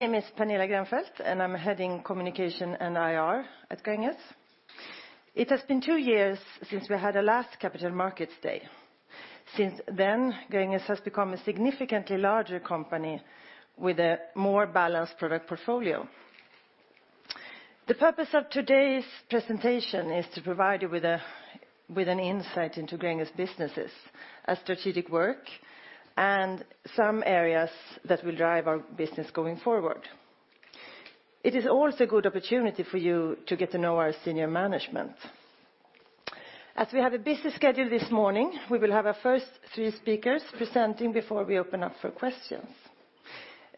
My name is Pernilla Grennfelt, and I'm heading communication and IR at Gränges. It has been two years since we had our last Capital Market Day. Since then, Gränges has become a significantly larger company with a more balanced product portfolio. The purpose of today's presentation is to provide you with an insight into Gränges businesses, our strategic work, and some areas that will drive our business going forward. It is also a good opportunity for you to get to know our senior management. As we have a busy schedule this morning, we will have our first three speakers presenting before we open up for questions.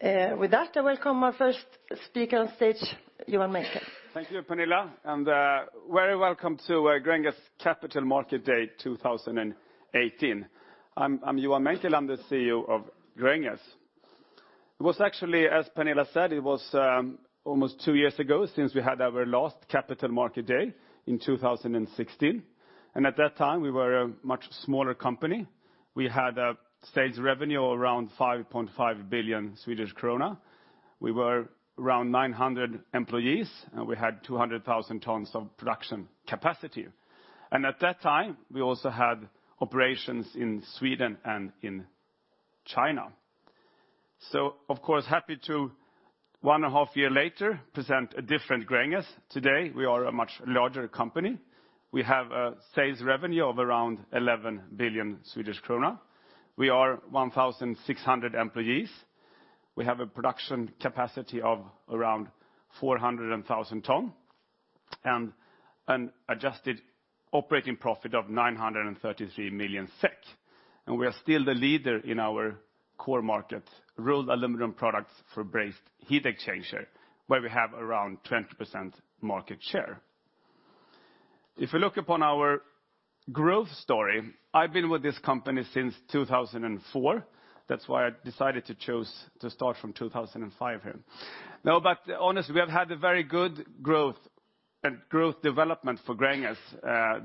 With that, I welcome our first speaker on stage, Johan Menckel. Thank you, Pernilla, and very welcome to Gränges Capital Market Day 2018. I'm Johan Menckel. I'm the CEO of Gränges. It was actually, as Pernilla said, it was almost two years ago since we had our last Capital Market Day in 2016, and at that time, we were a much smaller company. We had a sales revenue around 5.5 billion Swedish krona. We were around 900 employees, and we had 200,000 tons of production capacity. At that time, we also had operations in Sweden and in China. Of course, happy to, one and a half years later, present a different Gränges. Today, we are a much larger company. We have a sales revenue of around 11 billion Swedish krona. We are 1,600 employees. We have a production capacity of around 400,000 tons, and an adjusted operating profit of 933 million SEK. We are still the leader in our core market, rolled aluminum products for brazed heat exchanger, where we have around 20% market share. If you look upon our growth story, I've been with this company since 2004. That's why I decided to choose to start from 2005 here. Honestly, we have had a very good growth and growth development for Gränges,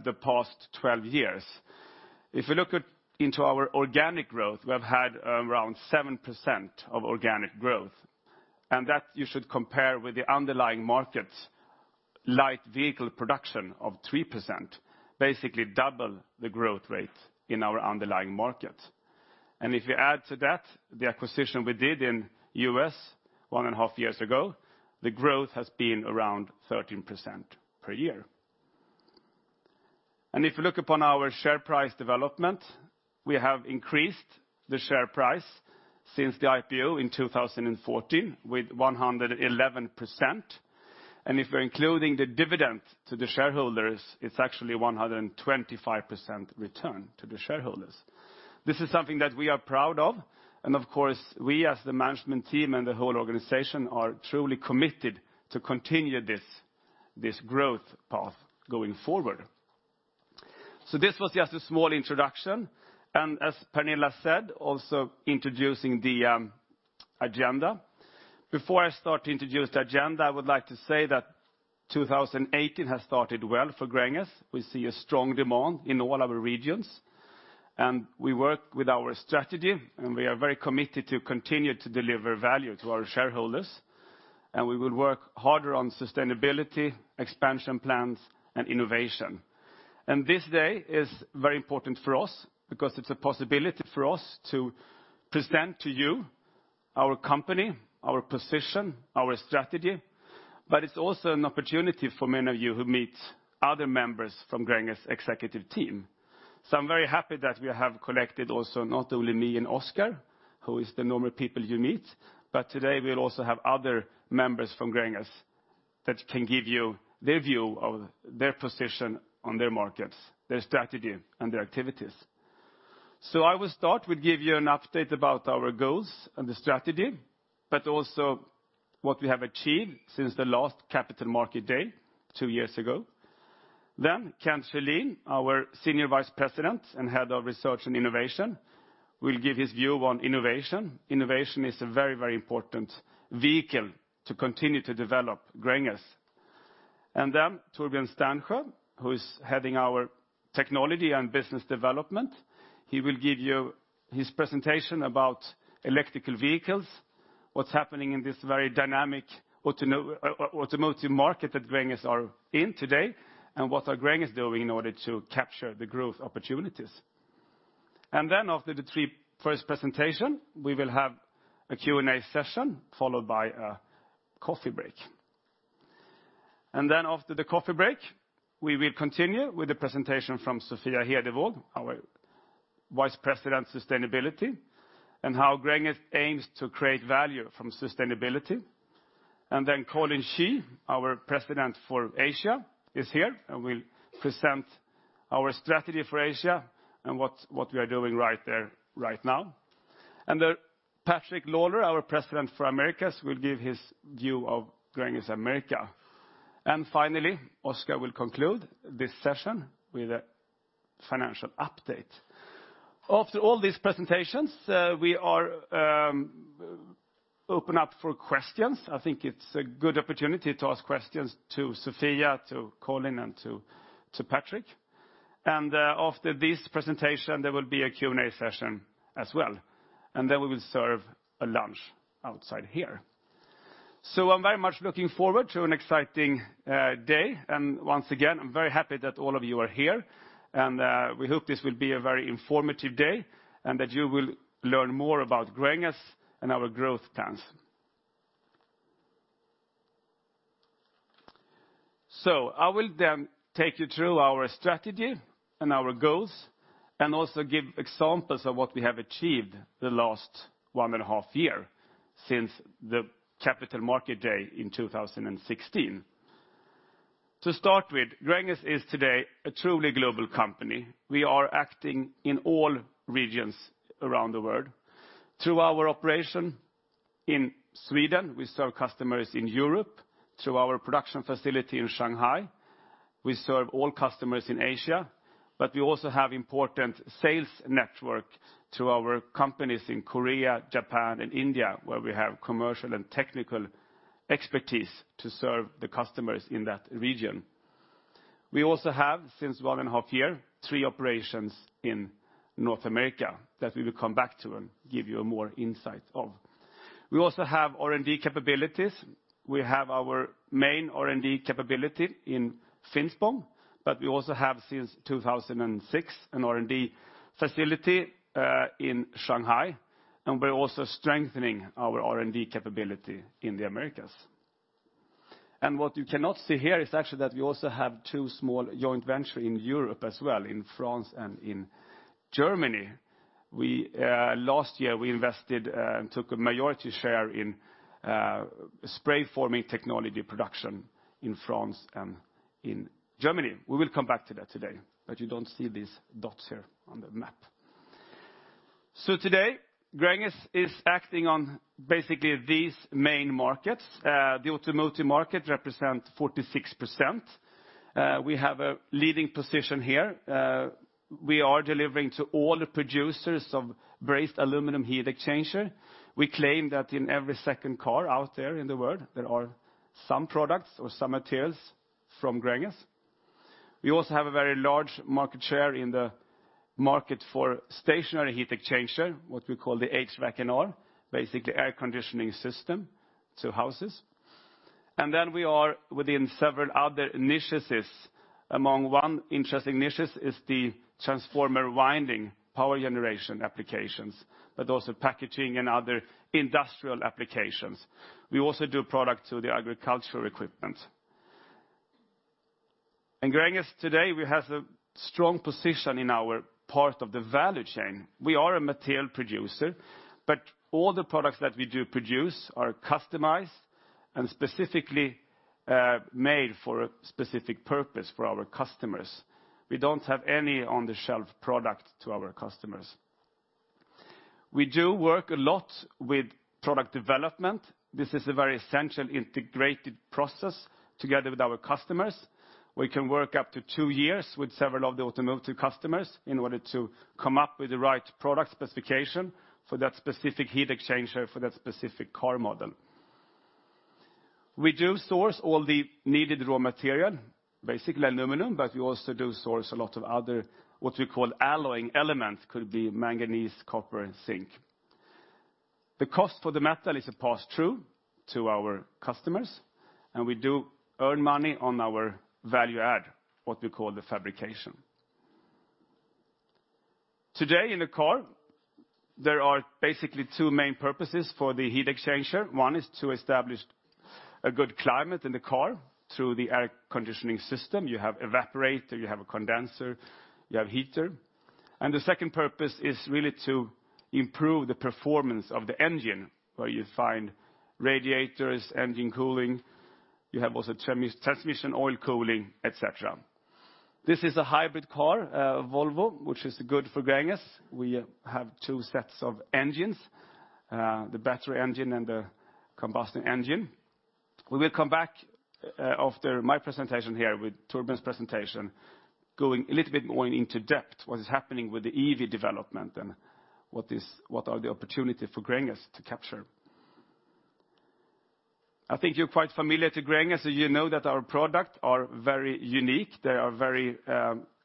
the past 12 years. If you look into our organic growth, we have had around 7% of organic growth, and that you should compare with the underlying market, light vehicle production of 3%, basically double the growth rate in our underlying market. If you add to that, the acquisition we did in U.S. one and a half years ago, the growth has been around 13% per year. If you look upon our share price development, we have increased the share price since the IPO in 2014 with 111%, and if we're including the dividend to the shareholders, it's actually 125% return to the shareholders. This is something that we are proud of, and of course, we as the management team and the whole organization are truly committed to continue this growth path going forward. This was just a small introduction, and as Pernilla said, also introducing the agenda. Before I start to introduce the agenda, I would like to say that 2018 has started well for Gränges. We see a strong demand in all our regions, and we work with our strategy, and we are very committed to continue to deliver value to our shareholders, and we will work harder on sustainability, expansion plans, and innovation. This day is very important for us because it's a possibility for us to present to you our company, our position, our strategy, but it's also an opportunity for many of you who meet other members from Gränges' executive team. I'm very happy that we have collected also not only me and Oskar, who is the normal people you meet, but today we'll also have other members from Gränges that can give you their view of their position on their markets, their strategy, and their activities. I will start with give you an update about our goals and the strategy, but also what we have achieved since the last Capital Market Day two years ago. Kent Schölin, our Senior Vice President, Research and Innovation, will give his view on innovation. Innovation is a very important vehicle to continue to develop Gränges. Torbjörn Sternsjö, who is heading our Technology and Business Development, he will give you his presentation about electrical vehicles, what's happening in this very dynamic automotive market that Gränges are in today, and what are Gränges doing in order to capture the growth opportunities. After the three first presentation, we will have a Q&A session followed by a coffee break. After the coffee break, we will continue with the presentation from Sofia Hedevåg, our Vice President, Sustainability, and how Gränges aims to create value from sustainability. Colin Xu, our President, Asia, is here and will present our strategy for Asia and what we are doing right there right now. Patrick Lawlor, our President, Americas, will give his view of Gränges America. Finally, Oskar will conclude this session with a financial update. After all these presentations, we are open up for questions. I think it's a good opportunity to ask questions to Sofia, to Colin, and to Patrick. After this presentation, there will be a Q&A session as well. We will serve a lunch outside here. I'm very much looking forward to an exciting day. Once again, I'm very happy that all of you are here, and we hope this will be a very informative day, and that you will learn more about Gränges and our growth plans. I will then take you through our strategy and our goals, and also give examples of what we have achieved the last one and a half year since the Capital Market Day in 2016. To start with, Gränges is today a truly global company. We are acting in all regions around the world. Through our operation in Sweden, we serve customers in Europe. Through our production facility in Shanghai, we serve all customers in Asia. We also have important sales network through our companies in Korea, Japan, and India, where we have commercial and technical expertise to serve the customers in that region. We also have, since one and a half year, three operations in North America that we will come back to and give you more insight of. We also have R&D capabilities. We have our main R&D capability in Finspång, but we also have, since 2006, an R&D facility in Shanghai, and we're also strengthening our R&D capability in the Americas. What you cannot see here is actually that we also have two small joint venture in Europe as well, in France and in Germany. Last year, we invested and took a majority share in spray forming technology production in France and in Germany. We will come back to that today, but you do not see these dots here on the map. Today, Gränges is acting on basically these main markets. The automotive market represent 46%. We have a leading position here. We are delivering to all the producers of brazed aluminum heat exchanger. We claim that in every second car out there in the world, there are some products or some materials from Gränges. We also have a very large market share in the market for stationary heat exchanger, what we call the HVAC&R, basically air conditioning system to houses. We are within several other niches. Among one interesting niche is the transformer winding power generation applications, but also packaging and other industrial applications. We also do product to the agricultural equipment. In Gränges today, we have a strong position in our part of the value chain. We are a material producer, but all the products that we do produce are customized and specifically made for a specific purpose for our customers. We do not have any on-the-shelf product to our customers. We do work a lot with product development. This is a very essential integrated process together with our customers. We can work up to two years with several of the automotive customers in order to come up with the right product specification for that specific heat exchanger for that specific car model. We do source all the needed raw material, basically aluminum, but we also do source a lot of other, what we call alloying elements, could be manganese, copper, and zinc. The cost for the metal is a pass-through to our customers, and we do earn money on our value add, what we call the fabrication. Today in the car, there are basically two main purposes for the heat exchanger. One is to establish a good climate in the car through the air conditioning system. You have evaporator, you have a condenser, you have heater. The second purpose is really to improve the performance of the engine, where you find radiators, engine cooling, you have also transmission oil cooling, et cetera. This is a hybrid car, a Volvo, which is good for Gränges. We have two sets of engines, the battery engine and the combustion engine. We will come back after my presentation here with Torbjörn's presentation, going a little bit more into depth what is happening with the EV development and what are the opportunity for Gränges to capture. I think you are quite familiar to Gränges, you know that our product are very unique. They are very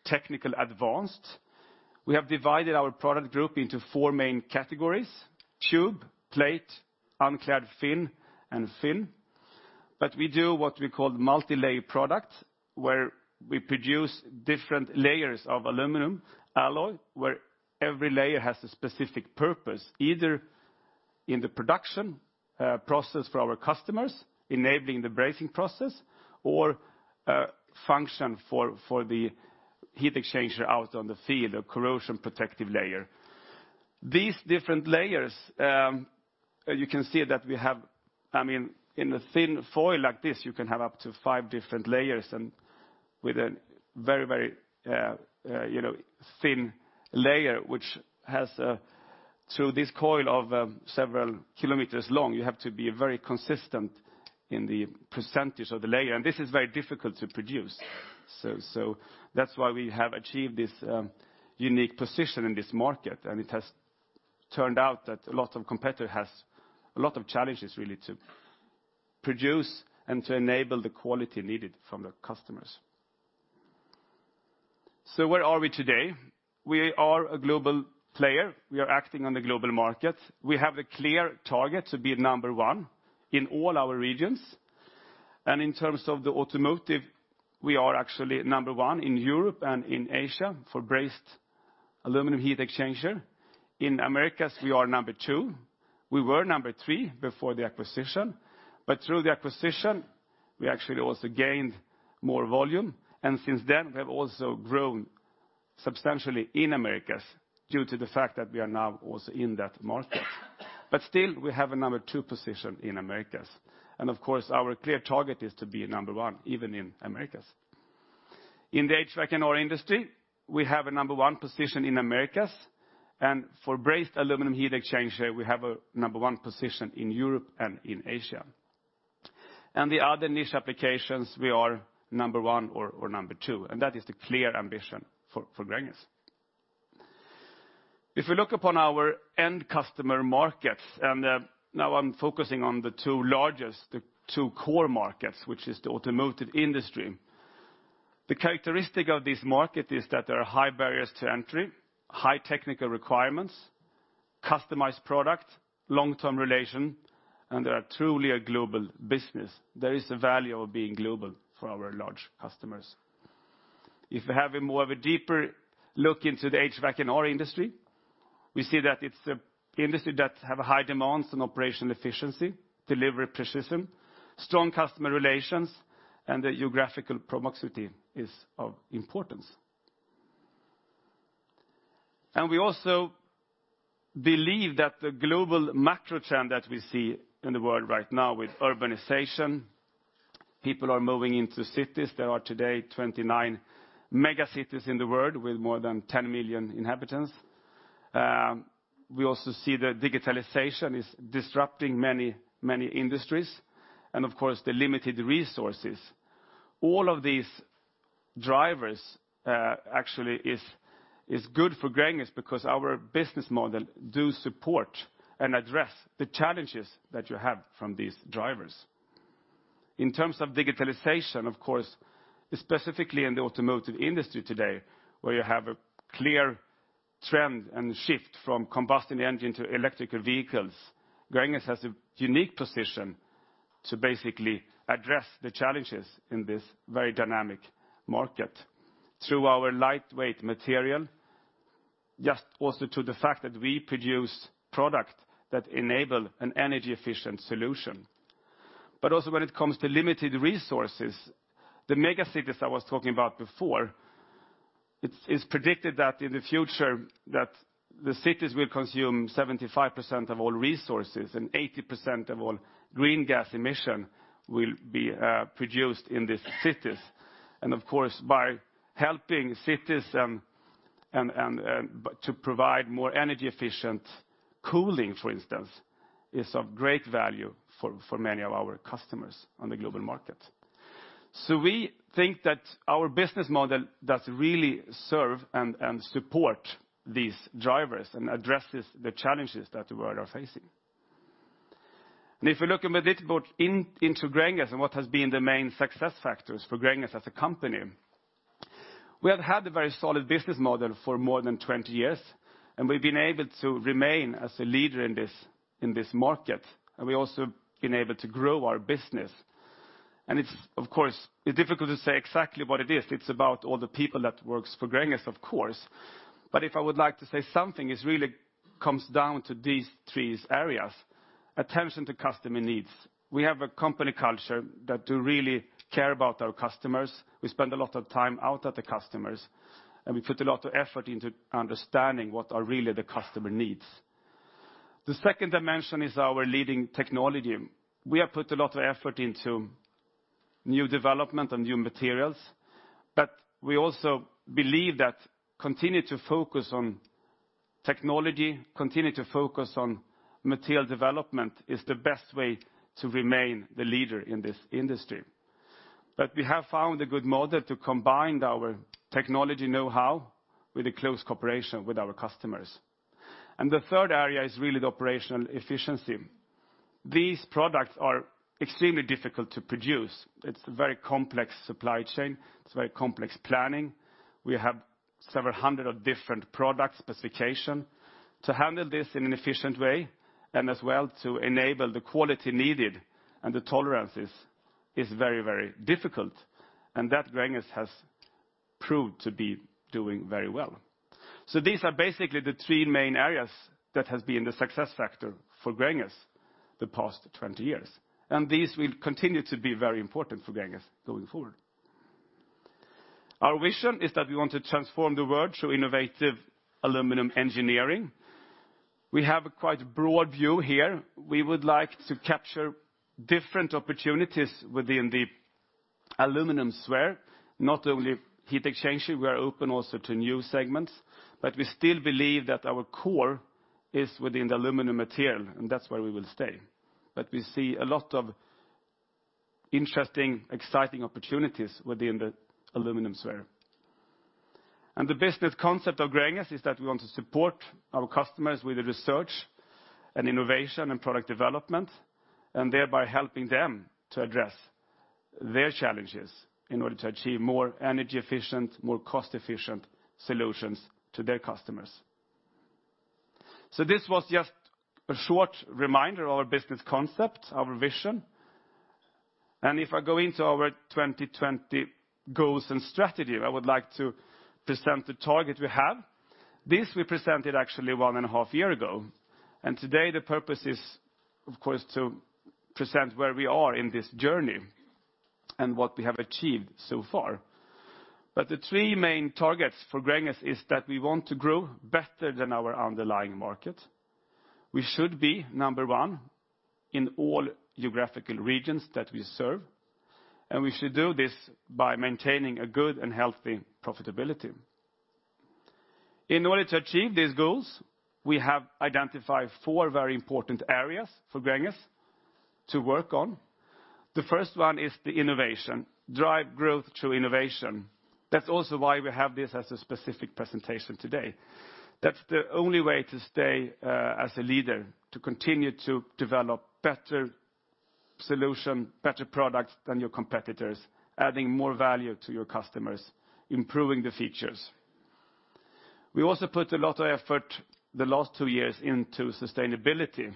technical advanced. We have divided our product group into four main categories, tube, plate, unclad fin, and fin. We do what we call multi-layer product, where we produce different layers of aluminum alloy, where every layer has a specific purpose, either in the production process for our customers, enabling the brazing process, or a function for the heat exchanger out on the field, a corrosion protective layer. These different layers, you can see that In a thin foil like this, you can have up to five different layers and with a very thin layer, which has through this coil of several kilometers long, you have to be very consistent in the percentage of the layer. This is very difficult to produce. That's why we have achieved this unique position in this market, it has turned out that a lot of competitors has a lot of challenges really to produce and to enable the quality needed from the customers. Where are we today? We are a global player. We are acting on the global market. We have a clear target to be number one in all our regions. In terms of the automotive, we are actually number one in Europe and in Asia for brazed aluminum heat exchanger. In Americas, we are number two. We were number three before the acquisition, but through the acquisition, we actually also gained more volume, and since then we have also grown substantially in Americas due to the fact that we are now also in that market. Still, we have a number two position in Americas, and of course our clear target is to be number one even in Americas. In the HVAC&R industry, we have a number one position in Americas, and for brazed aluminum heat exchanger, we have a number one position in Europe and in Asia. The other niche applications, we are number one or number two, and that is the clear ambition for Gränges. We look upon our end customer markets. Now I'm focusing on the two largest, the two core markets, which is the automotive industry. The characteristic of this market is that there are high barriers to entry, high technical requirements, customized products, long-term relations, and they are truly a global business. There is a value of being global for our large customers. We have a more of a deeper look into the HVAC&R industry, we see that it's an industry that has high demands on operational efficiency, delivery precision, strong customer relations, and the geographical proximity is of importance. We also believe that the global macro trend that we see in the world right now with urbanization, people are moving into cities. There are today 29 mega cities in the world with more than 10 million inhabitants. We also see that digitalization is disrupting many industries, and of course the limited resources. All of these drivers actually are good for Gränges because our business model does support and address the challenges that you have from these drivers. In terms of digitalization, of course specifically in the automotive industry today, where you have a clear trend and shift from combustion engine to electric vehicles, Gränges has a unique position to basically address the challenges in this very dynamic market through our lightweight material, just also to the fact that we produce products that enable an energy efficient solution. Also when it comes to limited resources, the mega cities I was talking about before, it's predicted that in the future that the cities will consume 75% of all resources and 80% of all greenhouse gas emissions will be produced in these cities. Of course, by helping cities to provide more energy efficient cooling, for instance, is of great value for many of our customers on the global market. We think that our business model does really serve and support these drivers and addresses the challenges that the world are facing. If you look a little bit into Gränges and what has been the main success factors for Gränges as a company, we have had a very solid business model for more than 20 years, and we've been able to remain as a leader in this market, and we also have been able to grow our business. Of course, it's difficult to say exactly what it is. It's about all the people that works for Gränges, of course. If I would like to say something, it really comes down to these three areas. Attention to customer needs. We have a company culture that do really care about our customers. We spend a lot of time out at the customers, and we put a lot of effort into understanding what are really the customer needs? The second dimension is our leading technology. We have put a lot of effort into new development and new materials, we also believe that continue to focus on technology, continue to focus on material development is the best way to remain the leader in this industry. We have found a good model to combine our technology knowhow with a close cooperation with our customers. The third area is really the operational efficiency. These products are extremely difficult to produce. It's a very complex supply chain. It's very complex planning. We have several hundred of different product specification. To handle this in an efficient way and as well to enable the quality needed and the tolerances is very difficult. That Gränges has proved to be doing very well. These are basically the three main areas that has been the success factor for Gränges the past 20 years, and these will continue to be very important for Gränges going forward. Our vision is that we want to transform the world through innovative aluminum engineering. We have a quite broad view here. We would like to capture different opportunities within the aluminum sphere, not only heat exchanger, we are open also to new segments, we still believe that our core is within the aluminum material, and that's where we will stay. We see a lot of interesting, exciting opportunities within the aluminum sphere. The business concept of Gränges is that we want to support our customers with the research, and innovation, and product development, and thereby helping them to address their challenges in order to achieve more energy efficient, more cost efficient solutions to their customers. This was just a short reminder of our business concept, our vision. If I go into our 2020 goals and strategy, I would like to present the target we have. This we presented actually one and a half year ago, and today the purpose is, of course, to present where we are in this journey and what we have achieved so far. The three main targets for Gränges is that we want to grow better than our underlying market. We should be number one in all geographical regions that we serve, and we should do this by maintaining a good and healthy profitability. In order to achieve these goals, we have identified four very important areas for Gränges to work on. The first one is the innovation, drive growth through innovation. That's also why we have this as a specific presentation today. That's the only way to stay as a leader, to continue to develop better solution, better products than your competitors, adding more value to your customers, improving the features. We also put a lot of effort the last two years into sustainability,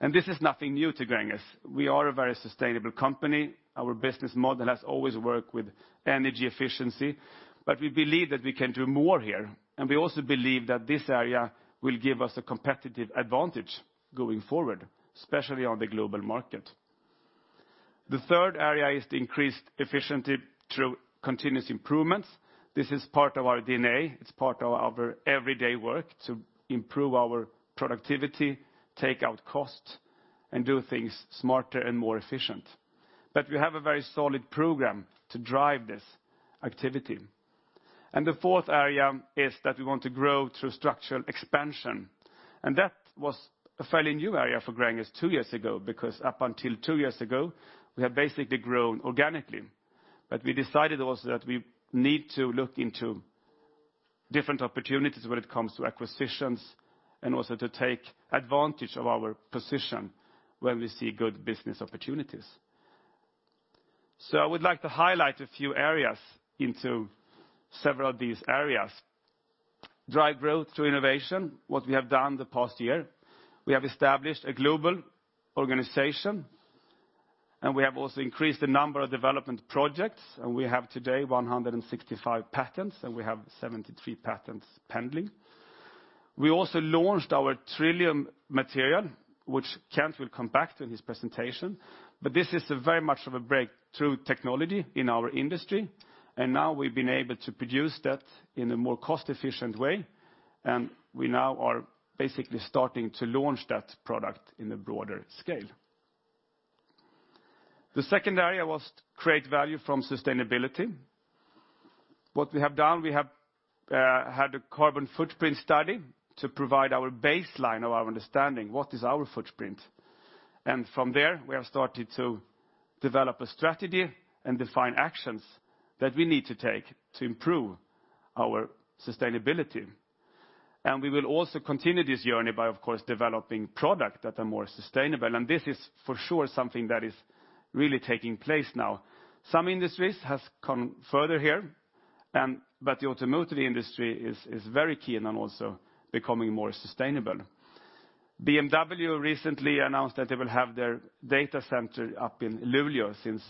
and this is nothing new to Gränges. We are a very sustainable company. Our business model has always worked with energy efficiency, but we believe that we can do more here, and we also believe that this area will give us a competitive advantage going forward, especially on the global market. The third area is the increased efficiency through continuous improvements. This is part of our DNA. It's part of our everyday work to improve our productivity, take out costs, and do things smarter and more efficient. We have a very solid program to drive this activity. The fourth area is that we want to grow through structural expansion. That was a fairly new area for Gränges two years ago, because up until two years ago, we have basically grown organically. We decided also that we need to look into different opportunities when it comes to acquisitions and also to take advantage of our position when we see good business opportunities. I would like to highlight a few areas into several of these areas. Drive growth through innovation, what we have done the past year, we have established a global organization, and we have also increased the number of development projects, and we have today 165 patents, and we have 73 patents pending. We also launched our TRILLIUM® material, which Kent will come back to in his presentation. This is very much of a breakthrough technology in our industry, and now we've been able to produce that in a more cost-efficient way, and we now are basically starting to launch that product in a broader scale. The second area was to create value from sustainability. What we have done, we have had a carbon footprint study to provide our baseline of our understanding, what is our footprint? From there, we have started to develop a strategy and define actions that we need to take to improve our sustainability. We will also continue this journey by, of course, developing product that are more sustainable. This is for sure something that is really taking place now. Some industries has come further here, but the automotive industry is very keen on also becoming more sustainable. BMW recently announced that they will have their data center up in Luleå, since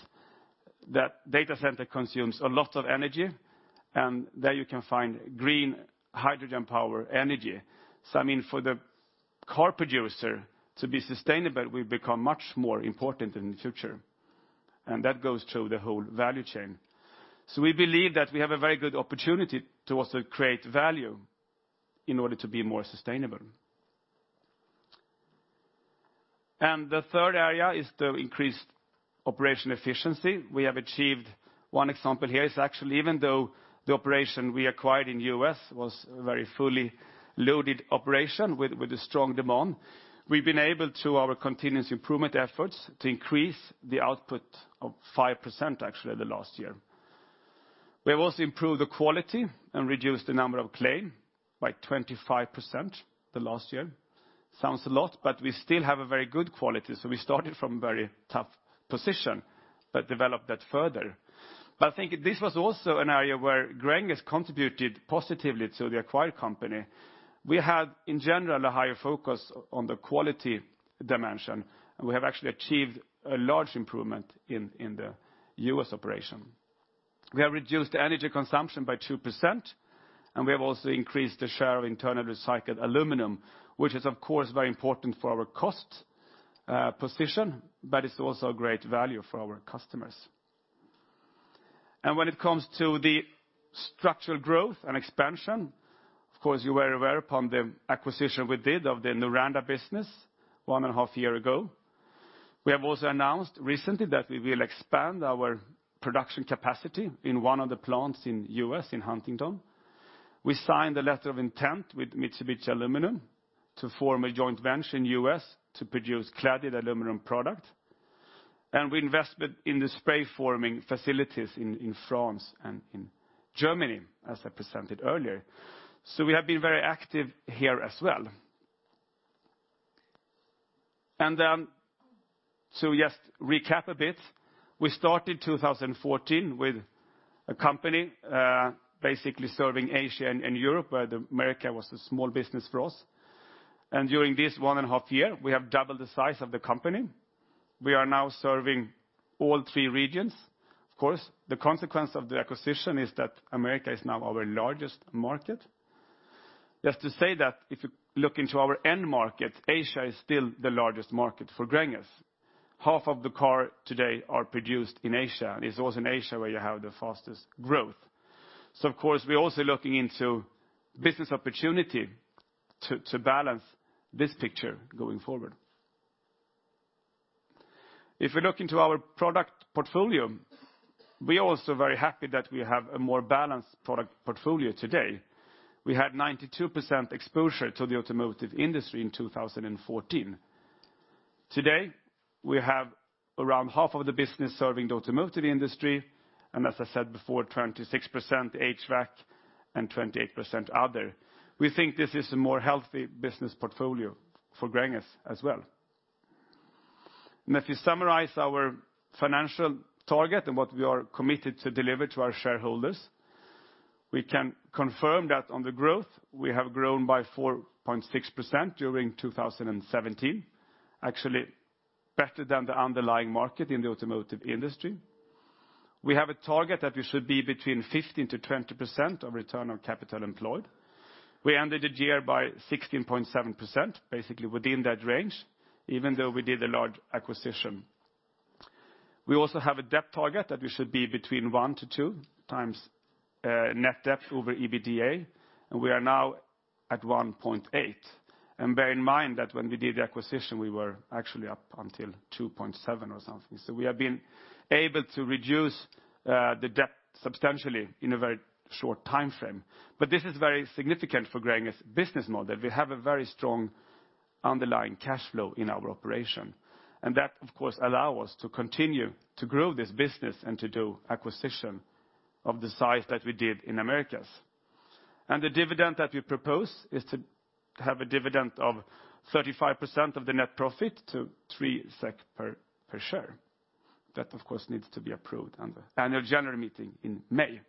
that data center consumes a lot of energy, and there you can find green hydrogen power energy. I mean, for the car producer to be sustainable, we've become much more important in the future, and that goes through the whole value chain. We believe that we have a very good opportunity to also create value in order to be more sustainable. The third area is to increase operation efficiency. We have achieved, one example here is actually even though the operation we acquired in U.S. was a very fully loaded operation with a strong demand, we've been able to our continuous improvement efforts to increase the output of 5% actually the last year. We have also improved the quality and reduced the number of claim by 25% the last year. Sounds a lot, but we still have a very good quality. We started from very tough position, but developed that further. I think this was also an area where Gränges contributed positively to the acquired company. We had, in general, a higher focus on the quality dimension, and we have actually achieved a large improvement in the U.S. operation. We have reduced energy consumption by 2%, and we have also increased the share of internal recycled aluminum, which is, of course, very important for our cost position, but it's also a great value for our customers. When it comes to the structural growth and expansion, of course, you're very aware upon the acquisition we did of the Noranda business one and a half year ago. We have also announced recently that we will expand our production capacity in one of the plants in U.S., in Huntington. We signed a letter of intent with Mitsubishi Aluminum to form a joint venture in U.S. to produce cladded aluminum product. We invested in the spray forming facilities in France and in Germany, as I presented earlier. We have been very active here as well. Just recap a bit. We started 2014 with a company, basically serving Asia and Europe, where America was a small business for us. During this one and a half year, we have doubled the size of the company. We are now serving all three regions. Of course, the consequence of the acquisition is that America is now our largest market. Just to say that if you look into our end market, Asia is still the largest market for Gränges. Half of the cars today are produced in Asia, and it's also in Asia where you have the fastest growth. Of course, we're also looking into business opportunity to balance this picture going forward. If we look into our product portfolio, we are also very happy that we have a more balanced product portfolio today. We had 92% exposure to the automotive industry in 2014. Today, we have around half of the business serving the automotive industry, and as I said before, 26% HVAC and 28% other. We think this is a more healthy business portfolio for Gränges as well. If you summarize our financial target and what we are committed to deliver to our shareholders, we can confirm that on the growth, we have grown by 4.6% during 2017, actually better than the underlying market in the automotive industry. We have a target that we should be between 15%-20% of return on capital employed. We ended the year by 16.7%, basically within that range, even though we did a large acquisition. We also have a debt target that we should be between 1 to 2 times net debt over EBITDA, and we are now at 1.8. Bear in mind that when we did the acquisition, we were actually up until 2.7 or something. We have been able to reduce the debt substantially in a very short timeframe. This is very significant for Gränges business model, that we have a very strong underlying cash flow in our operation. That, of course, allow us to continue to grow this business and to do acquisition of the size that we did in Americas. The dividend that we propose is to have a dividend of 35% of the net profit to 3 SEK per share. That, of course, needs to be approved on the annual general meeting in May.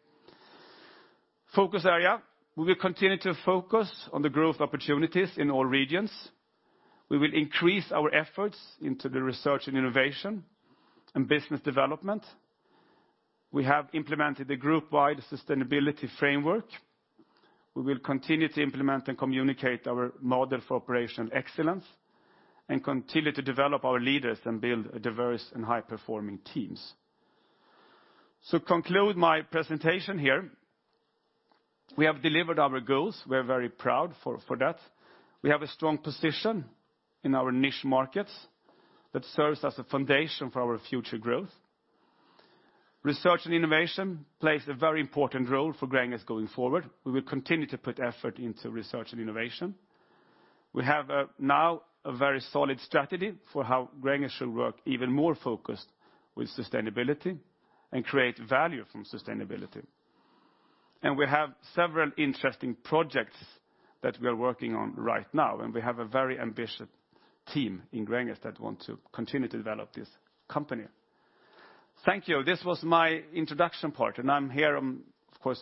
Focus area, we will continue to focus on the growth opportunities in all regions. We will increase our efforts into the Research and Innovation and business development. We have implemented a group-wide sustainability framework. We will continue to implement and communicate our model for operational excellence and continue to develop our leaders and build diverse and high-performing teams. To conclude my presentation here, we have delivered our goals. We are very proud for that. We have a strong position in our niche markets that serves as a foundation for our future growth. Research and Innovation plays a very important role for Gränges going forward. We will continue to put effort into Research and Innovation. We have now a very solid strategy for how Gränges should work even more focused with sustainability and create value from sustainability. We have several interesting projects that we are working on right now, and we have a very ambitious team in Gränges that want to continue to develop this company. Thank you. This was my introduction part, and I'm here, of course,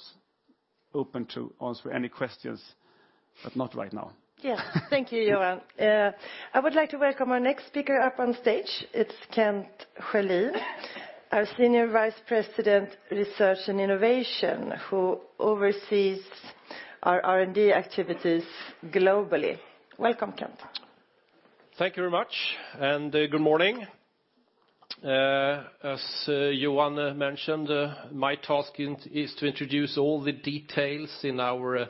open to answer any questions, but not right now. Yeah. Thank you, Johan. I would like to welcome our next speaker up on stage. It's Kent Schölin, our Senior Vice President, Research and Innovation, who oversees our R&D activities globally. Welcome, Kent. Thank you very much, and good morning. As Johan mentioned, my task is to introduce all the details in our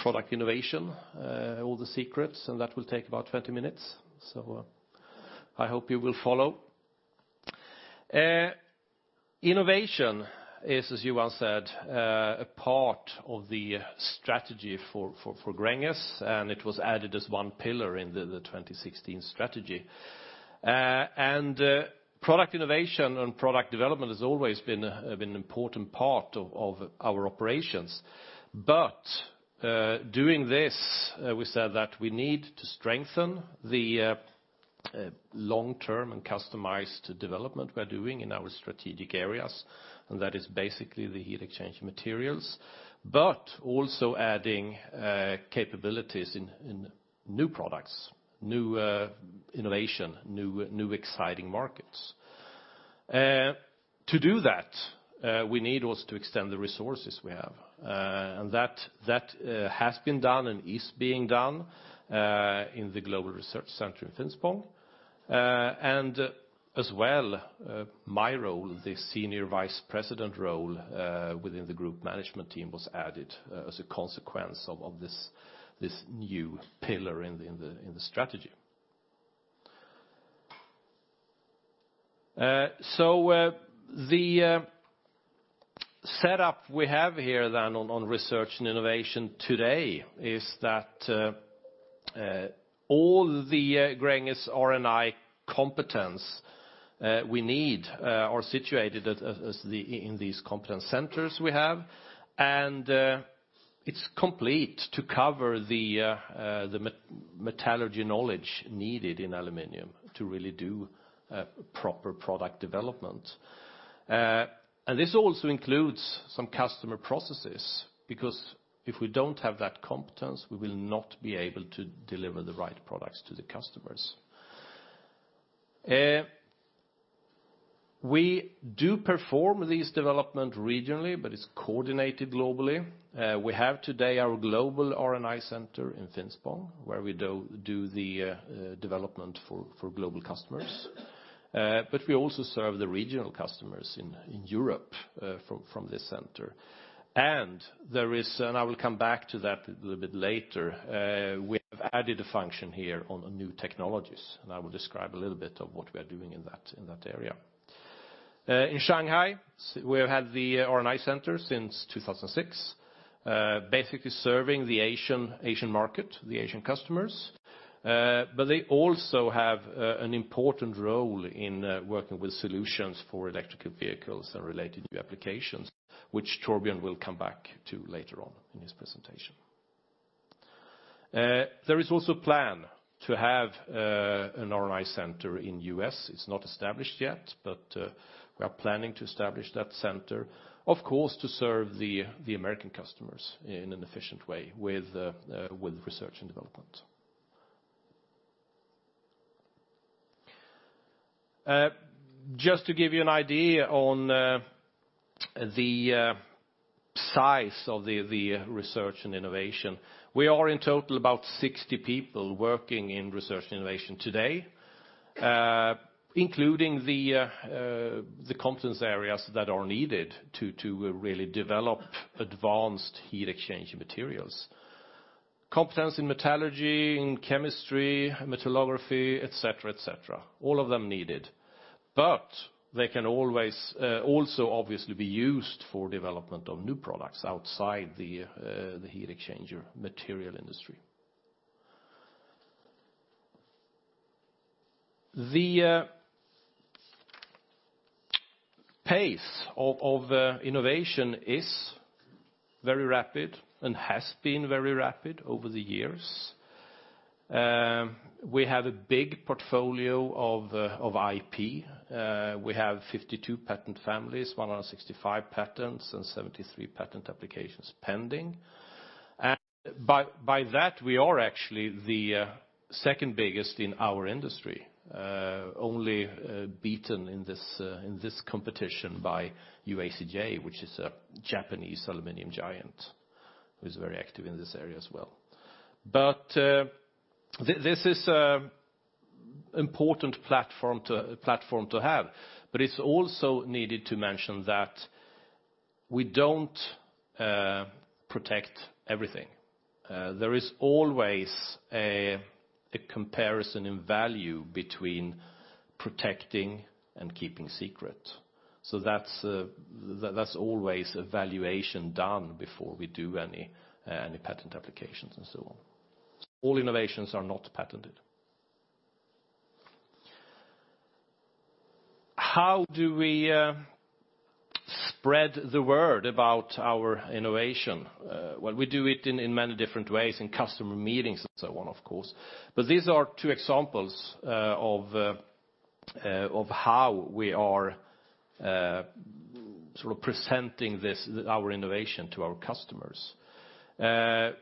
product innovation, all the secrets, and that will take about 20 minutes, so I hope you will follow. Innovation is, as Johan said, a part of the strategy for Gränges, and it was added as one pillar in the 2016 strategy. Doing this, we said that we need to strengthen the long-term and customized development we're doing in our strategic areas, and that is basically the heat exchange materials, but also adding capabilities in new products, new innovation, new exciting markets. To do that, we need also to extend the resources we have, and that has been done and is being done in the global research center in Finspång. As well, my role, the Senior Vice President role within the group management team, was added as a consequence of this new pillar in the strategy. The setup we have here on research and innovation today is that all the Gränges R&I competence we need are situated in these competence centers we have. It's complete to cover the metallurgy knowledge needed in aluminum to really do proper product development. This also includes some customer processes, because if we don't have that competence, we will not be able to deliver the right products to the customers. We do perform these development regionally, but it's coordinated globally. We have today our global R&I center in Finspång, where we do the development for global customers. We also serve the regional customers in Europe from this center. There is, and I will come back to that a little bit later, we have added a function here on new technologies, and I will describe a little bit of what we are doing in that area. In Shanghai, we have had the R&I center since 2006, basically serving the Asian market, the Asian customers. They also have an important role in working with solutions for electrical vehicles and related new applications, which Torbjörn will come back to later on in his presentation. There is also a plan to have an R&I center in U.S. It's not established yet, we are planning to establish that center, of course, to serve the American customers in an efficient way with research and development. Just to give you an idea on the size of the research and innovation, we are in total about 60 people working in research and innovation today, including the competence areas that are needed to really develop advanced heat exchange materials. Competence in metallurgy, in chemistry, metallography, et cetera. All of them needed. They can also obviously be used for development of new products outside the heat exchanger material industry. The pace of innovation is very rapid and has been very rapid over the years. We have a big portfolio of IP. We have 52 patent families, 165 patents, and 73 patent applications pending. By that, we are actually the second biggest in our industry. Only beaten in this competition by UACJ, which is a Japanese aluminum giant who's very active in this area as well. This is an important platform to have, but it's also needed to mention that we don't protect everything. There is always a comparison in value between protecting and keeping secret. That's always a valuation done before we do any patent applications and so on. All innovations are not patented. How do we spread the word about our innovation? We do it in many different ways, in customer meetings and so on, of course. These are two examples of how we are presenting our innovation to our customers.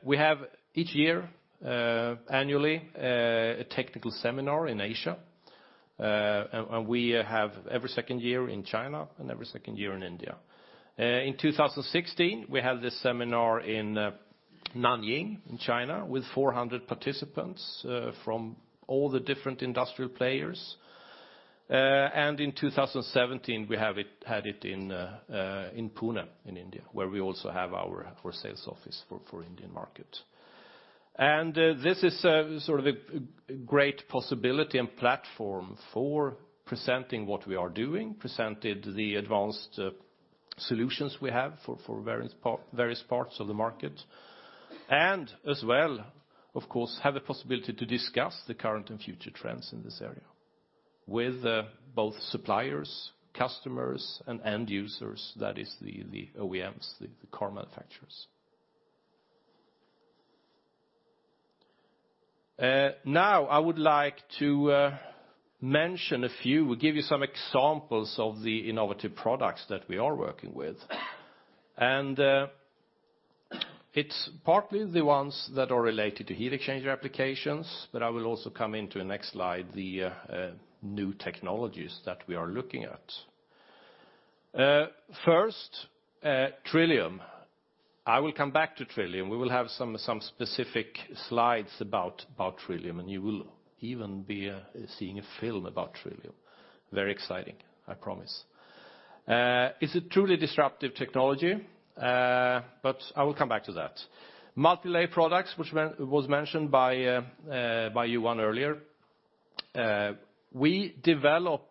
We have each year, annually, a technical seminar in Asia, and we have every second year in China and every second year in India. In 2016, we had this seminar in Nanjing, in China, with 400 participants from all the different industrial players. In 2017, we had it in Pune, in India, where we also have our sales office for Indian market. This is a great possibility and platform for presenting what we are doing, presented the advanced solutions we have for various parts of the market. As well, of course, have the possibility to discuss the current and future trends in this area with both suppliers, customers, and end users, that is the OEMs, the car manufacturers. I would like to mention a few, we give you some examples of the innovative products that we are working with. It's partly the ones that are related to heat exchanger applications, but I will also come into, next slide, the new technologies that we are looking at. First, TRILLIUM. I will come back to TRILLIUM. We will have some specific slides about TRILLIUM, and you will even be seeing a film about TRILLIUM. Very exciting, I promise. It's a truly disruptive technology, but I will come back to that. Multi-lay products, which was mentioned by Johan earlier. We develop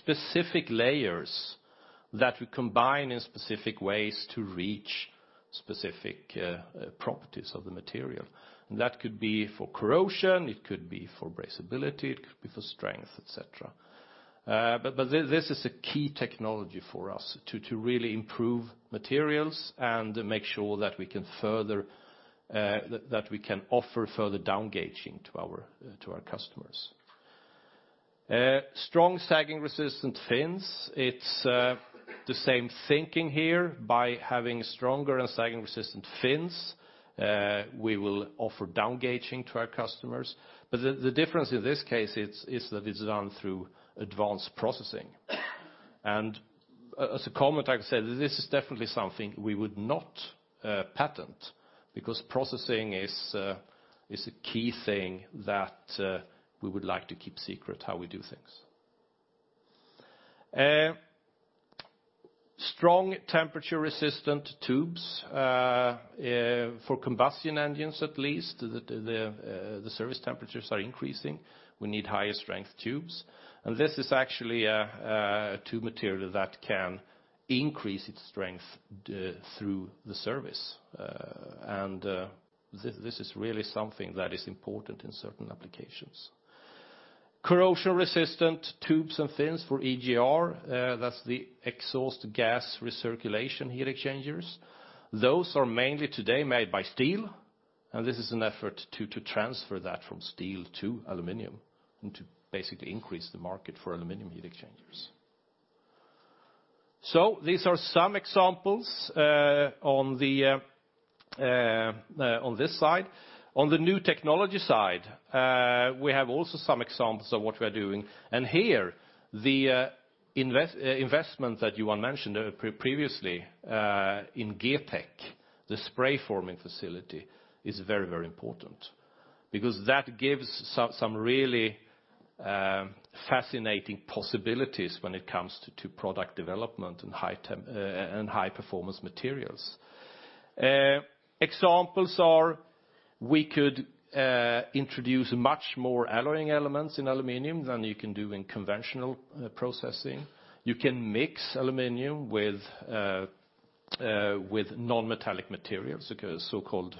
specific layers that we combine in specific ways to reach specific properties of the material. That could be for corrosion, it could be for brazeability, it could be for strength, et cetera. This is a key technology for us to really improve materials and make sure that we can offer further down gauging to our customers. Strong sagging resistant fins. It's the same thinking here. By having stronger and sagging resistant fins, we will offer down gauging to our customers. The difference in this case is that it's done through advanced processing. As a comment, I can say, this is definitely something we would not patent, because processing is a key thing that we would like to keep secret, how we do things. Strong temperature resistant tubes, for combustion engines at least, the service temperatures are increasing. We need higher strength tubes. This is actually a tube material that can increase its strength through the service. This is really something that is important in certain applications. Corrosion resistant tubes and fins for EGR, that's the exhaust gas recirculation heat exchangers. Those are mainly today made by steel, and this is an effort to transfer that from steel to aluminum, and to basically increase the market for aluminum heat exchangers. These are some examples on this side. On the new technology side, we have also some examples of what we are doing. Here, the investment that Johan mentioned previously, in GETEK, the spray forming facility, is very important. That gives some really fascinating possibilities when it comes to product development and high performance materials. Examples are, we could introduce much more alloying elements in aluminum than you can do in conventional processing. You can mix aluminum with non-metallic materials, so-called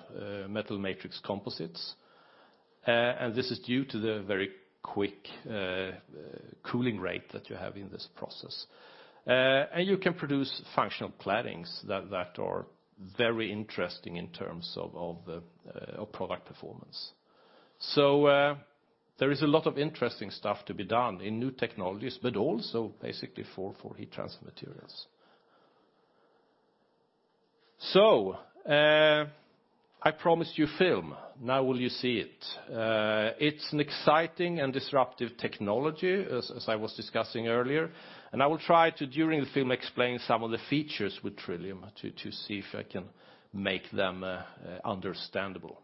metal matrix composites. This is due to the very quick cooling rate that you have in this process. You can produce functional claddings that are very interesting in terms of product performance. There is a lot of interesting stuff to be done in new technologies, but also basically for heat transfer materials. I promised you film. Now will you see it. It's an exciting and disruptive technology, as I was discussing earlier. I will try to, during the film, explain some of the features with TRILLIUM, to see if I can make them understandable.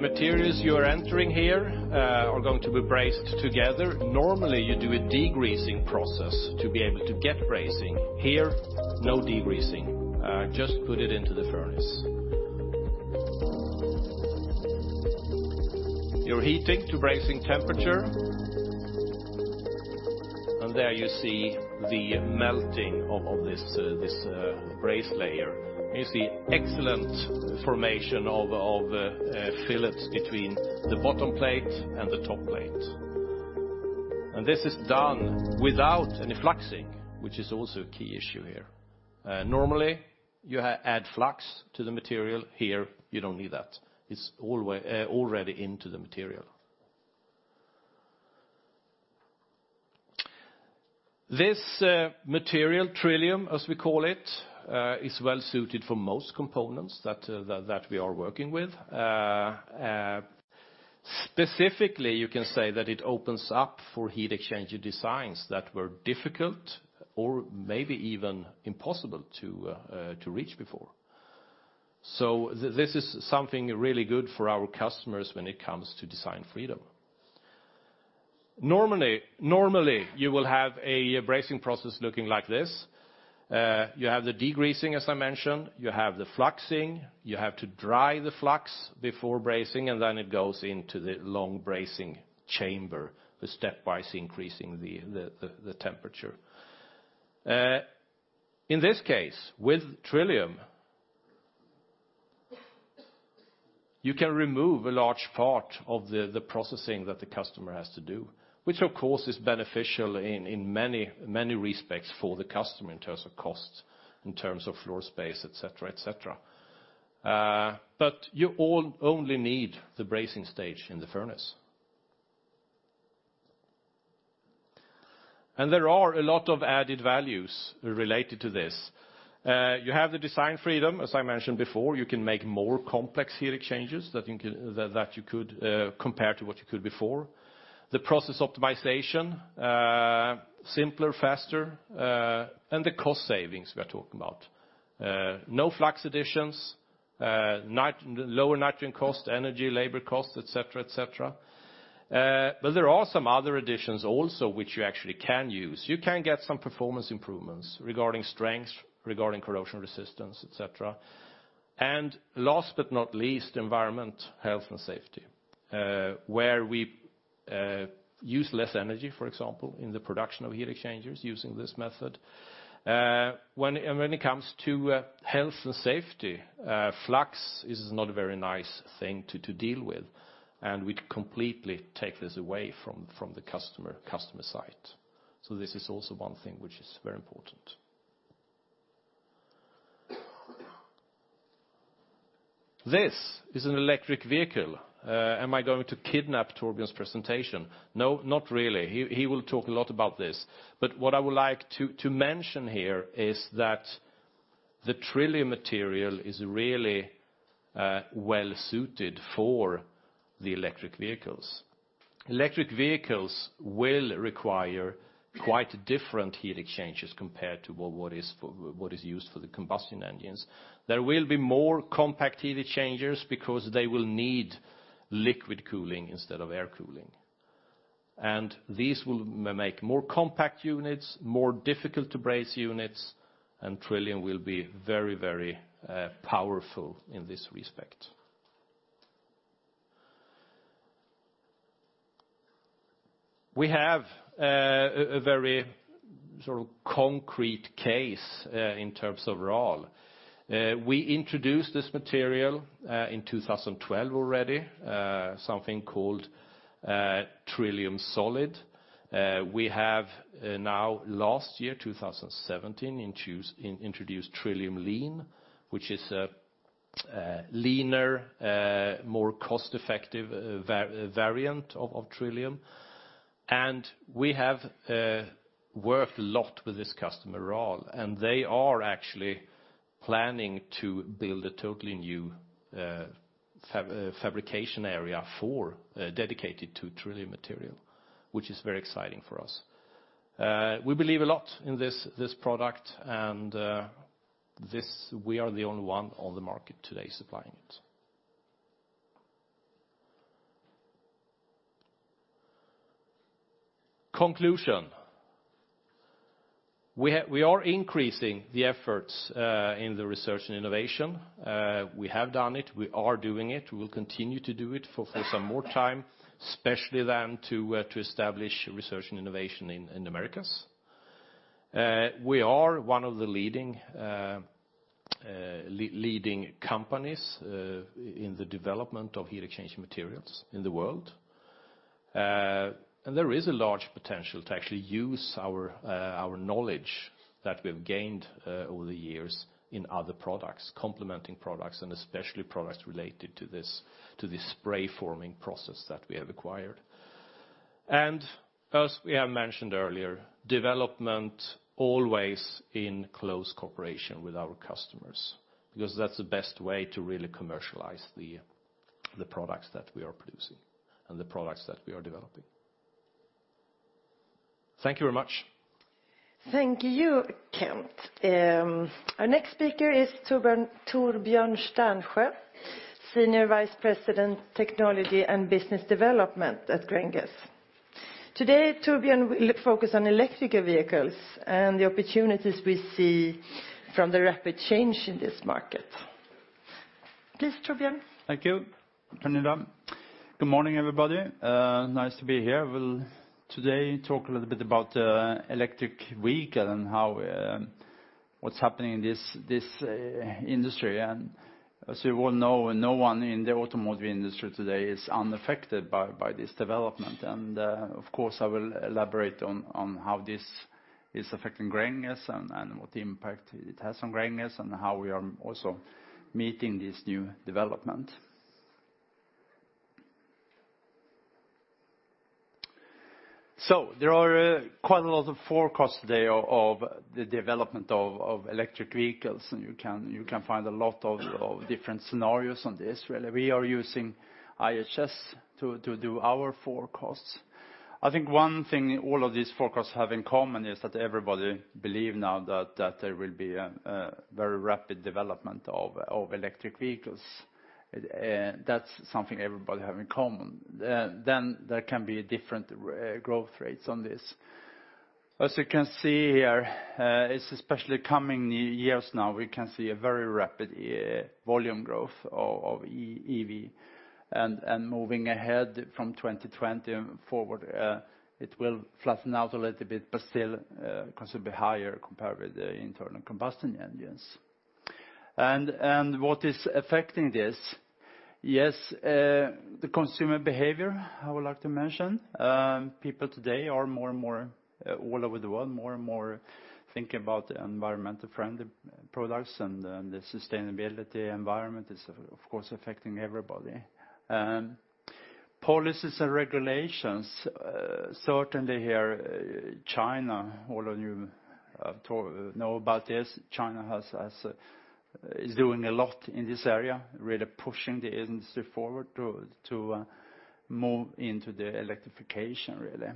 The materials you are entering here are going to be brazed together. Normally, you do a degreasing process to be able to get brazing. Here, no degreasing. Just put it into the furnace. You're heating to brazing temperature. There you see the melting of this braze layer. You see excellent formation of fillets between the bottom plate and the top plate. This is done without any fluxing, which is also a key issue here. Normally, you add flux to the material. Here, you don't need that. It's already into the material. This material, TRILLIUM, as we call it, is well-suited for most components that we are working with. Specifically, you can say that it opens up for heat exchanger designs that were difficult or maybe even impossible to reach before. This is something really good for our customers when it comes to design freedom. Normally, you will have a brazing process looking like this. You have the degreasing, as I mentioned, you have the fluxing, you have to dry the flux before brazing, then it goes into the long brazing chamber, with stepwise increasing the temperature. In this case, with TRILLIUM, you can remove a large part of the processing that the customer has to do, which of course is beneficial in many respects for the customer in terms of costs, in terms of floor space, et cetera. You only need the brazing stage in the furnace. There are a lot of added values related to this. You have the design freedom, as I mentioned before. You can make more complex heat exchangers compared to what you could before. The process optimization, simpler, faster. The cost savings we are talking about. No flux additions. Lower nitrogen cost, energy, labor cost, et cetera. There are some other additions also which you actually can use. You can get some performance improvements regarding strength, regarding corrosion resistance, et cetera. Last but not least, environment, health, and safety, where we use less energy, for example, in the production of heat exchangers using this method. When it comes to health and safety, flux is not a very nice thing to deal with, and we completely take this away from the customer site. This is also one thing which is very important. This is an electric vehicle. Am I going to kidnap Torbjörn's presentation? No, not really. He will talk a lot about this. What I would like to mention here is that the TRILLIUM® material is really well-suited for the electric vehicles. Electric vehicles will require quite different heat exchangers compared to what is used for the combustion engines. There will be more compact heat exchangers because they will need liquid cooling instead of air cooling. These will make more compact units, more difficult to braze units, and TRILLIUM® will be very powerful in this respect. We have a very concrete case in terms of RAL. We introduced this material in 2012 already, something called TRILLIUM® Solid. We have now, last year, 2017, introduced TRILLIUM® Lean, which is a leaner, more cost-effective variant of TRILLIUM®. We have worked a lot with this customer, RAL, and they are actually planning to build a totally new fabrication area dedicated to TRILLIUM® material, which is very exciting for us. We believe a lot in this product, and we are the only one on the market today supplying it. Conclusion, we are increasing the efforts in the research and innovation. We have done it, we are doing it, we will continue to do it for some more time, especially then to establish research and innovation in the Americas. We are one of the leading companies in the development of heat exchange materials in the world. There is a large potential to actually use our knowledge that we've gained over the years in other products, complementing products, and especially products related to this spray forming process that we have acquired. As we have mentioned earlier, development always in close cooperation with our customers, because that's the best way to really commercialize the products that we are producing and the products that we are developing. Thank you very much. Thank you, Kent. Our next speaker is Torbjörn Sternsjö, Senior Vice President, Technology and Business Development at Gränges. Today, Torbjörn will focus on electrical vehicles and the opportunities we see from the rapid change in this market. Please, Torbjörn. Thank you, Pernilla. Good morning, everybody. Nice to be here. Will today talk a little bit about the electric vehicle and what's happening in this industry. As you all know, no one in the automotive industry today is unaffected by this development. Of course, I will elaborate on how this is affecting Gränges and what impact it has on Gränges, and how we are also meeting this new development. There are quite a lot of forecasts today of the development of electric vehicles, and you can find a lot of different scenarios on this, really. We are using IHS to do our forecasts. I think one thing all of these forecasts have in common is that everybody believe now that there will be a very rapid development of electric vehicles. That's something everybody have in common. Then there can be different growth rates on this. As you can see here, it's especially coming years now, we can see a very rapid volume growth of EV. Moving ahead from 2020 forward, it will flatten out a little bit, but still considerably higher compared with the internal combustion engines. What is affecting this? Yes, the consumer behavior, I would like to mention. People today are, all over the world, more and more thinking about environmental friendly products and the sustainability environment is, of course, affecting everybody. Policies and regulations, certainly here, China, all of you know about this. China is doing a lot in this area, really pushing the industry forward to move into the electrification, really.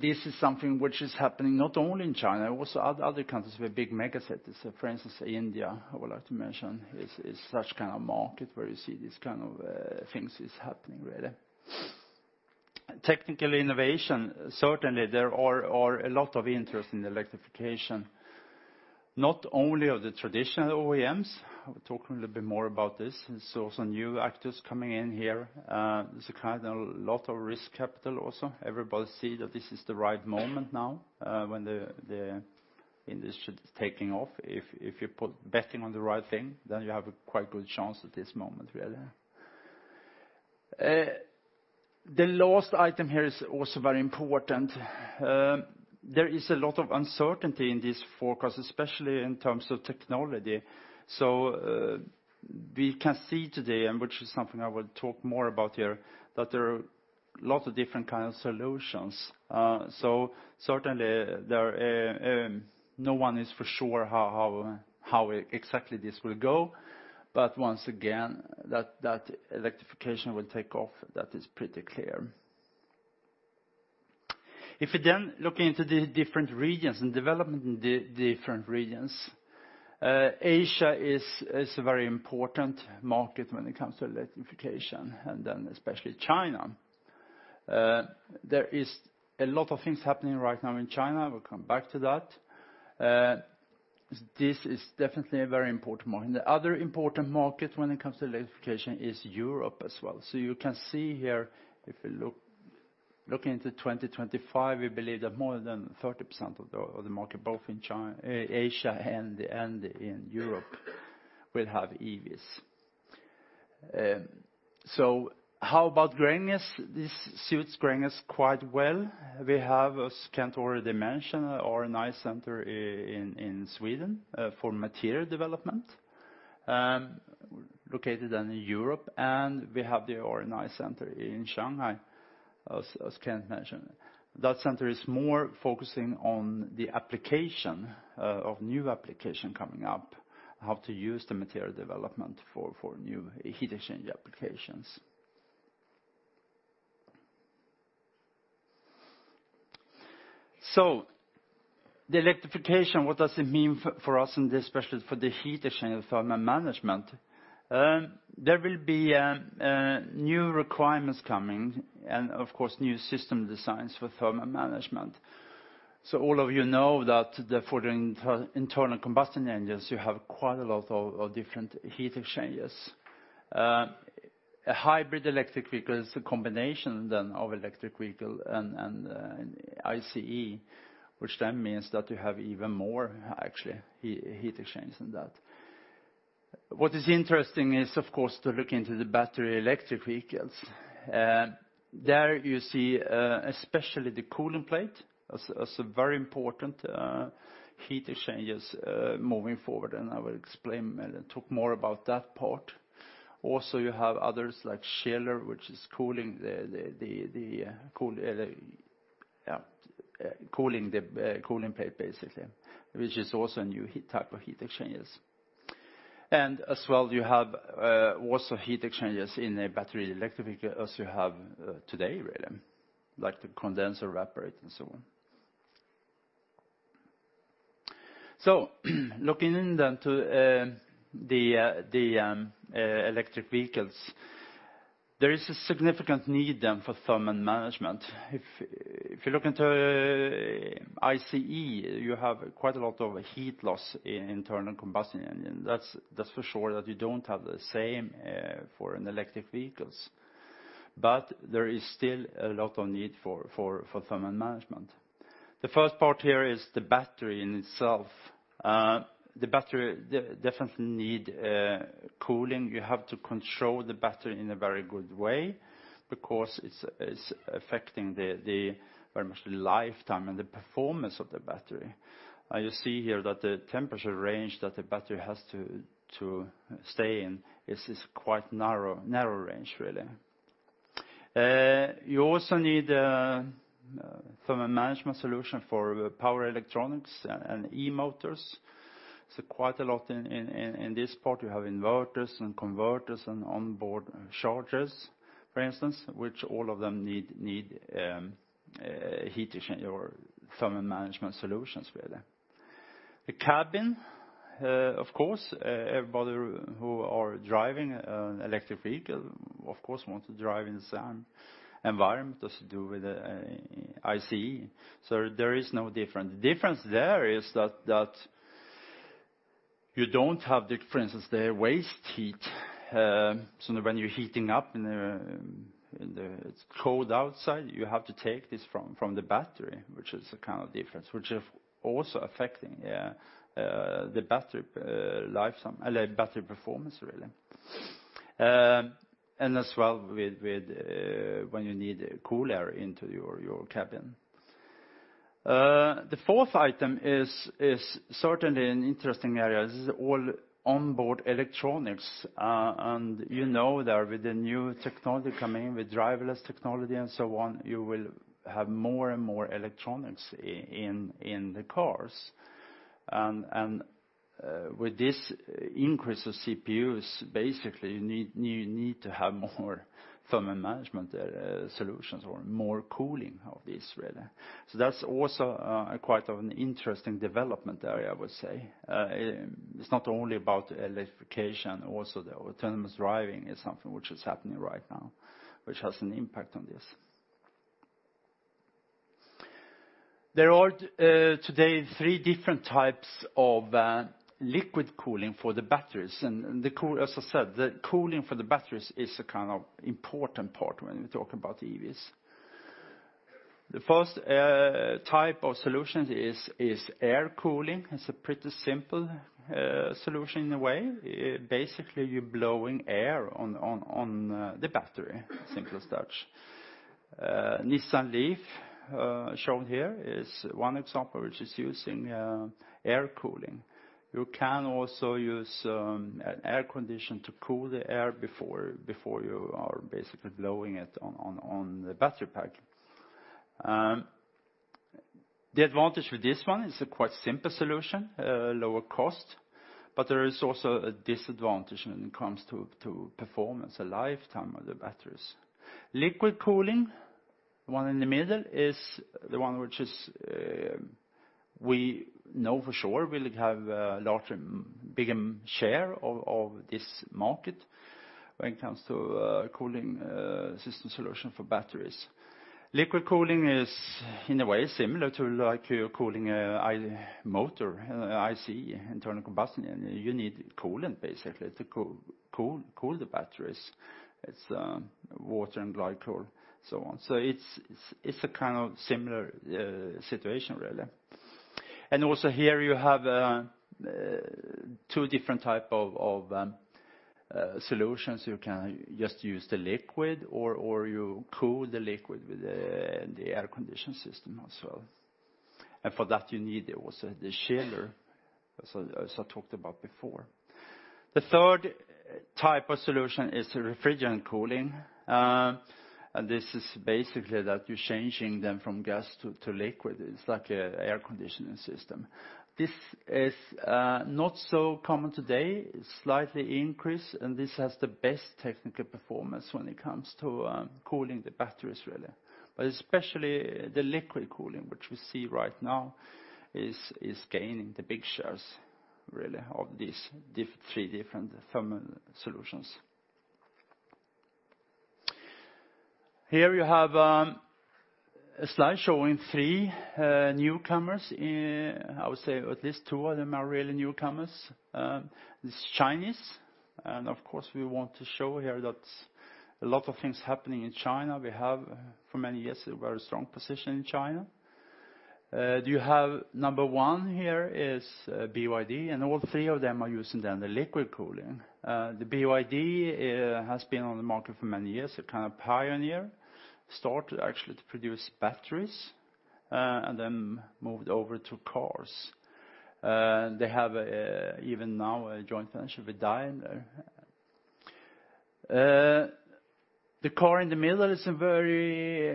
This is something which is happening not only in China, also other countries with big megacities, for instance, India, I would like to mention, is such kind of market where you see these kind of things is happening, really. Technical innovation, certainly there are a lot of interest in electrification, not only of the traditional OEMs. I will talk a little bit more about this. There's also new actors coming in here. There's a lot of risk capital also. Everybody see that this is the right moment now, when the industry is taking off. If you're betting on the right thing, you have a quite good chance at this moment, really. The last item here is also very important. There is a lot of uncertainty in this forecast, especially in terms of technology. We can see today, which is something I will talk more about here, that there are lots of different kind of solutions. Certainly, no one is for sure how exactly this will go, but once again, that electrification will take off, that is pretty clear. If we look into the different regions and development in the different regions, Asia is a very important market when it comes to electrification, and then especially China. There is a lot of things happening right now in China. We'll come back to that. This is definitely a very important market. The other important market when it comes to electrification is Europe as well. You can see here, if we look into 2025, we believe that more than 30% of the market, both in Asia and in Europe, will have EVs. How about Gränges? This suits Gränges quite well. We have, as Kent already mentioned, an R&I center in Sweden for material development, located in Europe, and we have the R&I center in Shanghai, as Kent mentioned. That center is more focusing on the application of new application coming up, how to use the material development for new heat exchange applications. The electrification, what does it mean for us, and especially for the heat exchange and thermal management? There will be new requirements coming and, of course, new system designs for thermal management. All of you know that for the internal combustion engines, you have quite a lot of different heat exchangers. A hybrid electric vehicle is a combination of electric vehicle and ICE, which means that you have even more, actually, heat exchangers than that. What is interesting is, of course, to look into the battery electric vehicles. There you see especially the cooling plate as a very important heat exchangers moving forward, and I will explain and talk more about that part. Also you have others like chiller, which is cooling the cooling plate, basically, which is also a new type of heat exchangers. As well, you have also heat exchangers in a battery electric vehicle as you have today, really, like the condenser, evaporator and so on. Looking in to the electric vehicles, there is a significant need for thermal management. If you look into ICE, you have quite a lot of heat loss internal combustion engine. That's for sure that you don't have the same for an electric vehicles. There is still a lot of need for thermal management. The first part here is the battery in itself. The battery definitely need cooling. You have to control the battery in a very good way because it's affecting very much the lifetime and the performance of the battery. You see here that the temperature range that the battery has to stay in is this quite narrow range, really. You also need a thermal management solution for power electronics and e-motors. Quite a lot in this part, you have inverters and converters and onboard chargers, for instance, which all of them need heat exchange or thermal management solutions, really. The cabin, of course, everybody who are driving an electric vehicle, of course, want to drive in the same environment as you do with a ICE. There is no difference. The difference there is that you don't have the, for instance, the waste heat. When you're heating up and it's cold outside, you have to take this from the battery, which is a kind of difference, which is also affecting the battery performance, really. As well with when you need cool air into your cabin. The fourth item is certainly an interesting area. This is all onboard electronics, and you know that with the new technology coming, with driverless technology and so on, you will have more and more electronics in the cars. With this increase of CPUs, basically you need to have more thermal management solutions or more cooling of these, really. That's also quite an interesting development area, I would say. It's not only about electrification, also the autonomous driving is something which is happening right now, which has an impact on this. There are today 3 different types of liquid cooling for the batteries. As I said, the cooling for the batteries is a kind of important part when we talk about EVs. The first type of solutions is air cooling. It is a pretty simple solution in a way. Basically, you are blowing air on the battery, simple as that. Nissan LEAF shown here is one example which is using air cooling. You can also use an air condition to cool the air before you are basically blowing it on the battery pack. The advantage with this one, it is a quite simple solution, lower cost, but there is also a disadvantage when it comes to performance and lifetime of the batteries. Liquid cooling, the one in the middle, is the one which we know for sure will have a larger, bigger share of this market when it comes to cooling system solution for batteries. Liquid cooling is, in a way, similar to like you are cooling a motor, ICE, internal combustion, you need coolant basically to cool the batteries. It is water and glycol, so on. It is a kind of similar situation, really. Also here you have 2 different type of solutions. You can just use the liquid or you cool the liquid with the air condition system as well. For that, you need also the chiller, as I talked about before. The third type of solution is the refrigerant cooling. This is basically that you are changing them from gas to liquid. It is like an air conditioning system. This is not so common today. It slightly increased, and this has the best technical performance when it comes to cooling the batteries, really. Especially the liquid cooling, which we see right now is gaining the big shares, really, of these three different thermal solutions. Here you have a slide showing three newcomers. I would say at least two of them are really newcomers. This is Chinese, and of course, we want to show here that a lot of things happening in China. We have for many years a very strong position in China. You have number 1 here is BYD, and all three of them are using then the liquid cooling. The BYD has been on the market for many years, a kind of pioneer, started actually to produce batteries, and then moved over to cars. They have even now a joint venture with Daimler. The car in the middle is a very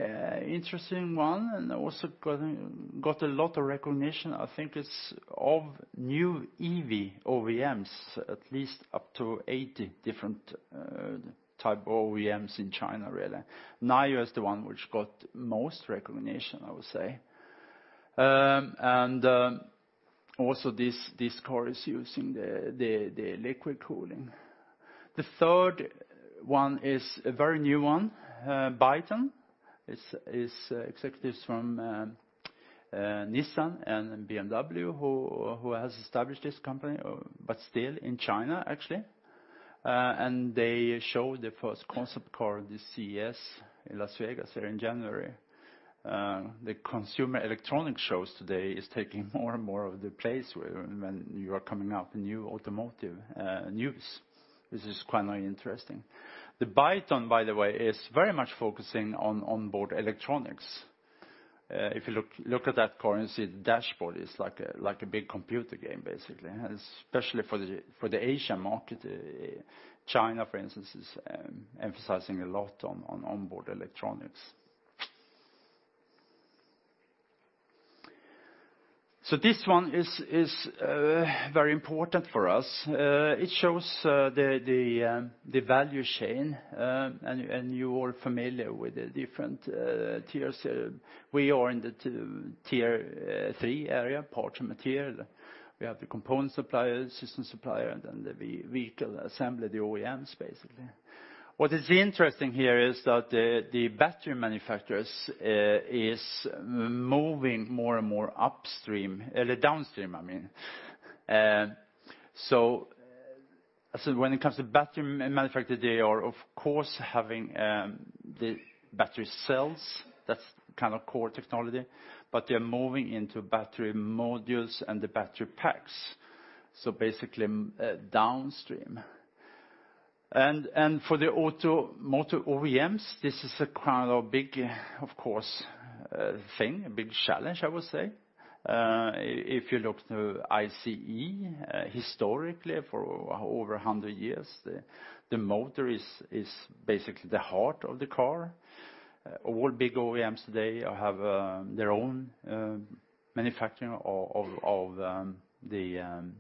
interesting one and also got a lot of recognition. I think it is of new EV OEMs, at least up to 80 different type of OEMs in China, really. NIO is the one which got most recognition, I would say. Also this car is using the liquid cooling. The third one is a very new one, Byton. It is executives from Nissan and BMW who has established this company, but still in China, actually. They showed the first concept car, the CES in Las Vegas there in January. The Consumer Electronics Show today is taking more and more of the place when you are coming out with new automotive news, which is quite interesting. The Byton, by the way, is very much focusing on onboard electronics. If you look at that car and you see the dashboard is like a big computer game, basically. Especially for the Asian market. China, for instance, is emphasizing a lot on onboard electronics. This one is very important for us. It shows the value chain, and you're all familiar with the different tiers. We are in the tier 3 area, parts and materials. We have the component suppliers, system supplier, and then the vehicle assembly, the OEMs, basically. What is interesting here is that the battery manufacturers is moving more and more upstream, downstream, I mean. When it comes to battery manufacturer, they are, of course, having the battery cells. That's kind of core technology, but they're moving into battery modules and the battery packs. Basically downstream. For the automotive OEMs, this is a kind of big, of course, thing, a big challenge, I would say. If you look to ICE historically for over 100 years, the motor is basically the heart of the car. All big OEMs today have their own manufacturing of the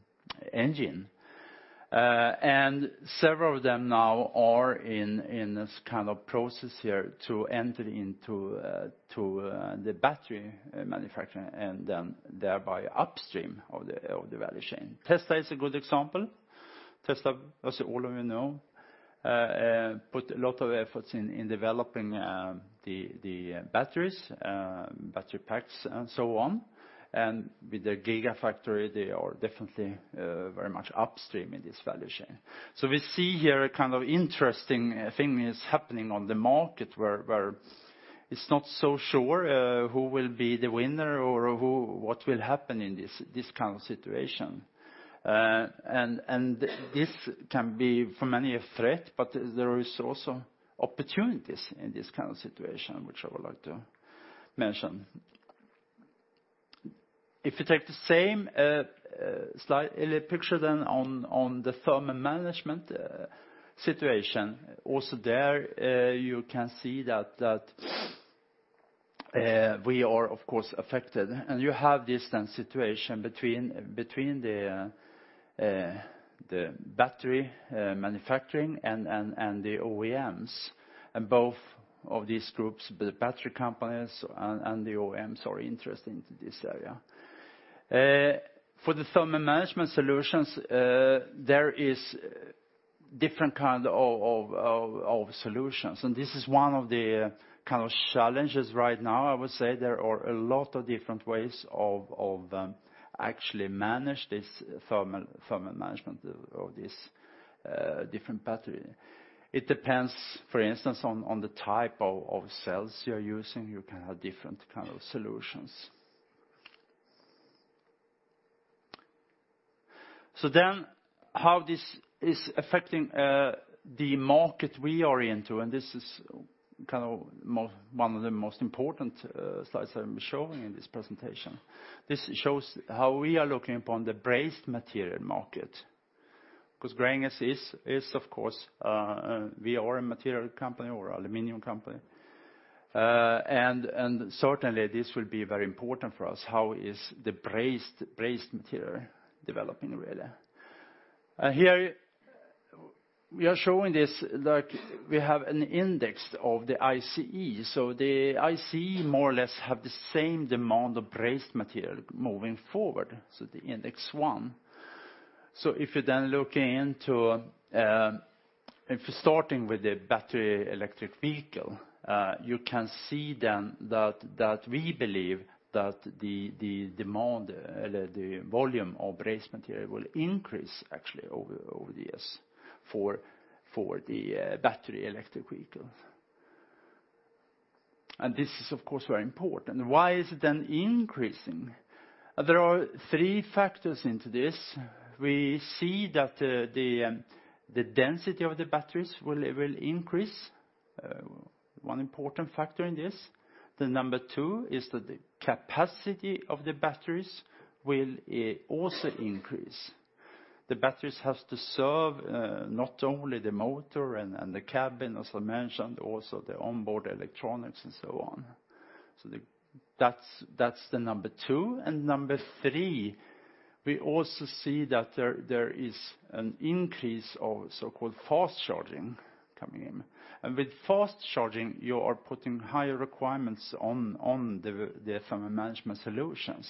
engine. Several of them now are in this process here to enter into the battery manufacturing, thereby upstream of the value chain. Tesla is a good example. Tesla, as all of you know, put a lot of efforts in developing the batteries, battery packs, and so on. With the Gigafactory, they are definitely very much upstream in this value chain. We see here a kind of interesting thing is happening on the market where it's not so sure who will be the winner or what will happen in this kind of situation. This can be, for many, a threat, but there is also opportunities in this kind of situation, which I would like to mention. If you take the same slide, a picture then on the thermal management situation. Also there, you can see that we are, of course, affected. You have this situation between the battery manufacturing and the OEMs. Both of these groups, the battery companies and the OEMs, are interested in this area. For the thermal management solutions, there is different kind of solutions, and this is one of the challenges right now. I would say there are a lot of different ways of actually manage this thermal management of this different battery. It depends, for instance, on the type of cells you're using. You can have different kind of solutions. How this is affecting the market we are into, and this is one of the most important slides I'm showing in this presentation. This shows how we are looking upon the brazed material market. Because Gränges, we are a material company. We're an aluminum company. Certainly, this will be very important for us, how is the brazed material developing, really. Here we are showing this, like we have an index of the ICE. The ICE more or less have the same demand of brazed material moving forward, the index 1. If you then look into, if we're starting with the battery electric vehicle, you can see then that we believe that the demand or the volume of brazed material will increase actually over the years for the battery electric vehicles. This is, of course, very important. Why is it then increasing? There are three factors into this. We see that the density of the batteries will increase. One important factor in this. The number 2 is that the capacity of the batteries will also increase. The batteries have to serve not only the motor and the cabin, as I mentioned, also the onboard electronics and so on. That's the number 2. Number 3, we also see that there is an increase of so-called fast charging coming in. With fast charging, you are putting higher requirements on the thermal management solutions.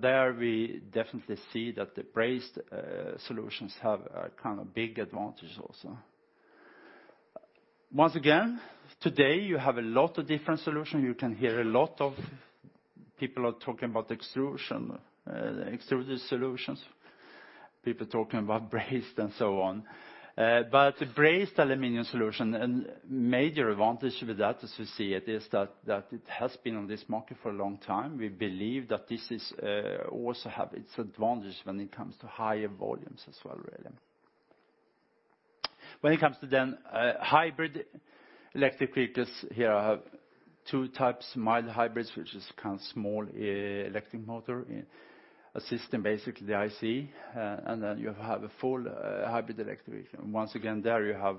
There we definitely see that the brazed solutions have a big advantage also. Once again, today you have a lot of different solutions. You can hear a lot of people are talking about extrusion, extruded solutions, people talking about brazed and so on. Brazed aluminum solutions, a major advantage with that as we see it, is that it has been on this market for a long time. We believe that this also has its advantage when it comes to higher volumes as well, really. When it comes to hybrid electric vehicles, here I have two types. Mild hybrids, which is kind of small electric motor assisting, basically, the ICE, then you have a full hybrid electric vehicle. Once again, there you have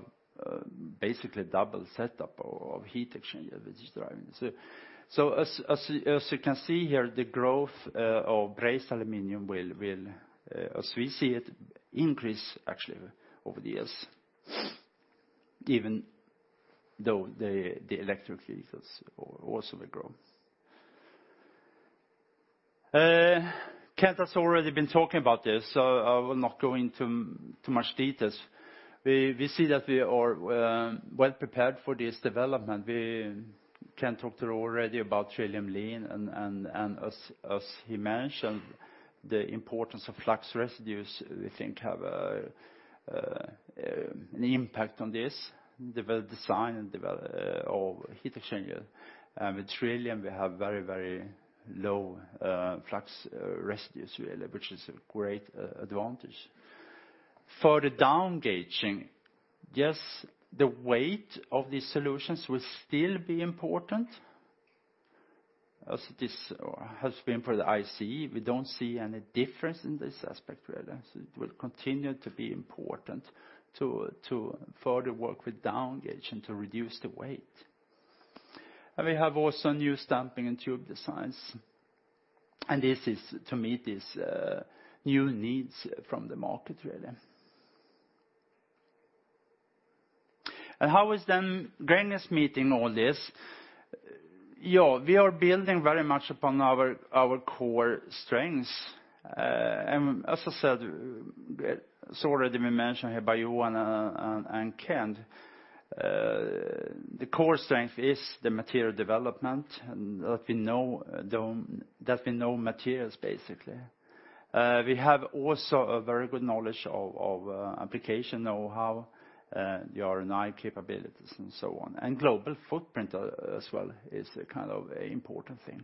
basically double setup of heat exchanger which is driving this. As you can see here, the growth of brazed aluminum will, as we see it, increase actually over the years, even though the electric vehicles also will grow. Kent has already been talking about this, I will not go into too many details. We see that we are well prepared for this development. Kent talked already about TRILLIUM Lean, as he mentioned, the importance of flux residues, we think, has an impact on this, the design of heat exchanger. With TRILLIUM, we have very low flux residues, really, which is a great advantage. Further down gauging, just the weight of these solutions will still be important as it is or has been for the ICE. We don't see any difference in this aspect, really. It will continue to be important to further work with down gauging to reduce the weight. We have also new stamping and tube designs. This is to meet these new needs from the market, really. How is Gränges meeting all this? We are building very much upon our core strengths. As I said, it's already been mentioned here by Johan and Kent. The core strength is the material development, that we know materials, basically. We have also a very good knowledge of application know-how, the R&I capabilities and so on, and global footprint as well is a kind of important thing.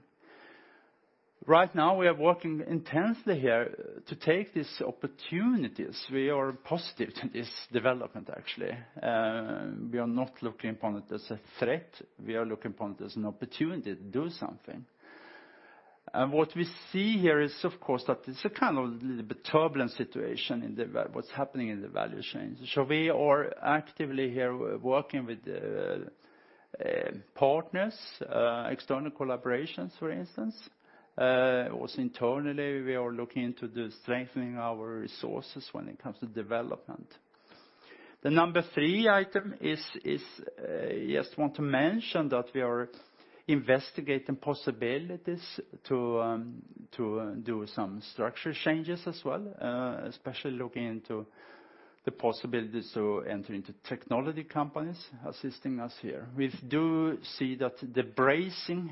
Right now, we are working intensely here to take these opportunities. We are positive to this development, actually. We are not looking upon it as a threat. We are looking upon it as an opportunity to do something. What we see here is, of course, that it's a kind of little bit turbulent situation in what's happening in the value chain. We are actively here working with partners, external collaborations, for instance. Also internally, we are looking to strengthening our resources when it comes to development. The number 3 item is, I just want to mention that we are investigating possibilities to do some structure changes as well, especially looking into the possibilities to enter into technology companies assisting us here. We do see that the brazing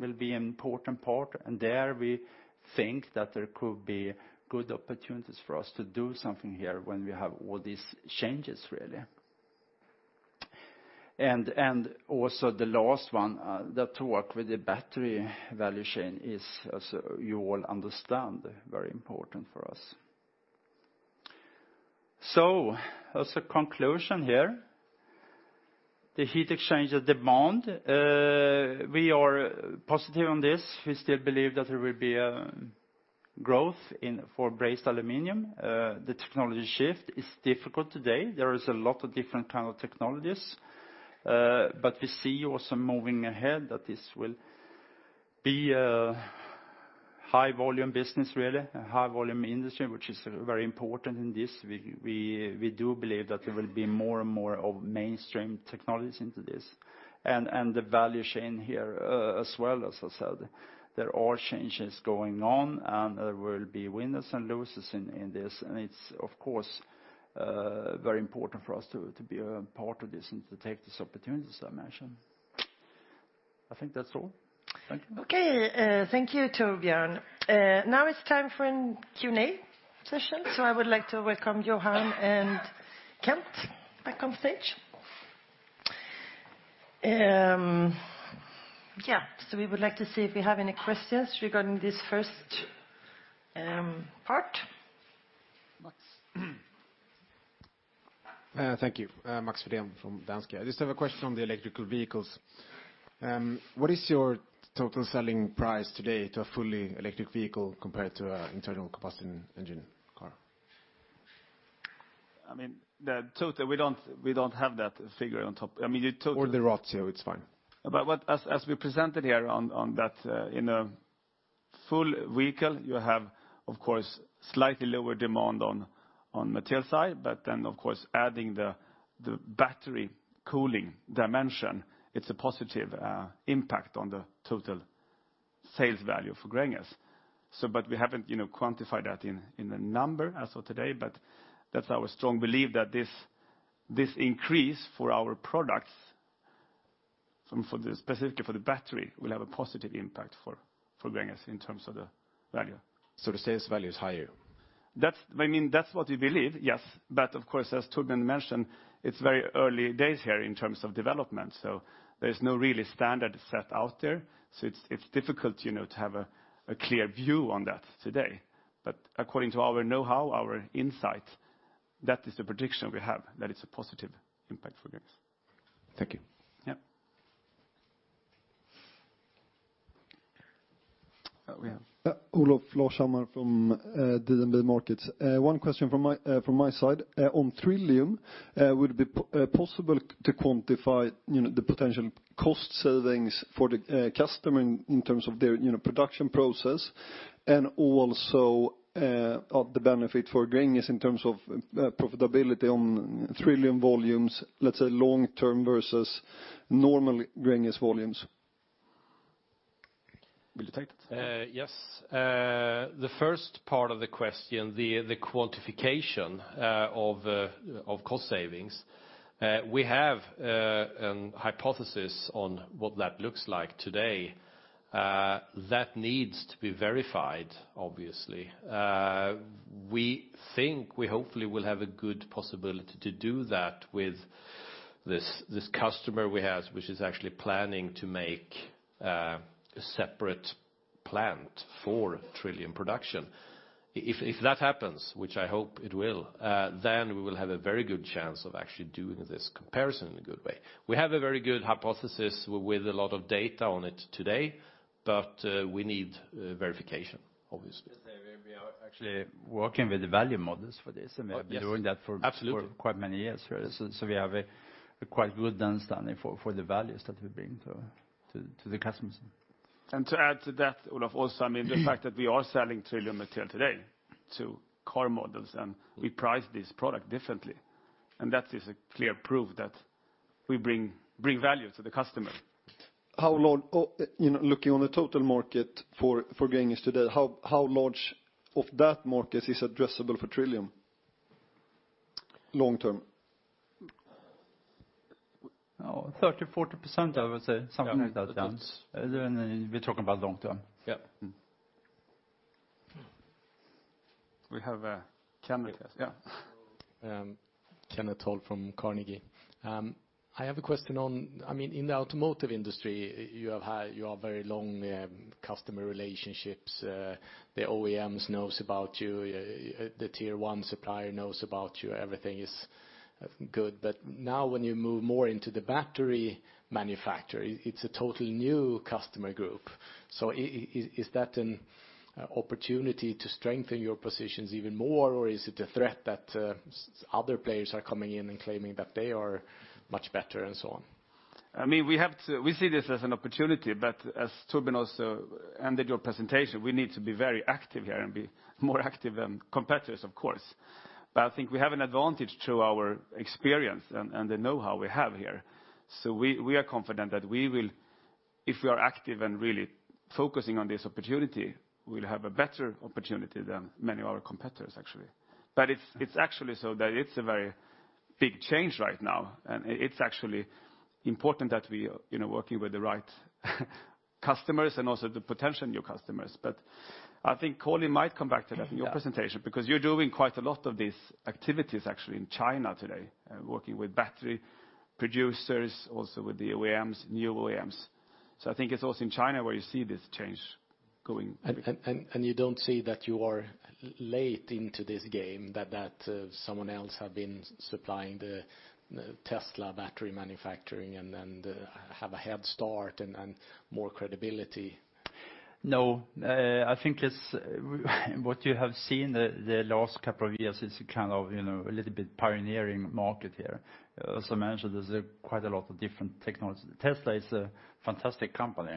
will be an important part, there we think that there could be good opportunities for us to do something here when we have all these changes, really. The last one, to work with the battery value chain is, as you all understand, very important for us. As a conclusion here, the heat exchanger demand, we are positive on this. We still believe that there will be a growth for brazed aluminum. The technology shift is difficult today. There is a lot of different kind of technologies. We see also moving ahead that this will be a high volume business, really, a high volume industry, which is very important in this. We do believe that there will be more and more mainstream technologies into this. The value chain here as well, as I said, there are changes going on, and there will be winners and losers in this. It's, of course, very important for us to be a part of this and to take these opportunities I mentioned. I think that's all. Thank you. Okay. Thank you, Torbjörn. Now it's time for an Q&A session. I would like to welcome Johan and Kent back on stage. We would like to see if we have any questions regarding this first part. Max. Thank you. Max Freden from Danske. I just have a question on the electrical vehicles. What is your total selling price today to a fully electric vehicle compared to an internal combustion engine car? We don't have that figure on top. The ratio, it's fine. As we presented here on that, in a full vehicle, you have, of course, slightly lower demand on material side, but then, of course, adding the battery cooling dimension, it's a positive impact on the total sales value for Gränges. We haven't quantified that in a number as of today, but that's our strong belief that this increase for our products, specifically for the battery, will have a positive impact for Gränges in terms of the value. The sales value is higher? That's what we believe, yes. Of course, as Torbjörn mentioned, it's very early days here in terms of development, there's no really standard set out there. It's difficult to have a clear view on that today. According to our know-how, our insight, that is the prediction we have, that it's a positive impact for Gränges. Thank you. Yeah. Oh, yeah. Olof Larshammar from DNB Markets. One question from my side on TRILLIUM. Would it be possible to quantify the potential cost savings for the customer in terms of their production process and also of the benefit for Gränges in terms of profitability on TRILLIUM volumes, let's say long term versus normal Gränges volumes? Will you take that? Yes. The first part of the question, the quantification of cost savings, we have a hypothesis on what that looks like today. That needs to be verified, obviously. We think we hopefully will have a good possibility to do that with this customer we have, which is actually planning to make a separate plant for TRILLIUM® production. If that happens, which I hope it will, then we will have a very good chance of actually doing this comparison in a good way. We have a very good hypothesis with a lot of data on it today, but we need verification, obviously. Just say we are actually working with the value models for this, and we have been doing that for- Yes, absolutely quite many years. We have a quite good understanding for the values that we bring to the customers. To add to that, Olof also, the fact that we are selling TRILLIUM material today to car models, and we price this product differently. That is a clear proof that we bring value to the customer. Looking on the total market for Gränges today, how much of that market is addressable for TRILLIUM long term? 30%, 40%, I would say. Something like that. Yes. We're talking about long term. Yep. We have Kenneth. Yeah. Kenneth Toll from Carnegie. I have a question on, in the automotive industry, you have very long customer relationships. The OEMs know about you, the tier 1 supplier knows about you, everything is good. Now when you move more into the battery manufacturer, it's a totally new customer group. Is that an opportunity to strengthen your positions even more, or is it a threat that other players are coming in and claiming that they are much better and so on? We see this as an opportunity, as Torbjörn also ended your presentation, we need to be very active here and be more active than competitors, of course. I think we have an advantage through our experience and the know-how we have here. We are confident that if we are active and really focusing on this opportunity, we'll have a better opportunity than many other competitors, actually. It's actually so that it's a very big change right now, and it's actually important that we are working with the right customers and also the potential new customers. I think Colin might come back to that in your presentation, because you're doing quite a lot of these activities, actually, in China today, working with battery producers, also with the OEMs, new OEMs. I think it's also in China where you see this change going. You don't see that you are late into this game, that someone else has been supplying the Tesla battery manufacturing and have a head start and more credibility? No. I think what you have seen the last couple of years is a little bit pioneering market here. As I mentioned, there's quite a lot of different technologies. Tesla is a fantastic company,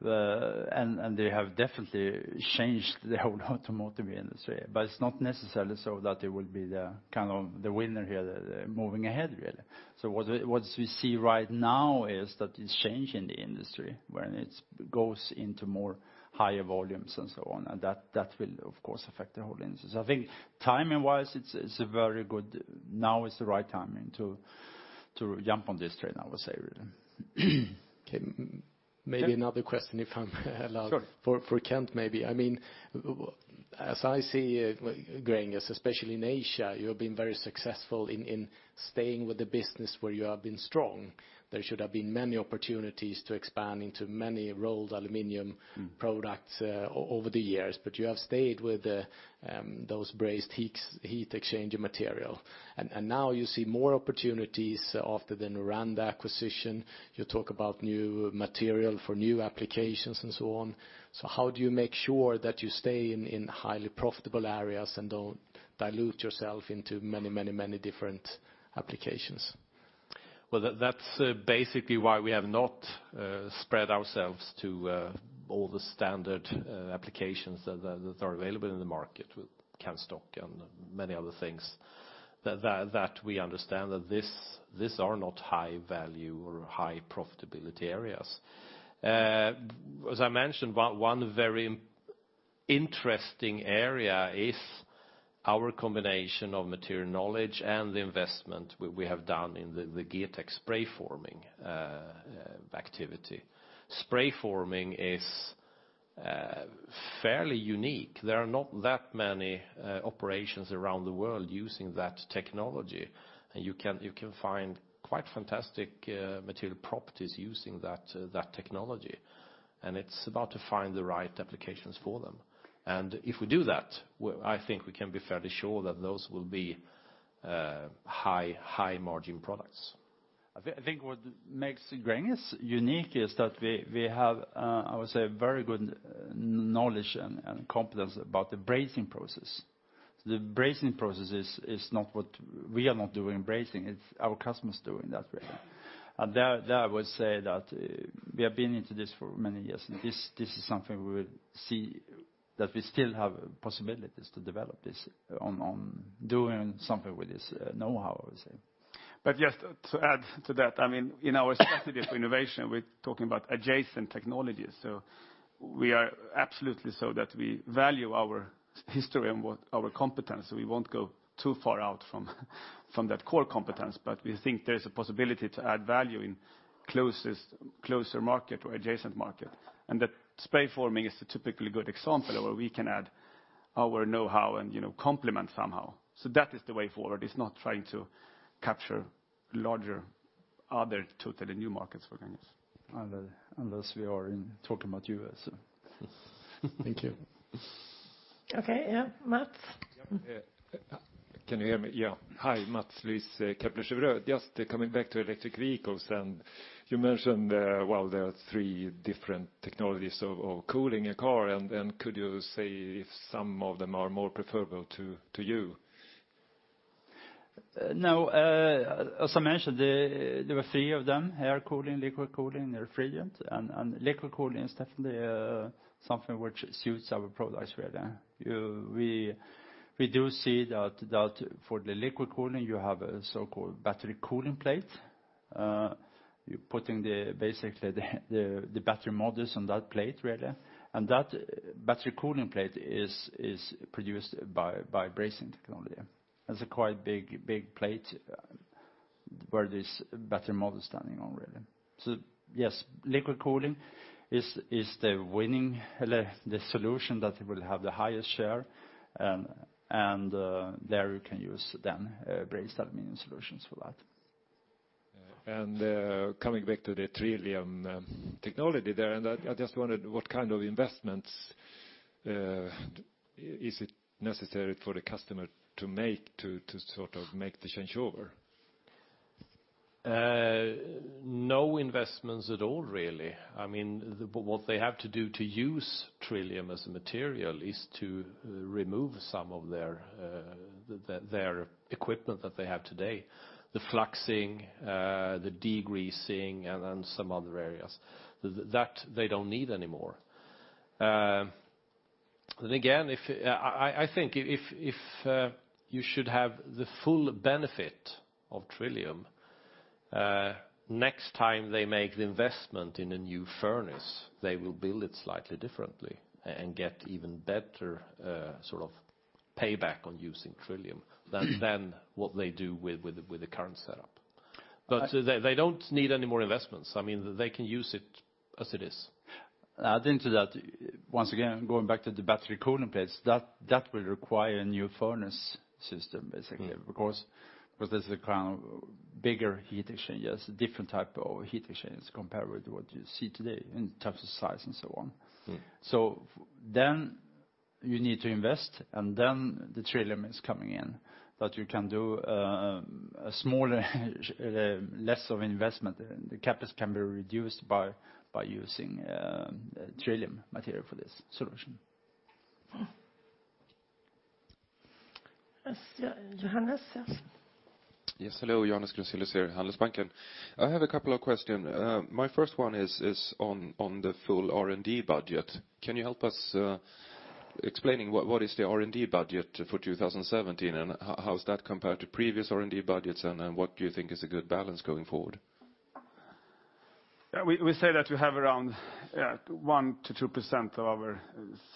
and they have definitely changed the whole automotive industry, but it's not necessarily so that they will be the winner here moving ahead, really. What we see right now is that it's changing the industry when it goes into more higher volumes and so on. That will, of course, affect the whole industry. I think timing-wise, now is the right timing to jump on this train, I would say, really. Maybe another question, if I'm allowed. Sure. For Kent, maybe. As I see Gränges, especially in Asia, you have been very successful in staying with the business where you have been strong. There should have been many opportunities to expand into many rolled aluminum products over the years, but you have stayed with those brazed heat exchanger material. Now you see more opportunities after the Noranda acquisition. You talk about new material for new applications and so on. How do you make sure that you stay in highly profitable areas and don't dilute yourself into many different applications? Well, that's basically why we have not spread ourselves to all the standard applications that are available in the market with can stock and many other things, that we understand that these are not high value or high profitability areas. As I mentioned, one very interesting area is our combination of material knowledge and the investment we have done in the GETEK spray forming activity. Spray forming is fairly unique. There are not that many operations around the world using that technology. You can find quite fantastic material properties using that technology, and it's about to find the right applications for them. If we do that, I think we can be fairly sure that those will be high margin products. I think what makes Gränges unique is that we have, I would say, very good knowledge and competence about the brazing process. The brazing process, we are not doing brazing, it's our customers doing that, really. There, I would say that we have been into this for many years, and this is something we will see that we still have possibilities to develop this on doing something with this know-how, I would say. Just to add to that, in our strategy for innovation, we're talking about adjacent technologies. We are absolutely so that we value our history and our competence, so we won't go too far out from that core competence. We think there's a possibility to add value in closer market or adjacent market. That spray forming is a typically good example of where we can add our know-how and complement somehow. That is the way forward, is not trying to capture larger, other totally new markets for Gränges. Unless we are talking about you. Thank you. Okay. Yeah, Mats? Can you hear me? Yeah. Hi, Mats Liss, Kepler Cheuvreux. Just coming back to electric vehicles, you mentioned there are three different technologies of cooling a car. Could you say if some of them are more preferable to you? Now, as I mentioned, there were three of them, air cooling, liquid cooling, and refrigerant. Liquid cooling is definitely something which suits our products well. We do see that for the liquid cooling, you're putting basically the battery modules on that plate really. That battery cooling plate is produced by brazing technology. That's a quite big plate where this battery module is standing on really. Yes, liquid cooling is the winning solution that will have the highest share, there you can use then braze aluminum solutions for that. Coming back to the TRILLIUM technology there, and I just wondered what kind of investments is it necessary for the customer to make to sort of make the changeover? No investments at all, really. What they have to do to use TRILLIUM® as a material is to remove some of their equipment that they have today, the fluxing, the degreasing, and some other areas that they don't need anymore. Again, I think if you should have the full benefit of TRILLIUM®, next time they make the investment in a new furnace, they will build it slightly differently and get even better payback on using TRILLIUM® than what they do with the current setup. They don't need any more investments. They can use it as it is. Add into that, once again, going back to the battery cooling plates, that will require a new furnace system, basically, because this is a kind of bigger heat exchanger, it's a different type of heat exchangers compared with what you see today in terms of size and so on. You need to invest, and then the TRILLIUM® is coming in that you can do a less of investment, and the CapEx can be reduced by using TRILLIUM® material for this solution. Yes. Johannes, yes. Yes, hello, Johannes Kricilys here, Handelsbanken. I have a couple of questions. My first one is on the full R&D budget. Can you help us explaining what is the R&D budget for 2017? How's that compare to previous R&D budgets? What do you think is a good balance going forward? We say that we have around 1%-2% of our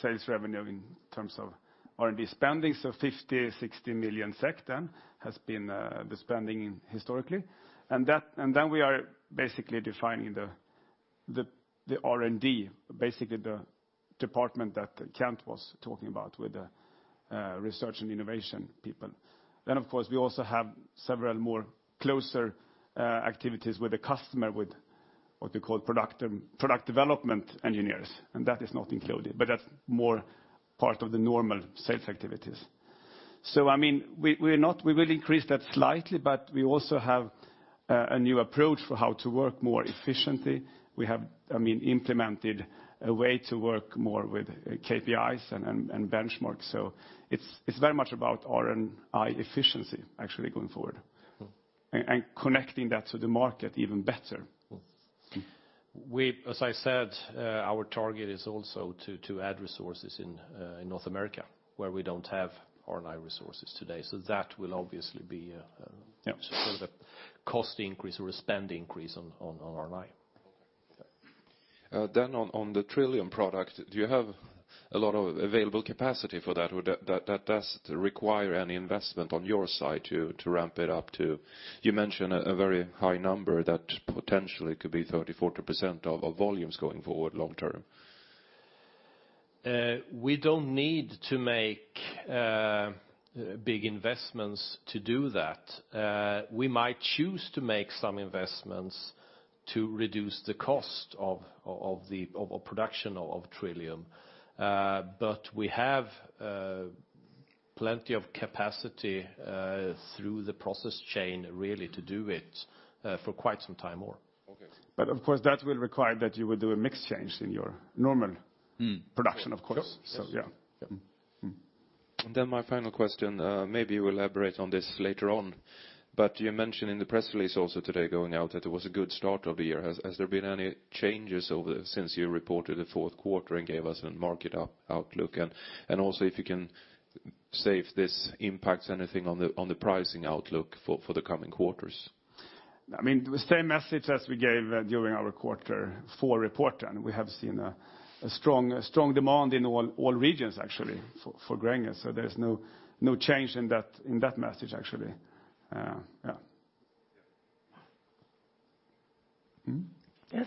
sales revenue in terms of R&D spending, 50, 60 million SEK then has been the spending historically. We are basically defining the R&D, basically the department that Kent was talking about with the Research and Innovation people. Of course, we also have several more closer activities with the customer with what we call product development engineers. That is not included, but that's more part of the normal sales activities. We will increase that slightly, but we also have a new approach for how to work more efficiently. We have implemented a way to work more with KPIs and benchmarks. It's very much about R&I efficiency, actually, going forward and connecting that to the market even better. As I said, our target is also to add resources in North America, where we don't have R&I resources today. That will obviously be. Yeah sort of a cost increase or a spend increase on R&I. Okay. On the TRILLIUM® product, do you have a lot of available capacity for that? That does require any investment on your side to ramp it up. You mentioned a very high number that potentially could be 30, 40% of volumes going forward long term. We don't need to make big investments to do that. We might choose to make some investments to reduce the cost of production of TRILLIUM®. We have plenty of capacity through the process chain, really, to do it for quite some time more. Okay. Of course, that will require that you will do a mix change in your normal production, of course. Yes. Yeah. Yep. My final question, maybe you elaborate on this later on, but you mentioned in the press release also today going out that it was a good start of the year. Has there been any changes since you reported the fourth quarter and gave us a market outlook? Also if you can say if this impacts anything on the pricing outlook for the coming quarters? The same message as we gave during our quarter four report then. We have seen a strong demand in all regions, actually, for Gränges, so there is no change in that message, actually. Yeah. Yes.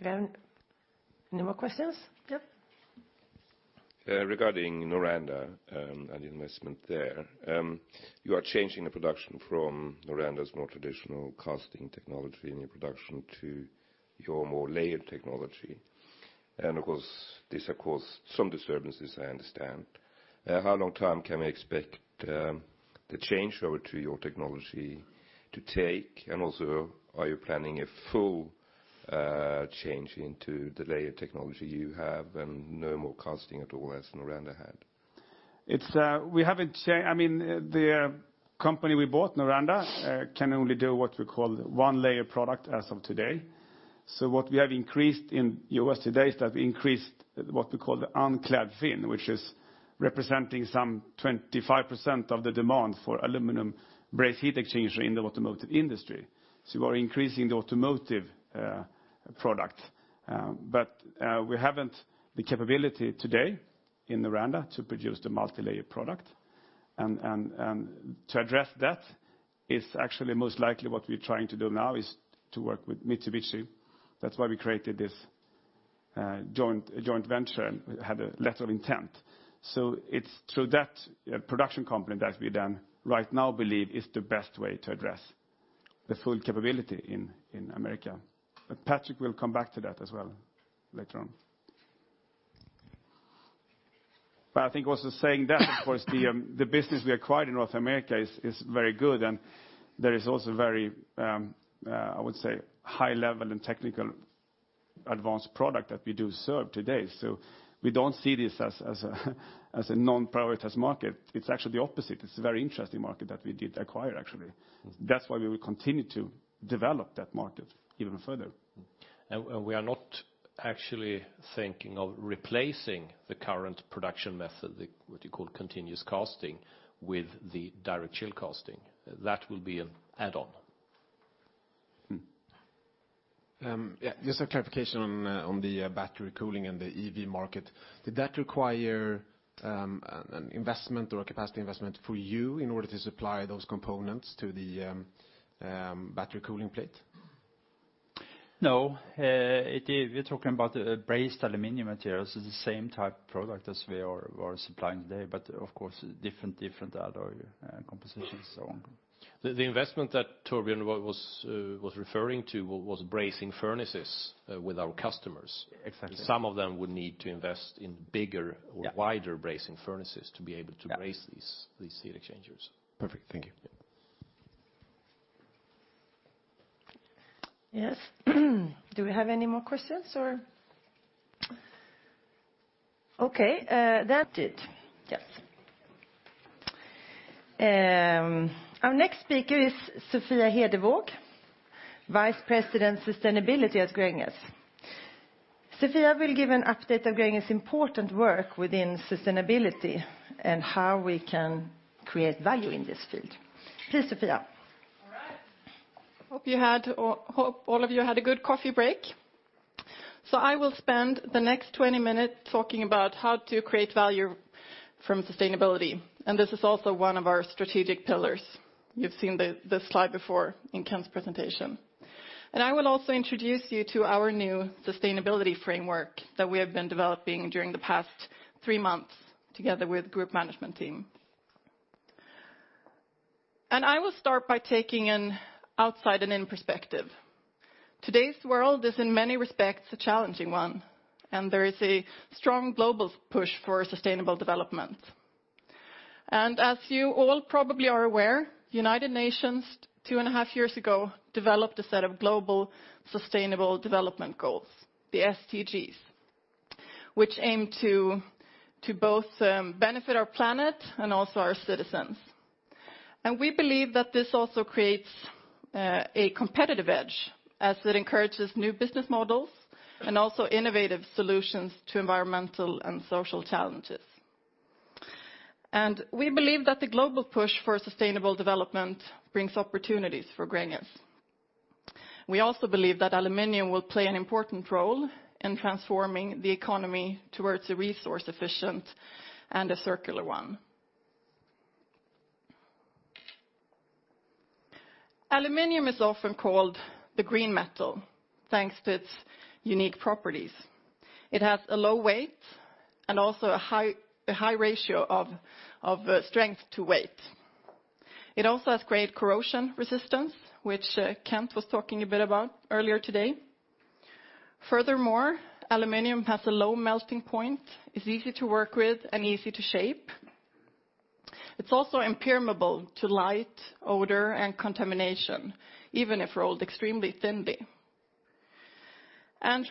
Any more questions? Yep. Regarding Noranda and the investment there, you are changing the production from Noranda's more traditional casting technology in your production to your more layered technology. This has caused some disturbances, I understand. How long time can we expect the changeover to your technology to take? Also, are you planning a full change into the layer technology you have and no more casting at all as Noranda had. The company we bought, Noranda, can only do what we call one layer product as of today. What we have increased in the U.S. today is that we increased what we call the unclad fin, which is representing some 25% of the demand for aluminum brazed heat exchanger in the automotive industry. We are increasing the automotive product. We haven't the capability today in Noranda to produce the multi-layer product. To address that is actually most likely what we're trying to do now is to work with Mitsubishi. That's why we created this joint venture and had a letter of intent. It's through that production company that we then right now believe is the best way to address the full capability in America. Patrick will come back to that as well later on. I think also saying that, of course, the business we acquired in North America is very good. There is also very, I would say, high level and technical advanced product that we do serve today. We don't see this as a non-prioritized market. It's actually the opposite. It's a very interesting market that we did acquire, actually. That's why we will continue to develop that market even further. We are not actually thinking of replacing the current production method, what you call continuous casting, with the direct chill casting. That will be an add-on. Yeah, just a clarification on the battery cooling and the EV market. Did that require an investment or a capacity investment for you in order to supply those components to the battery cooling plate? No. We're talking about brazed aluminum materials. It's the same type of product as we are supplying today, but of course, different alloy composition and so on. The investment that Torbjörn was referring to was brazing furnaces with our customers. Exactly. Some of them would need to invest in bigger or wider brazing furnaces to be able to braze these heat exchangers. Perfect. Thank you. Yeah. Yes. Do we have any more questions or? Okay, that's it. Yes. Our next speaker is Sofia Hedevåg, Vice President, Sustainability at Gränges. Sofia will give an update of Gränges' important work within sustainability and how we can create value in this field. Please, Sofia. All right. Hope all of you had a good coffee break. I will spend the next 20 minutes talking about how to create value from sustainability, and this is also one of our strategic pillars. You've seen this slide before in Kent's presentation. I will also introduce you to our new sustainability framework that we have been developing during the past three months together with group management team. I will start by taking an outside and in perspective. Today's world is, in many respects, a challenging one, and there is a strong global push for sustainable development. As you all probably are aware, United Nations, two and a half years ago, developed a set of global Sustainable Development Goals, the SDGs, which aim to both benefit our planet and also our citizens. We believe that this also creates a competitive edge as it encourages new business models and also innovative solutions to environmental and social challenges. We believe that the global push for sustainable development brings opportunities for Gränges. We also believe that aluminum will play an important role in transforming the economy towards a resource efficient and a circular one. Aluminum is often called the green metal, thanks to its unique properties. It has a low weight and also a high ratio of strength to weight. It also has great corrosion resistance, which Kent was talking a bit about earlier today. Furthermore, aluminum has a low melting point, is easy to work with, and easy to shape. It's also impermeable to light, odor, and contamination, even if rolled extremely thinly.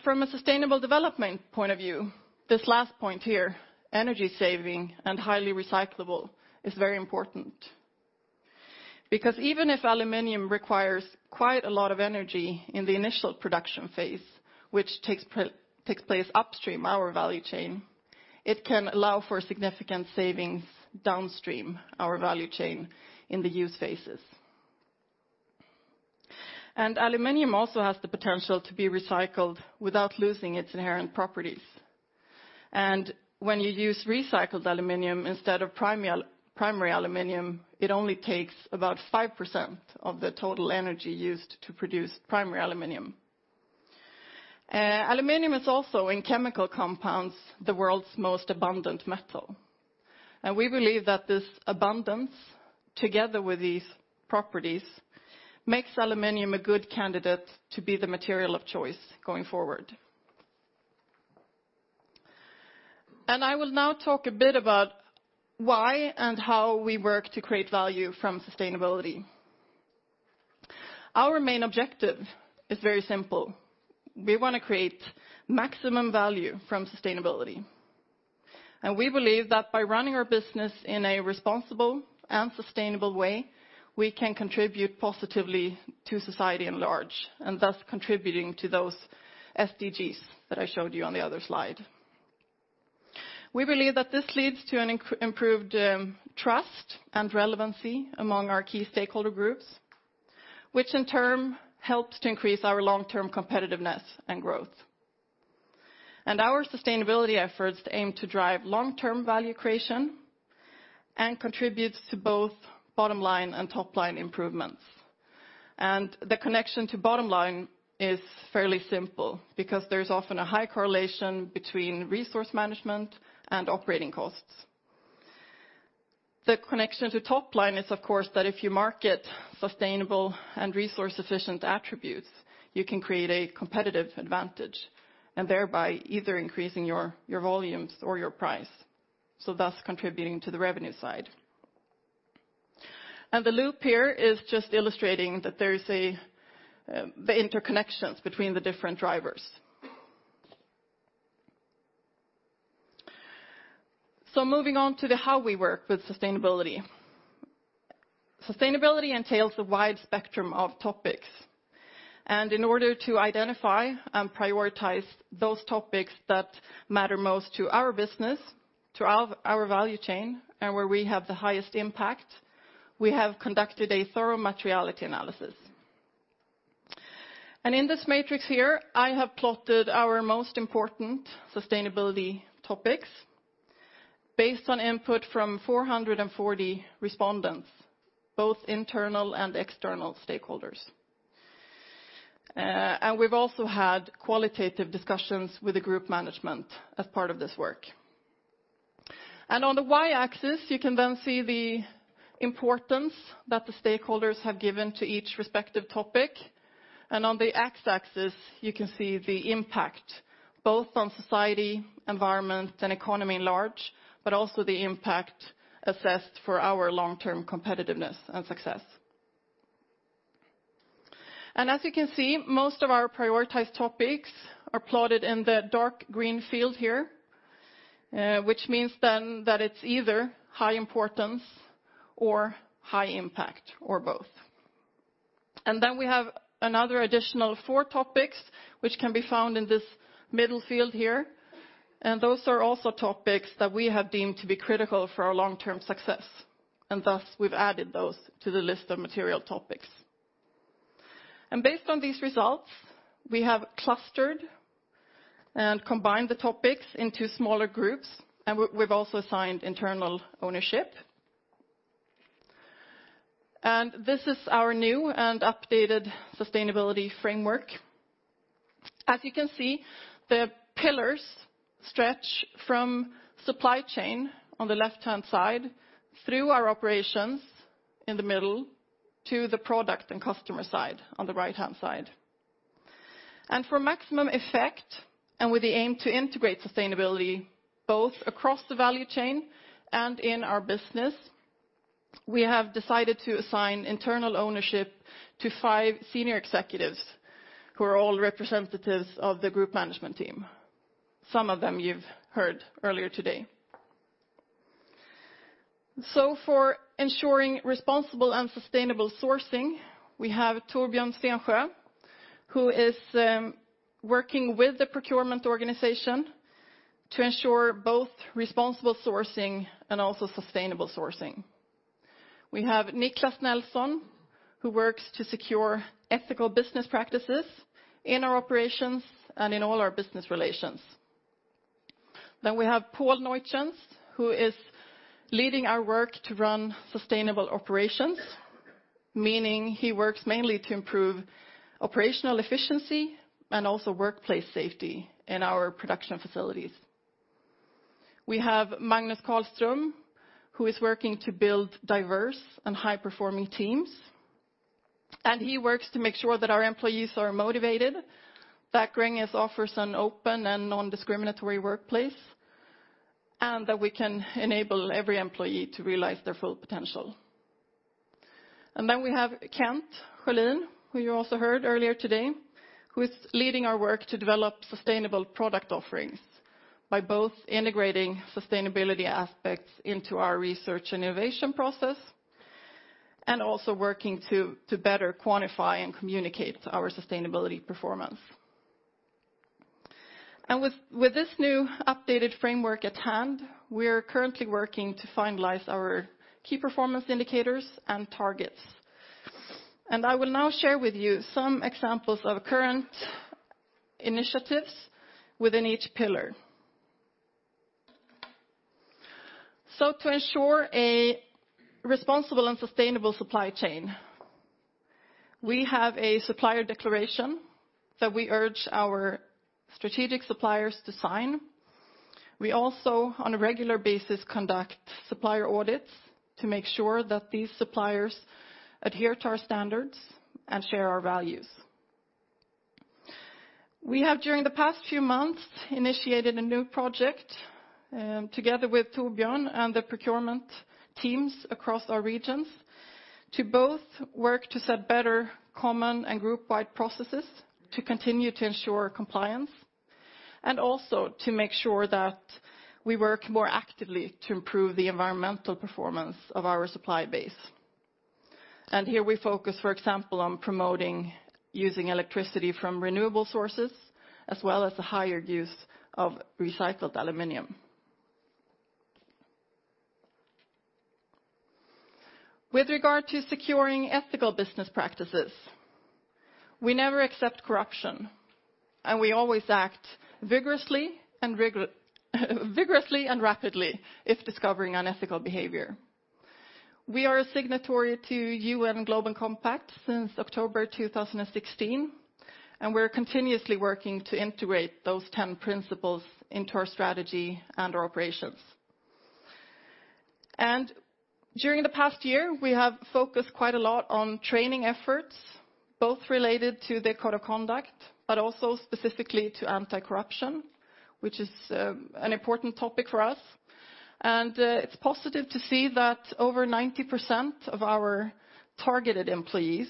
From a sustainable development point of view, this last point here, energy saving and highly recyclable, is very important. Even if aluminum requires quite a lot of energy in the initial production phase, which takes place upstream our value chain, it can allow for significant savings downstream our value chain in the use phases. Aluminum also has the potential to be recycled without losing its inherent properties. When you use recycled aluminum instead of primary aluminum, it only takes about 5% of the total energy used to produce primary aluminum. Aluminum is also, in chemical compounds, the world's most abundant metal. We believe that this abundance, together with these properties, makes aluminum a good candidate to be the material of choice going forward. I will now talk a bit about why and how we work to create value from sustainability. Our main objective is very simple. We want to create maximum value from sustainability. We believe that by running our business in a responsible and sustainable way, we can contribute positively to society in large, and thus contributing to those SDGs that I showed you on the other slide. We believe that this leads to an improved trust and relevancy among our key stakeholder groups, which in turn helps to increase our long-term competitiveness and growth. Our sustainability efforts aim to drive long-term value creation and contributes to both bottom line and top line improvements. The connection to bottom line is fairly simple, because there's often a high correlation between resource management and operating costs. The connection to top line is, of course, that if you market sustainable and resource efficient attributes, you can create a competitive advantage, and thereby either increasing your volumes or your price, so thus contributing to the revenue side. The loop here is just illustrating the interconnections between the different drivers. Moving on to the how we work with sustainability. Sustainability entails a wide spectrum of topics, and in order to identify and prioritize those topics that matter most to our business, to our value chain, and where we have the highest impact, we have conducted a thorough materiality analysis. In this matrix here, I have plotted our most important sustainability topics based on input from 440 respondents, both internal and external stakeholders. We've also had qualitative discussions with the group management as part of this work. On the y-axis, you can then see the importance that the stakeholders have given to each respective topic, and on the x-axis, you can see the impact, both on society, environment, and economy in large, but also the impact assessed for our long-term competitiveness and success. As you can see, most of our prioritized topics are plotted in the dark green field here, which means then that it's either high importance or high impact, or both. Then we have another additional four topics, which can be found in this middle field here, and those are also topics that we have deemed to be critical for our long-term success, and thus we've added those to the list of material topics. Based on these results, we have clustered and combined the topics into smaller groups, and we've also assigned internal ownership. This is our new and updated sustainability framework. As you can see, the pillars stretch from supply chain on the left-hand side through our operations in the middle to the product and customer side on the right-hand side. For maximum effect, and with the aim to integrate sustainability both across the value chain and in our business, we have decided to assign internal ownership to five senior executives who are all representatives of the group management team. Some of them you've heard earlier today. For ensuring responsible and sustainable sourcing, we have Torbjörn Sternsjö who is working with the procurement organization to ensure both responsible sourcing and also sustainable sourcing. We have Niclas Nelson who works to secure ethical business practices in our operations and in all our business relations. We have Paul Neutjens who is leading our work to run sustainable operations, meaning he works mainly to improve operational efficiency and also workplace safety in our production facilities. We have Magnus Carlström, who is working to build diverse and high-performing teams. He works to make sure that our employees are motivated, that Gränges offers an open and non-discriminatory workplace, and that we can enable every employee to realize their full potential. We have Kent Schölin, who you also heard earlier today, who is leading our work to develop sustainable product offerings by both integrating sustainability aspects into our research innovation process and also working to better quantify and communicate our sustainability performance. With this new updated framework at hand, we are currently working to finalize our key performance indicators and targets. I will now share with you some examples of current initiatives within each pillar. To ensure a responsible and sustainable supply chain, we have a supplier declaration that we urge our strategic suppliers to sign. We also, on a regular basis, conduct supplier audits to make sure that these suppliers adhere to our standards and share our values. We have during the past few months initiated a new project together with Torbjörn and the procurement teams across our regions to both work to set better common and group-wide processes to continue to ensure compliance, and also to make sure that we work more actively to improve the environmental performance of our supply base. Here we focus, for example, on promoting using electricity from renewable sources, as well as the higher use of recycled aluminum. With regard to securing ethical business practices, we never accept corruption, and we always act vigorously and rapidly if discovering unethical behavior. We are a signatory to UN Global Compact since October 2016, and we're continuously working to integrate those ten principles into our strategy and our operations. During the past year, we have focused quite a lot on training efforts, both related to the code of conduct, but also specifically to anti-corruption, which is an important topic for us. It's positive to see that over 90% of our targeted employees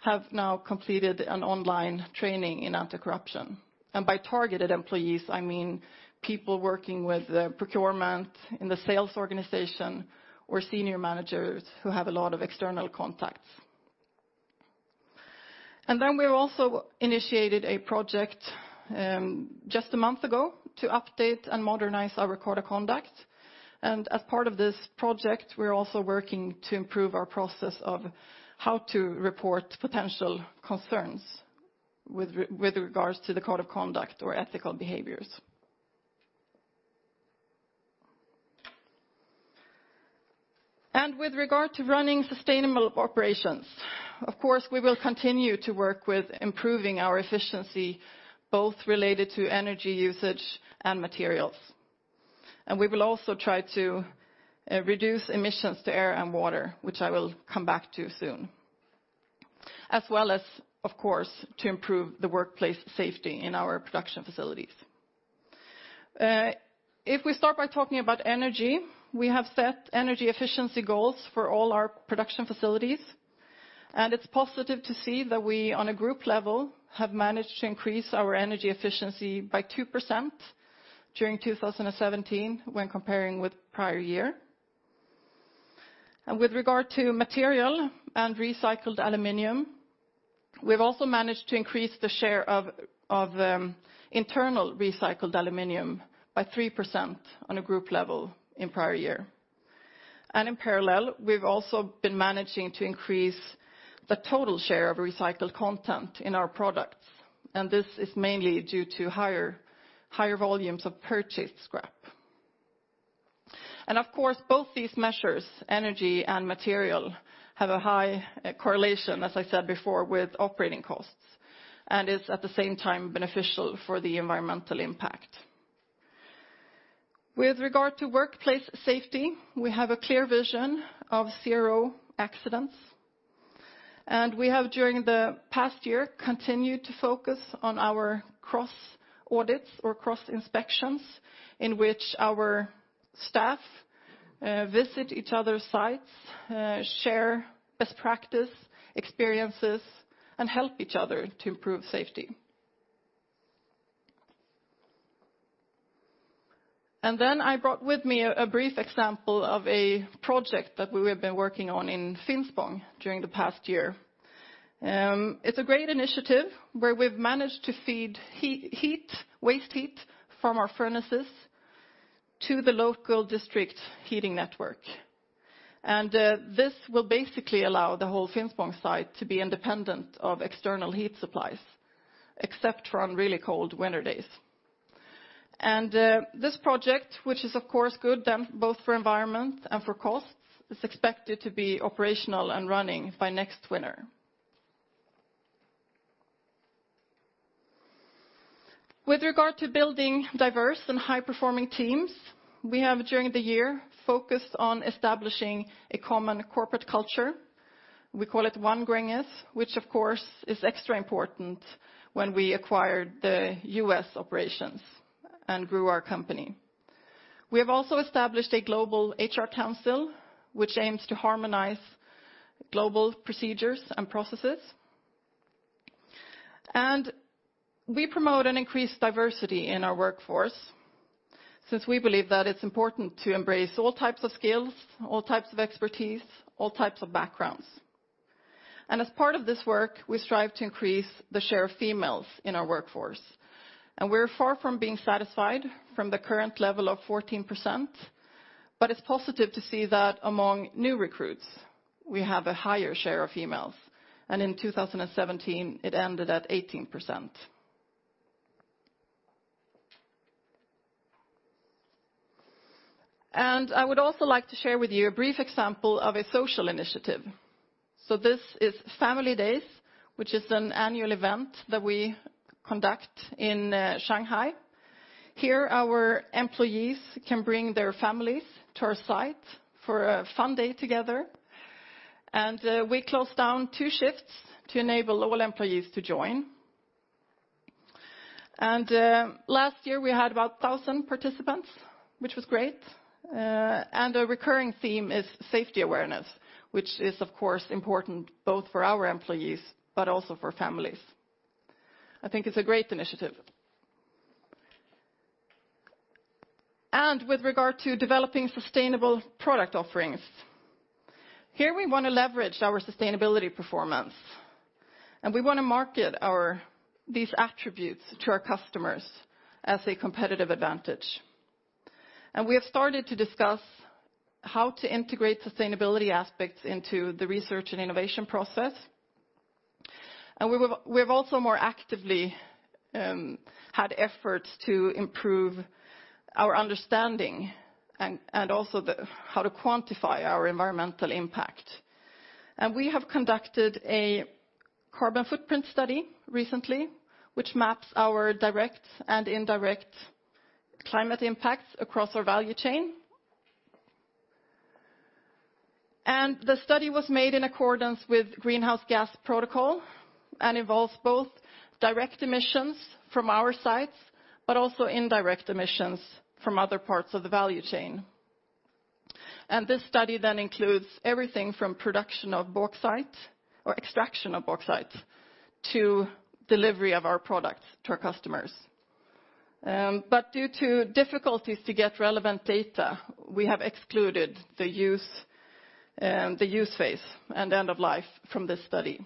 have now completed an online training in anti-corruption. By targeted employees, I mean people working with the procurement in the sales organization or senior managers who have a lot of external contacts. We also initiated a project, just a month ago, to update and modernize our code of conduct. As part of this project, we're also working to improve our process of how to report potential concerns with regards to the code of conduct or ethical behaviors. With regard to running sustainable operations, of course, we will continue to work with improving our efficiency, both related to energy usage and materials. We will also try to reduce emissions to air and water, which I will come back to soon. As well as, of course, to improve the workplace safety in our production facilities. If we start by talking about energy, we have set energy efficiency goals for all our production facilities, and it's positive to see that we, on a group level, have managed to increase our energy efficiency by 2% during 2017 when comparing with prior year. With regard to material and recycled aluminum, we've also managed to increase the share of internal recycled aluminum by 3% on a group level in prior year. In parallel, we've also been managing to increase the total share of recycled content in our products, and this is mainly due to higher volumes of purchased scrap. Of course, both these measures, energy and material, have a high correlation, as I said before, with operating costs, and is at the same time beneficial for the environmental impact. With regard to workplace safety, we have a clear vision of zero accidents, and we have, during the past year, continued to focus on our cross audits or cross inspections in which our staff visit each other's sites, share best practice experiences, and help each other to improve safety. I brought with me a brief example of a project that we have been working on in Finspång during the past year. It's a great initiative where we've managed to feed waste heat from our furnaces to the local district heating network. This will basically allow the whole Finspång site to be independent of external heat supplies, except for on really cold winter days. This project, which is, of course, good both for environment and for costs, is expected to be operational and running by next winter. With regard to building diverse and high-performing teams, we have during the year focused on establishing a common corporate culture. We call it One Gränges, which, of course, is extra important when we acquired the U.S. operations and grew our company. We have also established a global HR council, which aims to harmonize global procedures and processes. We promote an increased diversity in our workforce, since we believe that it's important to embrace all types of skills, all types of expertise, all types of backgrounds. As part of this work, we strive to increase the share of females in our workforce. We're far from being satisfied from the current level of 14%, but it's positive to see that among new recruits we have a higher share of females. In 2017, it ended at 18%. I would also like to share with you a brief example of a social initiative. This is Family Days, which is an annual event that we conduct in Shanghai. Here our employees can bring their families to our site for a fun day together. We close down two shifts to enable all employees to join. Last year we had about 1,000 participants, which was great. A recurring theme is safety awareness, which is of course important both for our employees, but also for families. I think it's a great initiative. With regard to developing sustainable product offerings, here we want to leverage our sustainability performance, and we want to market these attributes to our customers as a competitive advantage. We have started to discuss how to integrate sustainability aspects into the Research and Innovation process. We've also more actively had efforts to improve our understanding and also how to quantify our environmental impact. We have conducted a carbon footprint study recently, which maps our direct and indirect climate impacts across our value chain. The study was made in accordance with Greenhouse Gas Protocol and involves both direct emissions from our sites, but also indirect emissions from other parts of the value chain. This study then includes everything from production of bauxite, or extraction of bauxite, to delivery of our products to our customers. Due to difficulties to get relevant data, we have excluded the use phase and end of life from this study.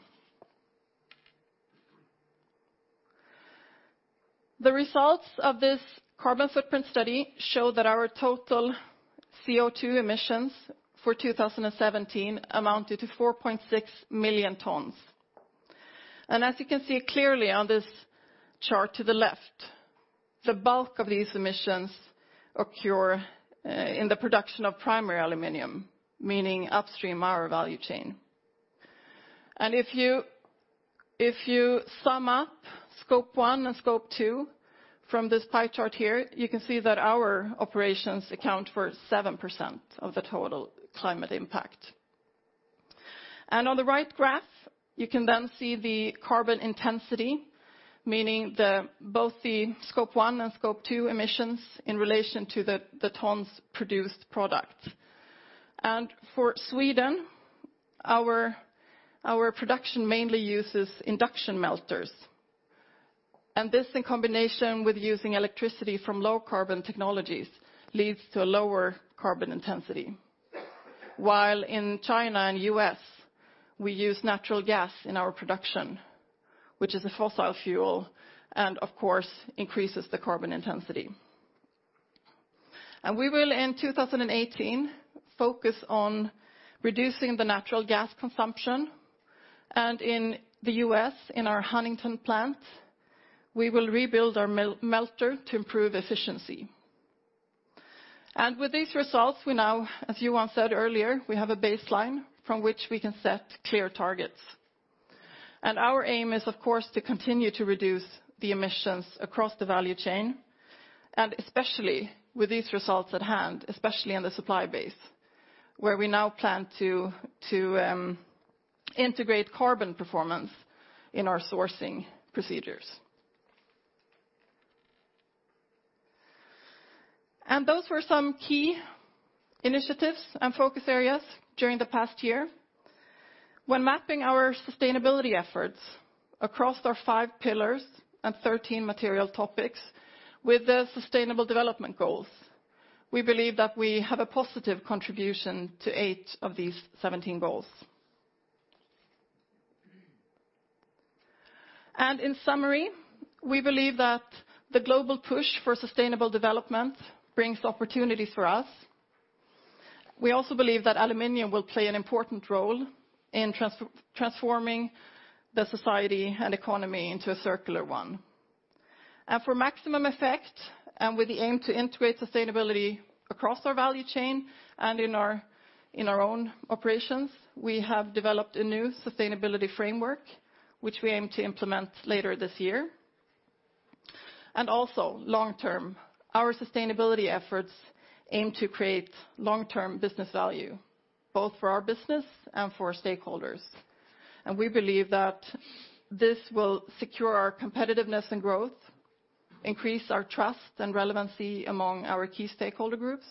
The results of this carbon footprint study show that our total CO2 emissions for 2017 amounted to 4.6 million tons. As you can see clearly on this chart to the left, the bulk of these emissions occur in the production of primary aluminum, meaning upstream our value chain. If you sum up Scope 1 and Scope 2 from this pie chart here, you can see that our operations account for 7% of the total climate impact. On the right graph, you can then see the carbon intensity, meaning both the Scope 1 and Scope 2 emissions in relation to the tons produced product. For Sweden, our production mainly uses induction melters, and this in combination with using electricity from low carbon technologies leads to a lower carbon intensity. While in China and U.S., we use natural gas in our production, which is a fossil fuel and of course increases the carbon intensity. We will in 2018 focus on reducing the natural gas consumption and in the U.S., in our Huntington plant, we will rebuild our melter to improve efficiency. With these results we now, as Johan said earlier, we have a baseline from which we can set clear targets. Our aim is of course to continue to reduce the emissions across the value chain, and especially with these results at hand, especially in the supply base, where we now plan to integrate carbon performance in our sourcing procedures. Those were some key initiatives and focus areas during the past year. When mapping our sustainability efforts across our five pillars and 13 material topics with the Sustainable Development Goals, we believe that we have a positive contribution to 17 of these goals. In summary, we believe that the global push for sustainable development brings opportunities for us. We also believe that aluminum will play an important role in transforming the society and economy into a circular one. For maximum effect, and with the aim to integrate sustainability across our value chain and in our own operations, we have developed a new sustainability framework which we aim to implement later this year. Also long term, our sustainability efforts aim to create long-term business value both for our business and for stakeholders. We believe that this will secure our competitiveness and growth, increase our trust and relevancy among our key stakeholder groups,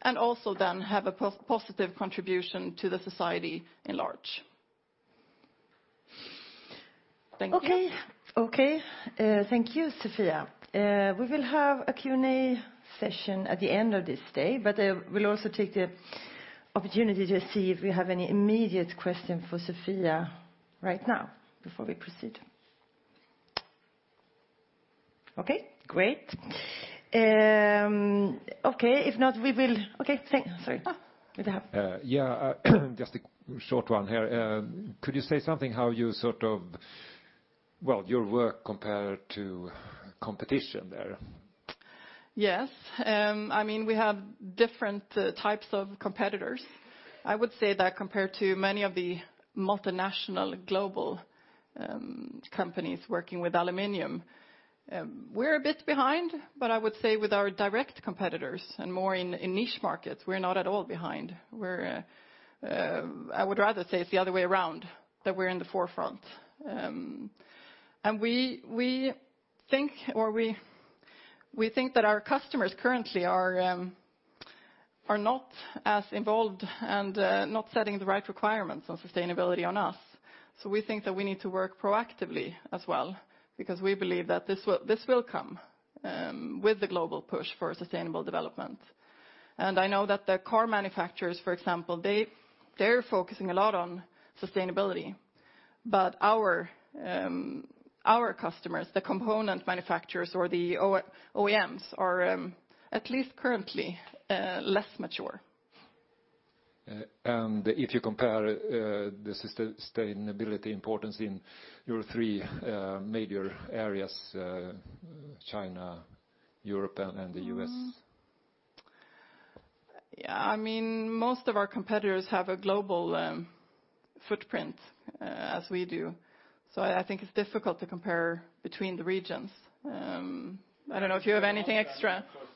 and also then have a positive contribution to the society in large. Thank you. Thank you, Sofia. We will have a Q&A session at the end of this day, but I will also take the opportunity to see if we have any immediate question for Sofia right now before we proceed. Great. If not, we will. Sorry. Mid-tap. Just a short one here. Could you say something how you Well, your work compared to competition there? Yes. We have different types of competitors. I would say that compared to many of the multinational global companies working with aluminum. We're a bit behind, but I would say with our direct competitors, and more in niche markets, we're not at all behind. I would rather say it's the other way around, that we're in the forefront. We think that our customers currently are not as involved, not setting the right requirements on sustainability on us. We think that we need to work proactively as well, because we believe that this will come with the global push for sustainable development. I know that the car manufacturers, for example, they're focusing a lot on sustainability. Our customers, the component manufacturers or the OEMs, are at least currently less mature. If you compare the sustainability importance in your three major areas, China, Europe, and the U.S.? Most of our competitors have a global footprint, as we do. I think it's difficult to compare between the regions. I don't know if you have anything extra. Of course.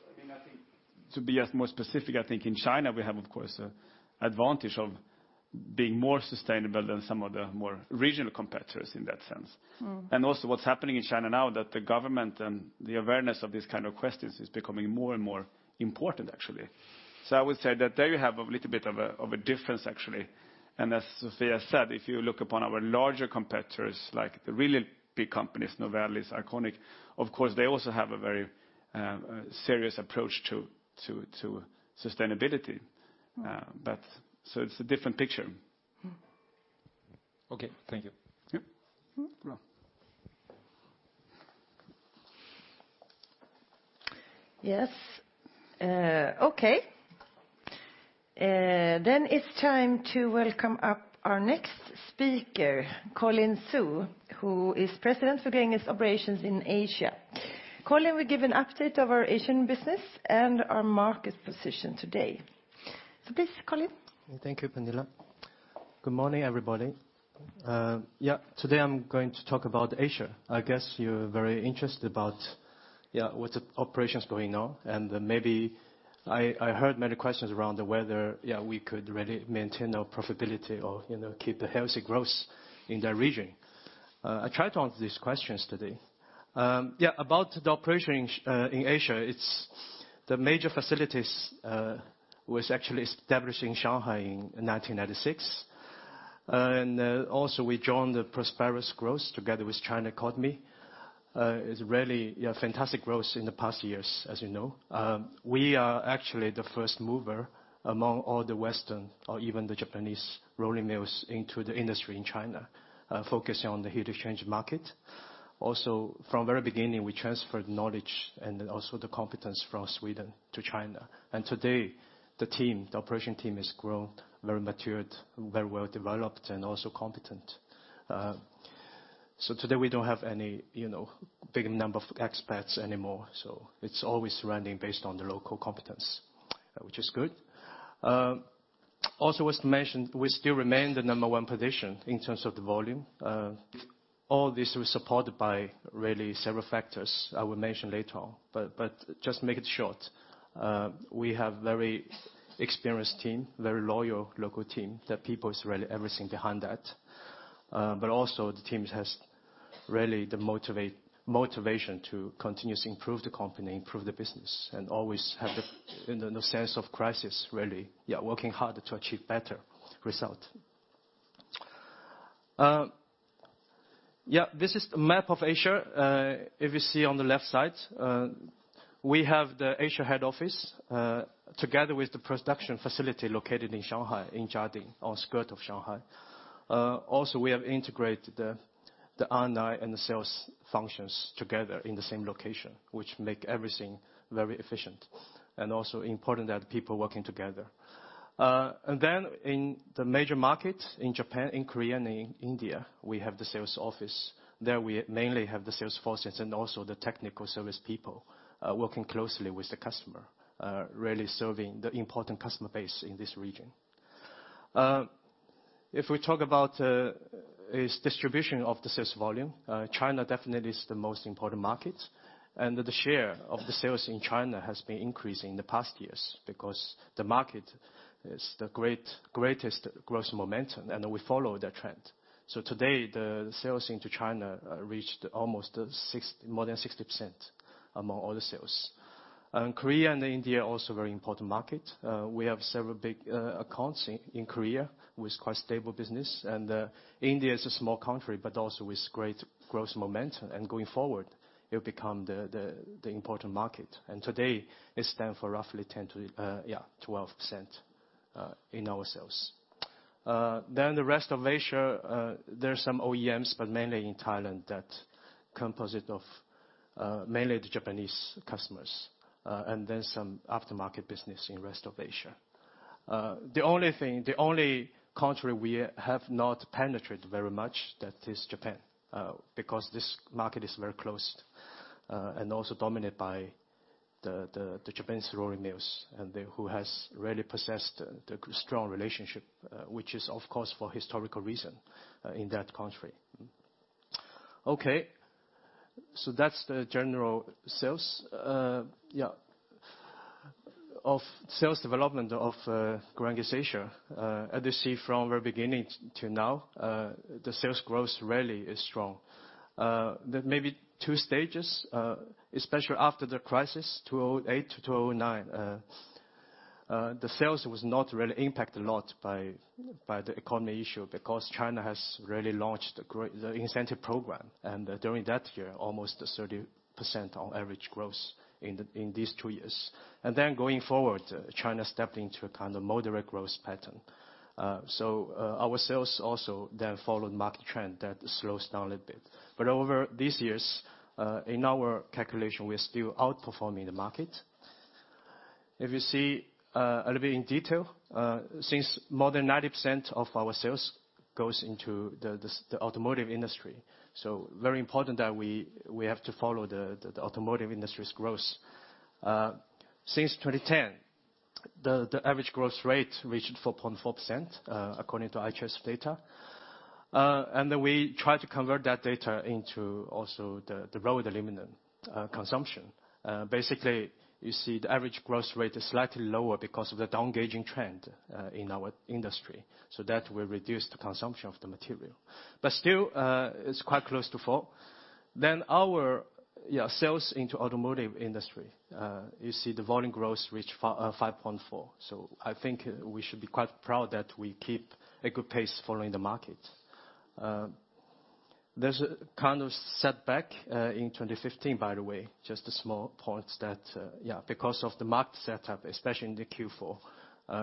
To be more specific, I think in China we have, of course, advantage of being more sustainable than some of the more regional competitors in that sense. Also what's happening in China now, that the government and the awareness of these kind of questions is becoming more and more important, actually. I would say that there you have a little bit of a difference. As Sofia said, if you look upon our larger competitors, like the really big companies, Novelis, Constellium, of course, they also have a very serious approach to sustainability. It's a different picture. Okay. Thank you. Yep. No. Yes. Okay. It's time to welcome up our next speaker, Colin Xu, who is President, Asia, Gränges. Colin will give an update of our Asian business and our market position today. Please, Colin. Thank you, Pernilla. Good morning, everybody. Today I'm going to talk about Asia. I guess you're very interested about what operations going on, and I heard many questions around whether we could really maintain our profitability or keep a healthy growth in the region. I try to answer these questions today. About the operation in Asia, the major facilities was actually established in Shanghai in 1996. We joined the prosperous growth together with China economy. It is really fantastic growth in the past years, as you know. We are actually the first mover among all the Western, or even the Japanese rolling mills into the industry in China, focusing on the heat exchange market. From very beginning, we transferred knowledge and also the competence from Sweden to China. Today, the operation team has grown, very matured, very well developed, and also competent. Today we don't have any big number of expats anymore. It's always running based on the local competence, which is good. Was to mention, we still remain the number one position in terms of the volume. All this was supported by several factors I will mention later on. Just make it short, we have very experienced team, very loyal local team. The people is really everything behind that. The team has really the motivation to continuously improve the company, improve the business, and always have the sense of crisis, really. Working hard to achieve better result. This is a map of Asia. If you see on the left side, we have the Asia head office, together with the production facility located in Shanghai, in Jiading, on skirt of Shanghai. Also we have integrated the R&I and the sales functions together in the same location, which make everything very efficient. Also important that people working together. In the major markets in Japan, in Korea, and in India, we have the sales office. There we mainly have the sales forces and also the technical service people, working closely with the customer. Really serving the important customer base in this region. If we talk about its distribution of the sales volume, China definitely is the most important market. The share of the sales in China has been increasing in the past years because the market is the greatest growth momentum, and we follow the trend. Today, the sales into China reached more than 60% among all the sales. Korea and India are also very important market. We have several big accounts in Korea with quite stable business. India is a small country, but also with great growth momentum. Going forward, it will become the important market. Today it stand for roughly 12% in our sales. The rest of Asia, there's some OEMs, but mainly in Thailand, that consists of mainly the Japanese customers, and then some aftermarket business in rest of Asia. The only country we have not penetrated very much, that is Japan. Because this market is very closed, and also dominated by the Japanese rolling mills and who has really possessed the strong relationship, which is, of course, for historical reason in that country. That's the general sales. Of sales development of Gränges Asia. As you see from the beginning to now, the sales growth really is strong. There may be two stages, especially after the crisis, 2008 to 2009. The sales was not really impacted a lot by the economy issue because China has really launched the incentive program. During that year, almost 30% on average growth in these two years. Going forward, China stepped into a kind of moderate growth pattern. Our sales also then followed market trend that slows down a little bit. Over these years, in our calculation, we're still outperforming the market. If you see a little bit in detail, since more than 90% of our sales goes into the automotive industry, so very important that we have to follow the automotive industry's growth. Since 2010, the average growth rate reached 4.4% according to IHS data. We try to convert that data into also the rolled aluminum consumption. Basically, you see the average growth rate is slightly lower because of the down-gauging trend in our industry. That will reduce the consumption of the material. Still, it's quite close to four. Our sales into automotive industry. You see the volume growth reached 5.4%. I think we should be quite proud that we keep a good pace following the market. There's a kind of setback in 2015, by the way, just a small point that, because of the market setup, especially in the Q4,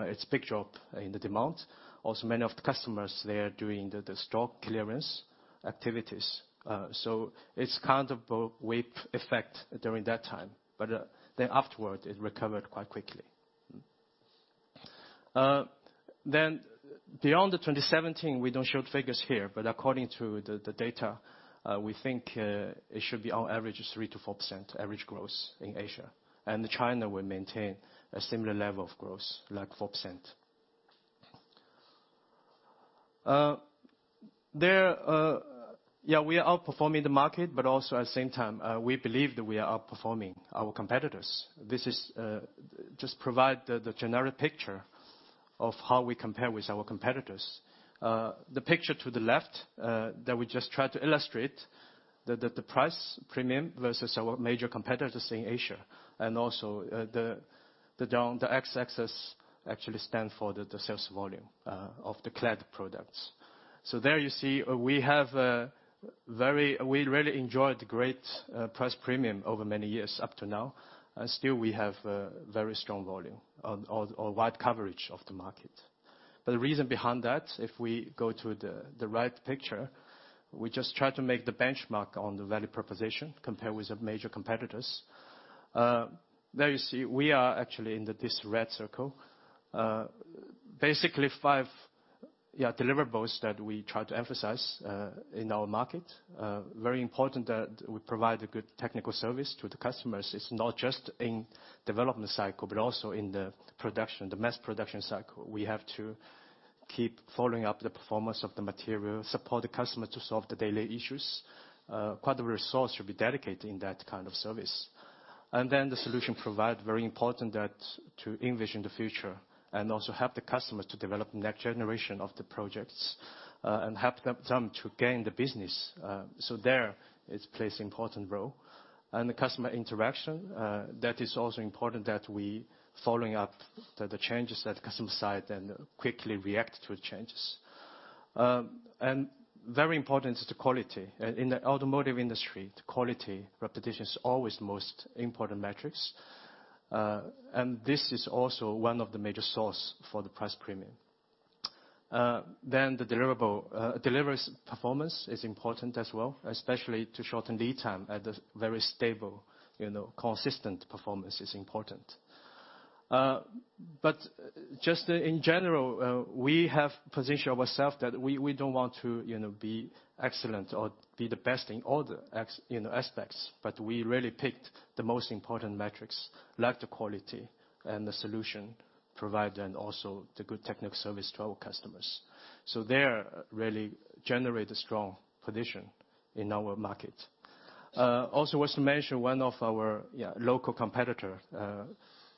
it's big drop in the demand. Many of the customers, they are doing the stock clearance activities. It's kind of a whip effect during that time. Afterward, it recovered quite quickly. Beyond the 2017, we don't show figures here, but according to the data, we think it should be on average is 3%-4% average growth in Asia. China will maintain a similar level of growth, like 4%. We are outperforming the market, but also at the same time, we believe that we are outperforming our competitors. This is just provide the generic picture of how we compare with our competitors. The picture to the left that we just try to illustrate the price premium versus our major competitors in Asia and also the x-axis actually stand for the sales volume of the clad products. There you see we really enjoyed great price premium over many years up to now. Still we have very strong volume or wide coverage of the market. The reason behind that, if we go to the right picture, we just try to make the benchmark on the value proposition compared with the major competitors. There you see we are actually in this red circle. Basically five deliverables that we try to emphasize in our market. Very important that we provide a good technical service to the customers. It's not just in development cycle, but also in the mass production cycle. We have to keep following up the performance of the material, support the customer to solve the daily issues. Quite a resource should be dedicated in that kind of service. The solution provide very important that to envision the future and also help the customers to develop next generation of the projects and help them to gain the business. There it plays important role. The customer interaction, that is also important that we following up the changes at customer side and quickly react to the changes. Very important is the quality. In the automotive industry, the quality, repetition is always the most important metrics. This is also one of the major source for the price premium. The delivery performance is important as well, especially to shorten lead time at a very stable, consistent performance is important. Just in general, we have positioned ourself that we don't want to be excellent or be the best in all the aspects, but we really picked the most important metrics like the quality and the solution provided and also the good technical service to our customers. There really generate a strong position in our market. Also worth to mention, one of our local competitor,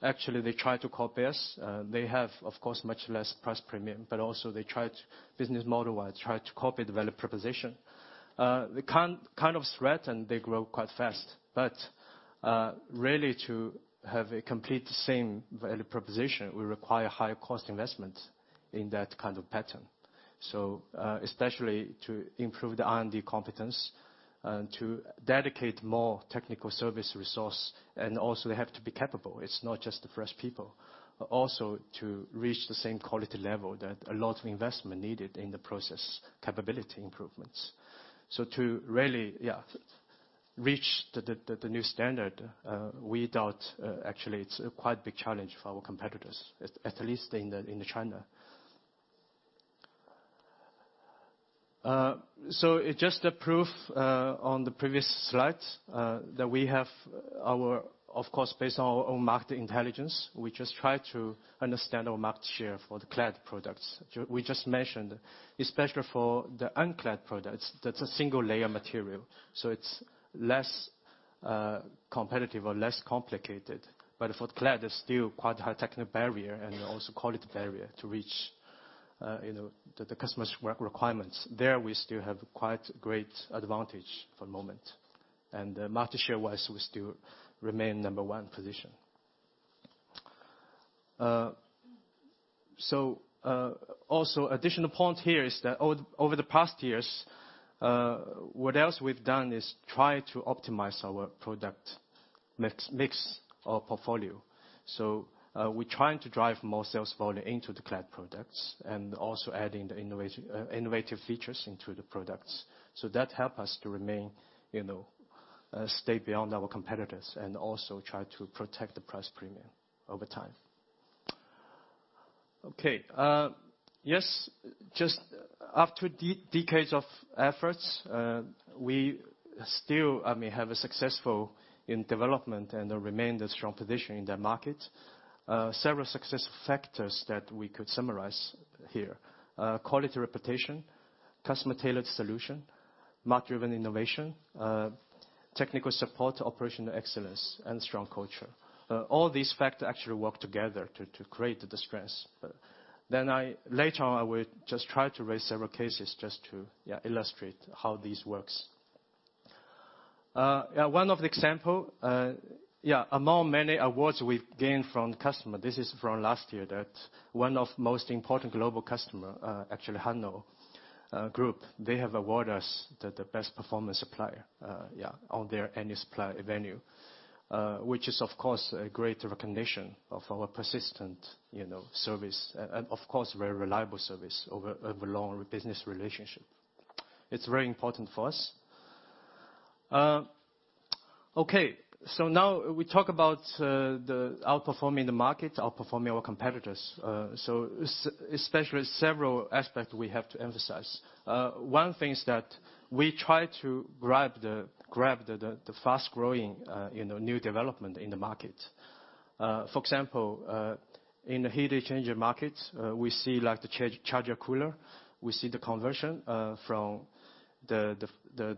actually they try to copy us. They have, of course, much less price premium, but also business model-wise, try to copy the value proposition. They kind of threaten, they grow quite fast. Really to have a complete same value proposition, we require higher cost investment in that kind of pattern. Especially to improve the R&D competence and to dedicate more technical service resource and also they have to be capable. It's not just the fresh people. Also to reach the same quality level that a lot of investment needed in the process capability improvements. To really reach the new standard, we doubt actually it's a quite big challenge for our competitors, at least in the China. It's just a proof on the previous slide that we have our-- Of course, based on our own market intelligence, we just try to understand our market share for the clad products. We just mentioned, especially for the unclad products, that's a single-layer material, so it's less competitive or less complicated. For clad, there's still quite a high technical barrier and also quality barrier to reach the customer's requirements. There, we still have quite great advantage for the moment. Market share-wise, we still remain number one position. Also, additional point here is that over the past years, what else we've done is try to optimize our product mix or portfolio. We're trying to drive more sales volume into the clad products and also adding the innovative features into the products. That help us to stay beyond our competitors and also try to protect the price premium over time. Okay. Yes. Just after decades of efforts, we still have a successful in development and remain the strong position in the market. Several success factors that we could summarize here. Quality reputation, custom-tailored solution, market-driven innovation, technical support, operational excellence, and strong culture. All these factors actually work together to create the strength. Later on, I will just try to raise several cases just to illustrate how this works. One of the example among many awards we've gained from customer, this is from last year, that one of most important global customer, actually Hanon Systems, they have award us the best performance supplier on their annual supplier venue, which is, of course, a great recognition of our persistent service and, of course, very reliable service over long business relationship. It's very important for us. Okay. Now we talk about the outperforming the market, outperforming our competitors. Especially several aspects we have to emphasize. One thing is that we try to grab the fast-growing new development in the market. For example, in the heat exchanger markets, we see the charger cooler. We see the conversion from the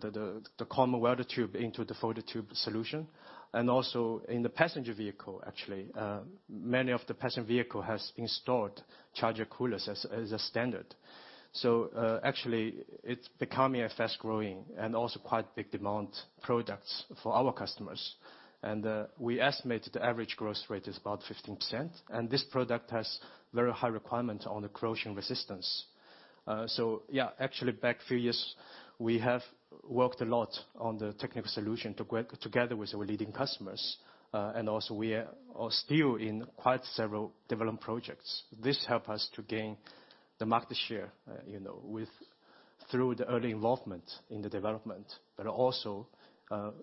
common welded tube into the folded tube solution. Also, in the passenger vehicle, actually, many of the passenger vehicle has installed charger coolers as a standard. Actually, it's becoming a fast-growing and also quite big demand products for our customers. We estimate the average growth rate is about 15%, and this product has very high requirement on the corrosion resistance. Yeah, actually back few years, we have worked a lot on the technical solution together with our leading customers. Also, we are still in quite several development projects. This help us to gain the market share through the early involvement in the development. Also,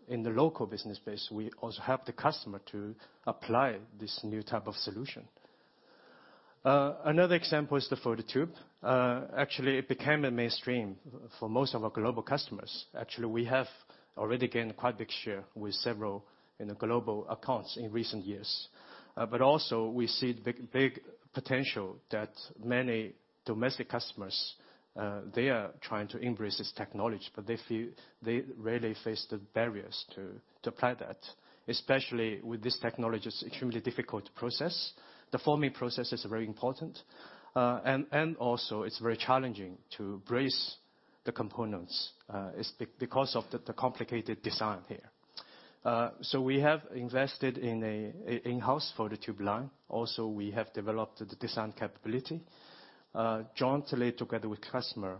in the local business space, we also help the customer to apply this new type of solution. Another example is the folded tube. Actually, it became a mainstream for most of our global customers. Actually, we have already gained quite big share with several global accounts in recent years. Also, we see big potential that many domestic customers, they are trying to embrace this technology, but they feel they really face the barriers to apply that. Especially with this technology, it's extremely difficult to process. The forming process is very important. Also, it's very challenging to brace the components. It's because of the complicated design here. We have invested in a in-house folded tube line. Also, we have developed the design capability jointly together with customer,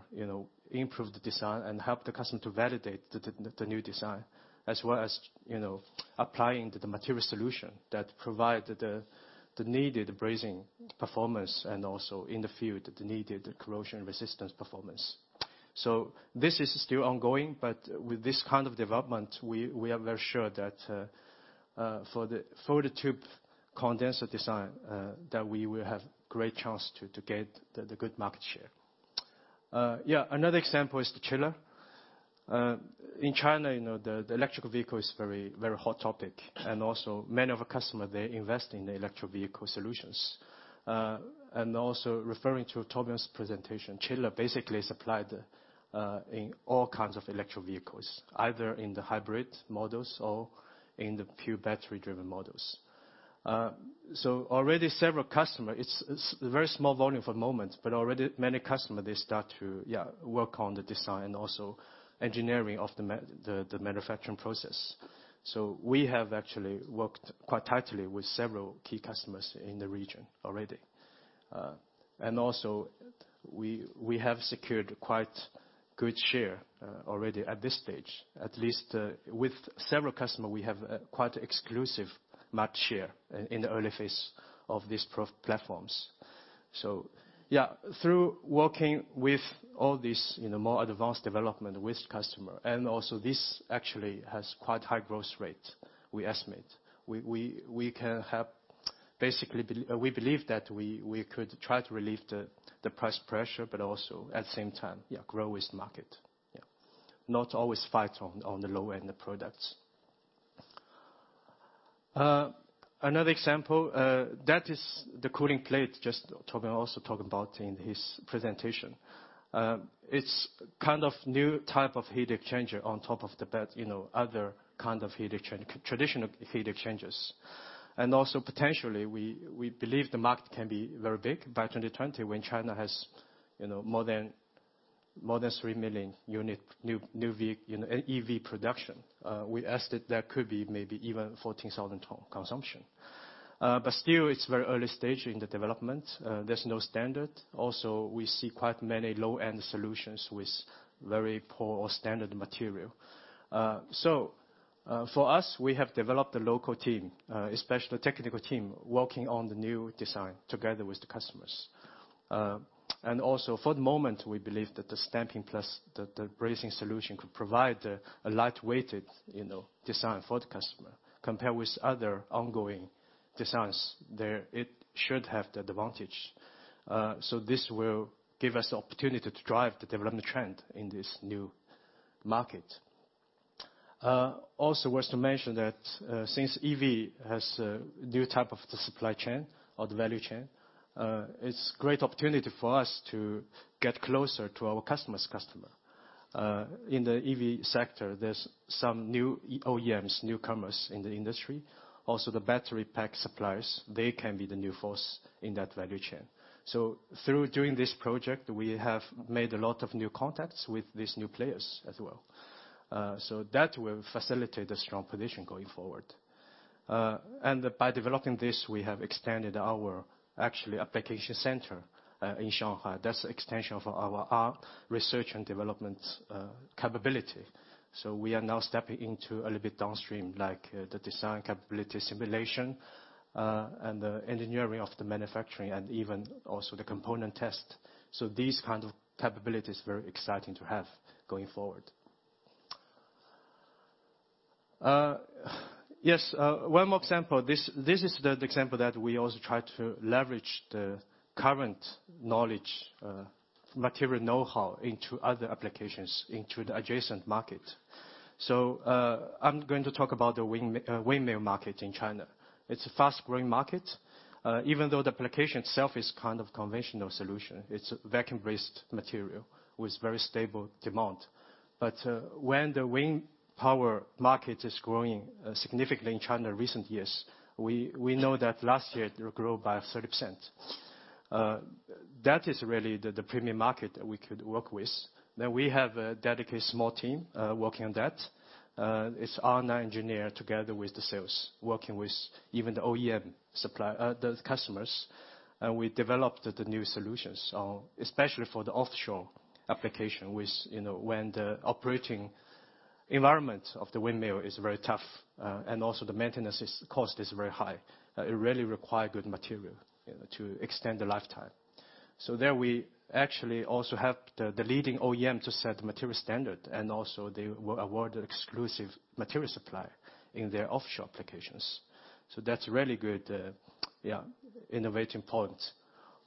improve the design, and help the customer to validate the new design, as well as applying the material solution that provide the needed brazing performance and also in the field, the needed corrosion resistance performance. This is still ongoing, but with this kind of development, we are very sure that for the folded tube condenser design, that we will have great chance to get the good market share. Another example is the chiller. In China, the electric vehicle is very hot topic and also many of our customer, they invest in the electric vehicle solutions. Referring to Torbjörn's presentation, chiller basically supplied in all kinds of electric vehicles, either in the hybrid models or in the pure battery-driven models. Already several customer, it's very small volume for the moment, but already many customer, they start to work on the design, also engineering of the manufacturing process. We have actually worked quite tightly with several key customers in the region already. Also we have secured quite good share already at this stage, at least with several customer, we have quite exclusive market share in the early phase of these platforms. Through working with all these more advanced development with customer and also this actually has quite high growth rate, we estimate. Basically, we believe that we could try to relieve the price pressure, but also at the same time, grow with the market. Not always fight on the low-end products. Another example, that is the cooling plate, just Torbjörn also talked about in his presentation. It's kind of new type of heat exchanger on top of the other kind of traditional heat exchangers. Potentially, we believe the market can be very big by 2020 when China has more than 3 million unit new EV production. We estimate that could be maybe even 14,000 ton consumption. Still, it's very early stage in the development. There's no standard. Also, we see quite many low-end solutions with very poor standard material. For us, we have developed a local team, especially technical team, working on the new design together with the customers. For the moment, we believe that the stamping plus the brazing solution could provide a light-weighted design for the customer. Compared with other ongoing designs, it should have the advantage. This will give us the opportunity to drive the development trend in this new market. Worth to mention that since EV has a new type of the supply chain or the value chain, it's great opportunity for us to get closer to our customer's customer. In the EV sector, there's some new OEMs, newcomers in the industry. The battery pack suppliers, they can be the new force in that value chain. Through doing this project, we have made a lot of new contacts with these new players as well. That will facilitate a strong position going forward. By developing this, we have extended our actual application center in Shanghai. That's extension for our R&D capability. We are now stepping into a little bit downstream, like the design capability simulation, and the engineering of the manufacturing, and even also the component test. These kind of capabilities, very exciting to have going forward. Yes. One more example. This is the example that we also try to leverage the current knowledge, material know-how into other applications, into the adjacent market. I'm going to talk about the windmill market in China. It's a fast-growing market. Even though the application itself is kind of conventional solution. It's vacuum-based material with very stable demand. When the wind power market is growing significantly in China in recent years, we know that last year it grew by 30%. That is really the premium market that we could work with. We have a dedicated small team working on that. It's our nine engineers together with the sales, working with even the OEM customers. We developed the new solutions, especially for the offshore application, when the operating environment of the windmill is very tough. Also the maintenance cost is very high. It really require good material to extend the lifetime. There we actually also help the leading OEM to set the material standard, and also they award exclusive material supply in their offshore applications. That's really good innovating points.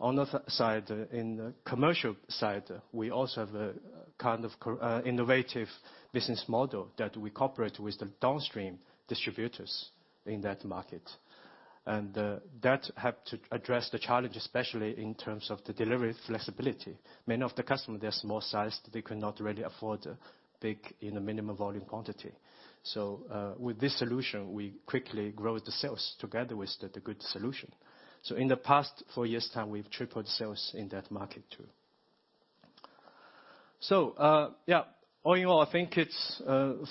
On the side, in the commercial side, we also have a kind of innovative business model that we cooperate with the downstream distributors in that market. That have to address the challenge, especially in terms of the delivery flexibility. Many of the customers, they're small sized. They cannot really afford big in a minimum volume quantity. With this solution, we quickly grow the sales together with the good solution. In the past four years' time, we've tripled sales in that market too. All in all, I think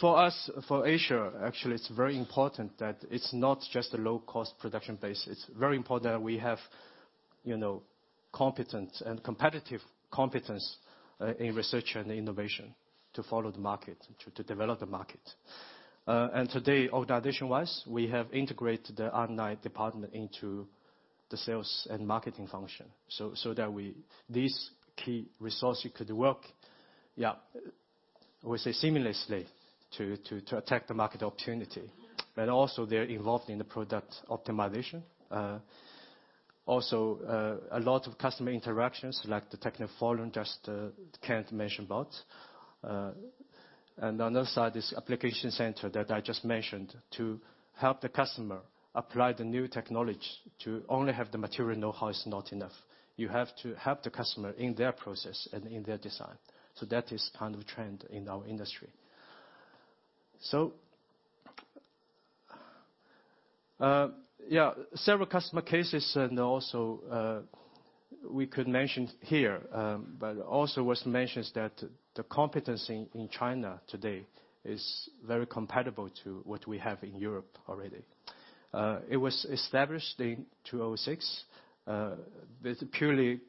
for us, for Asia, actually, it's very important that it's not just a low-cost production base. It's very important that we have competence and competitive competence in research and innovation to follow the market, to develop the market. Today, organization-wise, we have integrated the online department into the sales and marketing function, so that these key resources could work, we say seamlessly to attack the market opportunity. Also they're involved in the product optimization. Also, a lot of customer interactions, like the technical forum just Kent mentioned about. On the other side is application center that I just mentioned to help the customer apply the new technology. To only have the material know-how is not enough. You have to help the customer in their process and in their design. That is kind of trend in our industry. Several customer cases and also we could mention here, but also worth to mention is that the competency in China today is very comparable to what we have in Europe already. It was established in 2006. It's purely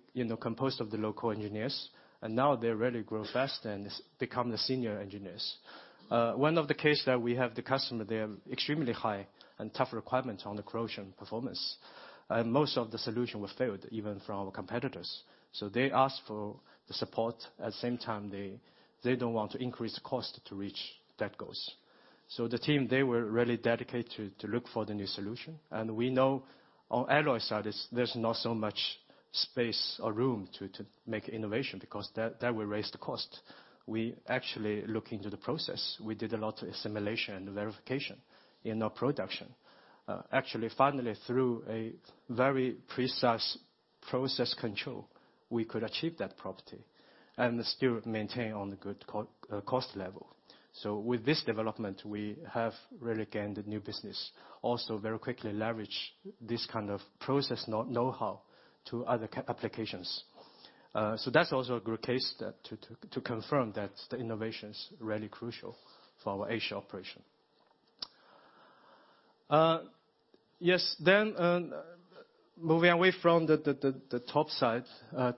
composed of the local engineers. Now they really grow fast and become the senior engineers. One of the case that we have the customer, they have extremely high and tough requirements on the corrosion performance. Most of the solution was failed, even from our competitors. They asked for the support. At the same time, they don't want to increase cost to reach that goals. The team, they were really dedicated to look for the new solution. We know on alloy side, there's not so much space or room to make innovation because that will raise the cost. We actually look into the process. We did a lot of simulation and verification in our production. Actually, finally, through a very precise process control, we could achieve that property and still maintain on the good cost level. With this development, we have really gained new business, also very quickly leverage this kind of process know-how to other applications. That's also a good case to confirm that the innovation's really crucial for our Asia operation. Moving away from the top side,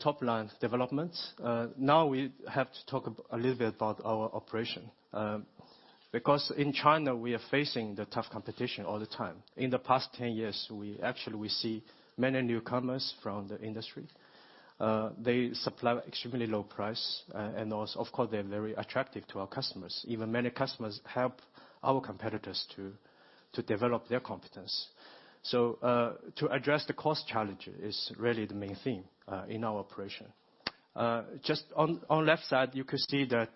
top line developments. We have to talk a little bit about our operation. In China, we are facing the tough competition all the time. In the past 10 years, actually, we see many newcomers from the industry. They supply extremely low price, and also of course, they're very attractive to our customers. Even many customers help our competitors to develop their competence. To address the cost challenge is really the main theme in our operation. Just on left side, you could see that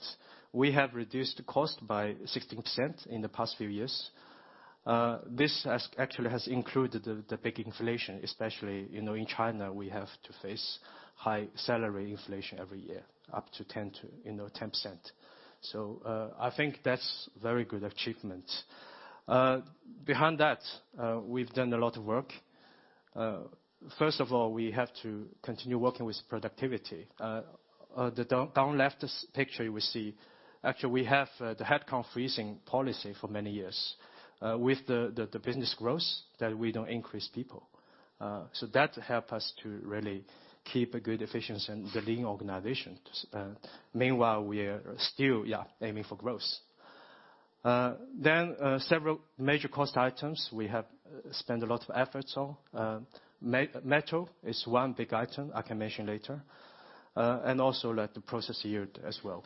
we have reduced cost by 16% in the past few years. This actually has included the big inflation, especially, in China, we have to face high salary inflation every year, up to 10%. I think that's very good achievement. Behind that, we've done a lot of work. First of all, we have to continue working with productivity. On the down left picture you will see, actually we have the headcount freezing policy for many years. With the business growth, that we don't increase people. That help us to really keep a good efficiency and the lean organization. Meanwhile, we are still aiming for growth. Several major cost items we have spent a lot of efforts on. Metal is one big item I can mention later. Also like the process yield as well.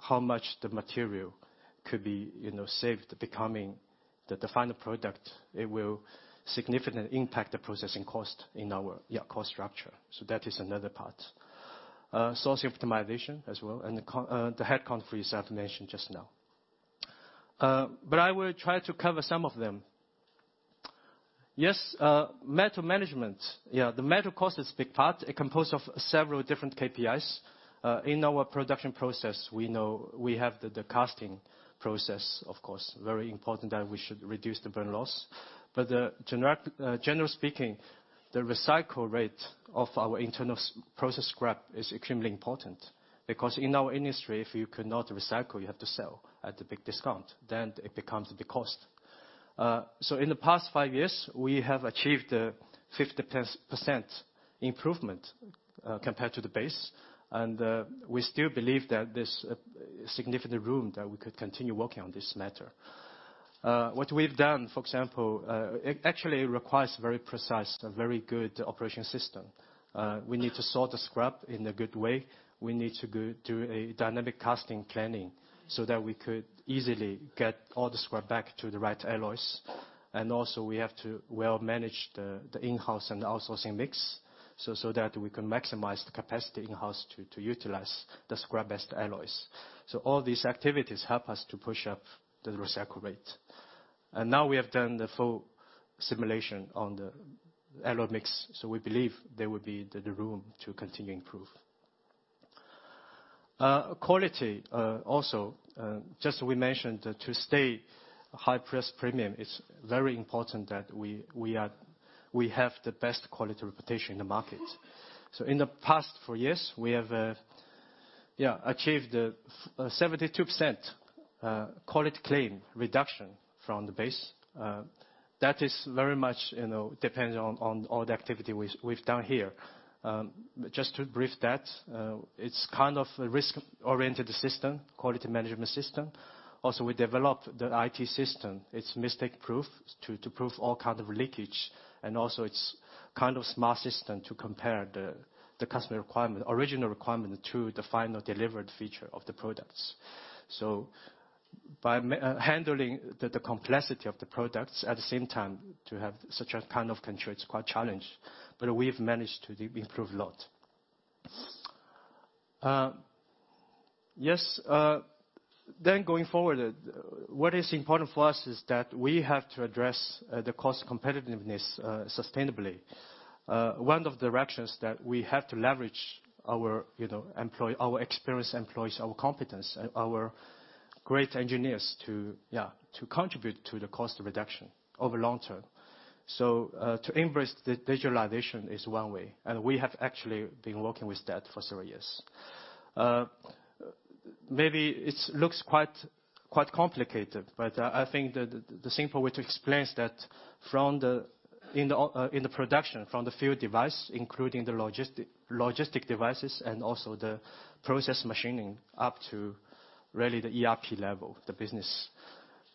How much the material could be saved becoming the final product, it will significantly impact the processing cost in our cost structure. That is another part. Sourcing optimization as well, and the headcount freeze I've mentioned just now. I will try to cover some of them. Metal management. The metal cost is big part. It composed of several different KPIs. In our production process, we know we have the casting process, of course, very important that we should reduce the burn loss. General speaking, the recycle rate of our internal process scrap is extremely important because in our industry, if you cannot recycle, you have to sell at a big discount, then it becomes the cost. In the past five years, we have achieved a 50% improvement compared to the base. We still believe that there's significant room that we could continue working on this matter. What we've done, for example, it actually requires very precise, a very good operation system. We need to sort the scrap in a good way. We need to do a dynamic casting planning so that we could easily get all the scrap back to the right alloys. Also we have to well manage the in-house and outsourcing mix, so that we can maximize the capacity in-house to utilize the scrap-based alloys. All these activities help us to push up the recycle rate. Now we have done the full simulation on the alloy mix. We believe there would be the room to continue improve. Quality, also. Just we mentioned, to stay high-priced premium, it's very important that we have the best quality reputation in the market. In the past four years, we have achieved a 72% quality claim reduction from the base. That is very much dependent on all the activity we've done here. Just to brief that, it's kind of a risk-oriented system, quality management system. We also developed the IT system. It's mistake-proof to prevent all kind of leakage. It's also kind of smart system to compare the customer requirement, original requirement to the final delivered feature of the products. By handling the complexity of the products at the same time to have such a kind of control, it's quite challenged. We have managed to improve a lot. Yes. Going forward, what is important for us is that we have to address the cost competitiveness, sustainably. One of the directions that we have to leverage our experienced employees, our competence, our great engineers to, yeah, to contribute to the cost reduction over long term. To embrace the digitalization is one way, and we have actually been working with that for several years. Maybe it looks quite complicated, but I think the simple way to explain is that in the production from the field device, including the logistic devices and also the process machining up to really the ERP level, the business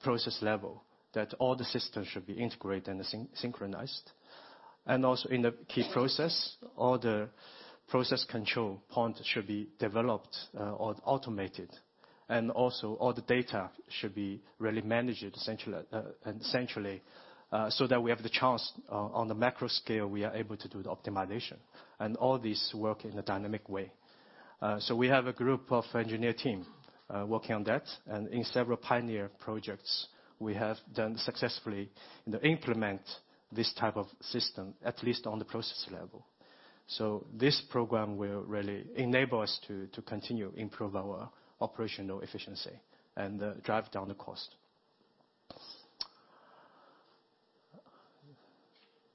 process level, that all the systems should be integrated and synchronized. In the key process, all the process control points should also be developed or automated. All the data should also be really managed centrally, so that we have the chance on the macro scale, we are able to do the optimization. All this work in a dynamic way. We have a group of engineer team working on that. In several pioneer projects, we have done successfully in implementing this type of system, at least on the process level. This program will really enable us to continue improve our operational efficiency and drive down the cost.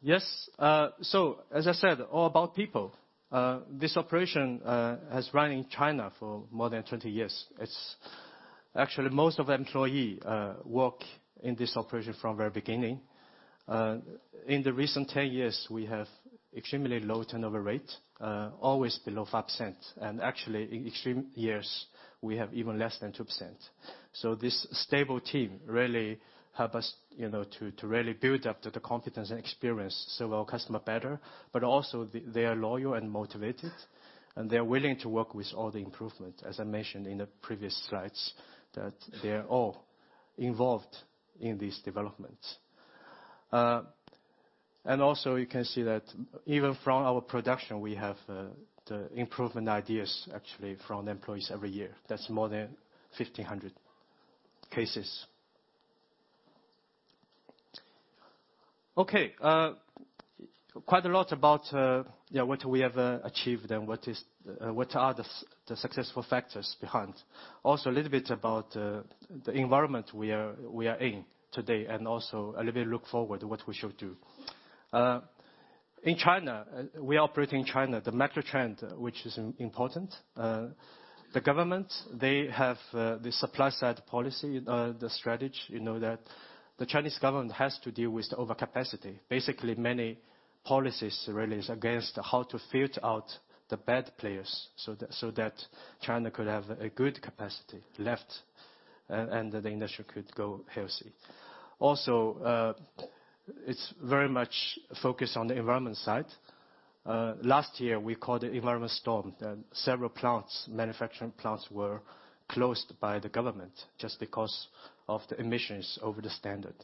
Yes. As I said, all about people. This operation has run in China for more than 20 years. Actually most of employees work in this operation from very beginning. In the recent 10 years, we have extremely low turnover rate, always below 5%. Actually in extreme years, we have even less than 2%. This stable team really help us to really build up the competence and experience, serve our customer better, but also they are loyal and motivated, and they're willing to work with all the improvement, as I mentioned in the previous slides, that they're all involved in these developments. You can also see that even from our production, we have the improvement ideas actually from the employees every year. That's more than 1,500 cases. Okay. Quite a lot about what we have achieved and what are the successful factors behind. A little bit about the environment we are in today, and also a little bit look forward what we should do. In China, we operate in China, the macro trend, which is important. The government, they have the supply side policy, the strategy that the Chinese government has to deal with overcapacity. Basically many policies really are against how to filter out the bad players, so that China could have a good capacity left and the industry could go healthy. It's also very much focused on the environment side. Last year we called the environment storm. Several plants, manufacturing plants, were closed by the government just because of the emissions over the standard.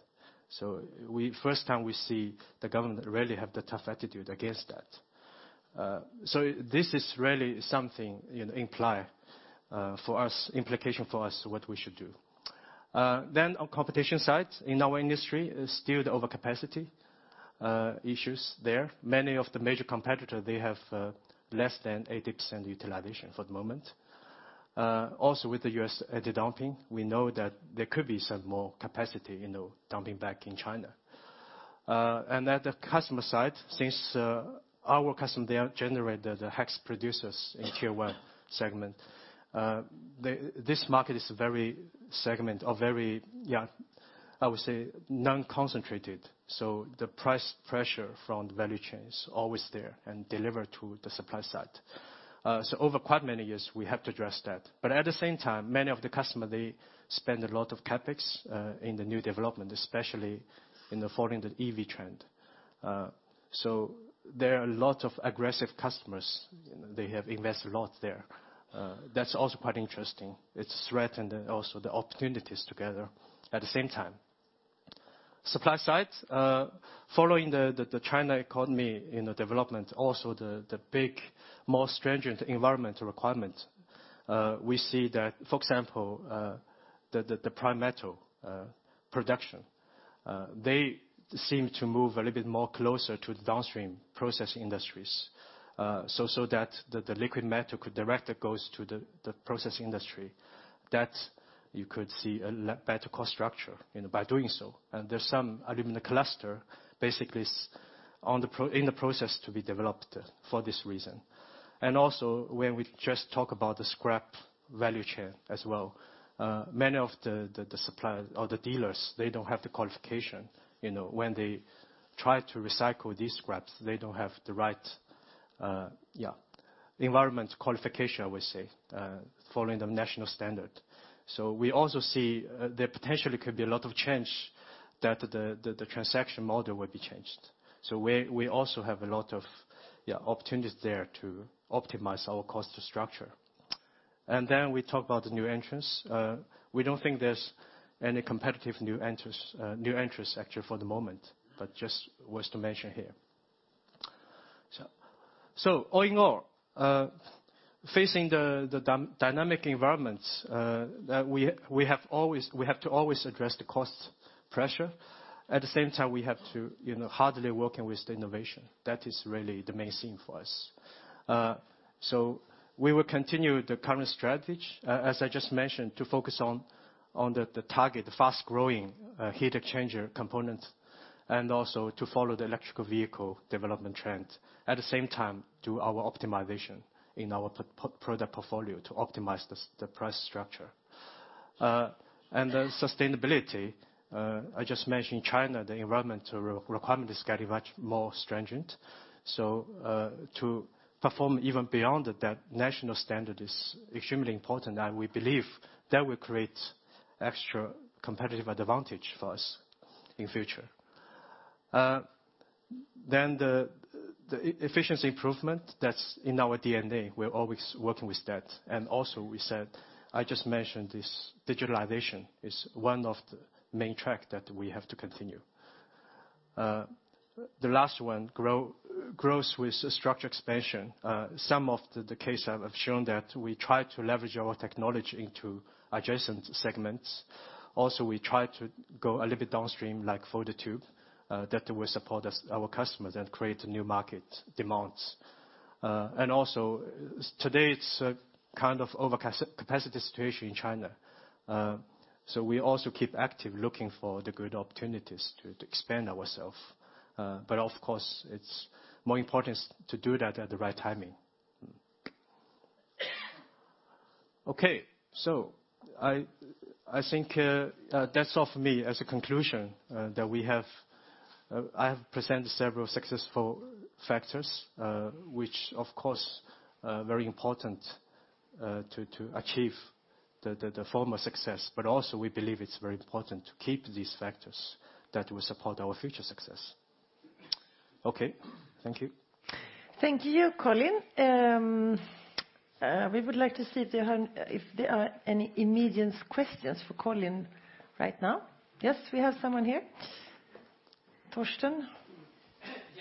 First time we see the government really have the tough attitude against that. This is really something imply for us, implication for us what we should do. On competition side in our industry is still the overcapacity issues there. Many of the major competitors, they have less than 80% utilization for the moment. With the U.S. anti-dumping, we know that there could be some more capacity dumping back in China. At the customer side, since our customers, they are generally the hex producers in tier 1 segment. This market is very segment or very, I would say, non-concentrated. The price pressure from the value chain is always there and delivered to the supply side. Over quite many years we have to address that. At the same time, many of the customers, they spend a lot of CapEx in the new development, especially in the following the EV trend. There are a lot of aggressive customers. They have invested a lot there. That's also quite interesting. It's threatened also the opportunities together at the same time. Supply side, following the China economy in the development, also the big, more stringent environmental requirement. We see that, for example, the prime metal production. They seem to move a little bit more closer to the downstream process industries, so that the liquid metal could directly goes to the process industry, that you could see a better cost structure by doing so. There's some aluminum cluster basically in the process to be developed for this reason. When we just talk about the scrap value chain as well. Many of the suppliers or the dealers, they don't have the qualification. When they try to recycle these scraps, they don't have the right environment qualification, I would say, following the national standard. We also see there potentially could be a lot of change, that the transaction model will be changed. We also have a lot of opportunities there to optimize our cost structure. We talk about the new entrants. We don't think there's any competitive new entrants actually for the moment, but just worth to mention here. All in all, facing the dynamic environments, that we have to always address the cost pressure. At the same time, we have to hardly working with the innovation. That is really the main thing for us. We will continue the current strategy, as I just mentioned, to focus on the target fast-growing heat exchanger component, and also to follow the electrical vehicle development trend. At the same time, do our optimization in our product portfolio to optimize the price structure. Sustainability, I just mentioned China, the environmental requirement is getting much more stringent. To perform even beyond that national standard is extremely important, and we believe that will create extra competitive advantage for us in future. The efficiency improvement that's in our DNA, we're always working with that. We said, I just mentioned this, digitalization is one of the main track that we have to continue. The last one, growth with structured expansion. Some of the case I've shown that we try to leverage our technology into adjacent segments. We try to go a little bit downstream, like folded tube, that will support our customers and create new market demands. Today it's a kind of over capacity situation in China. We also keep active looking for the good opportunities to expand ourself. Of course, it's more important to do that at the right timing. Okay. I think that's all for me. As a conclusion, I have presented several successful factors, which of course are very important to achieve the former success. Also we believe it's very important to keep these factors that will support our future success. Okay. Thank you. Thank you, Colin. We would like to see if there are any immediate questions for Colin right now. Yes, we have someone here. Torsten.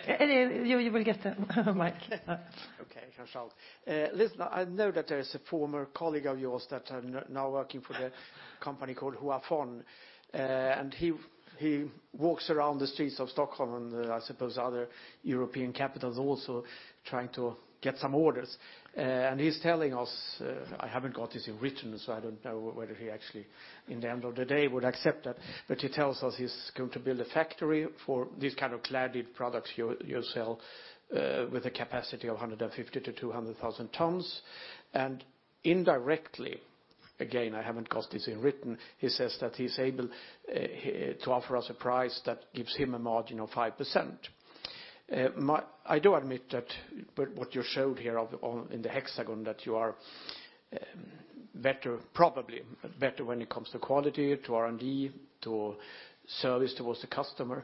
You will get the mic. Okay. I shall. Listen, I know that there is a former colleague of yours that are now working for the company called Huafeng. He walks around the streets of Stockholm, and I suppose other European capitals also, trying to get some orders. He's telling us, I haven't got this in written, so I don't know whether he actually in the end of the day would accept that. He tells us he's going to build a factory for these kind of cladded products you sell with a capacity of 150-200,000 tons. Indirectly, again, I haven't got this in written, he says that he's able to offer us a price that gives him a margin of 5%. I do admit that what you showed here in the hexagon, that you are probably better when it comes to quality, to R&D, to service towards the customer.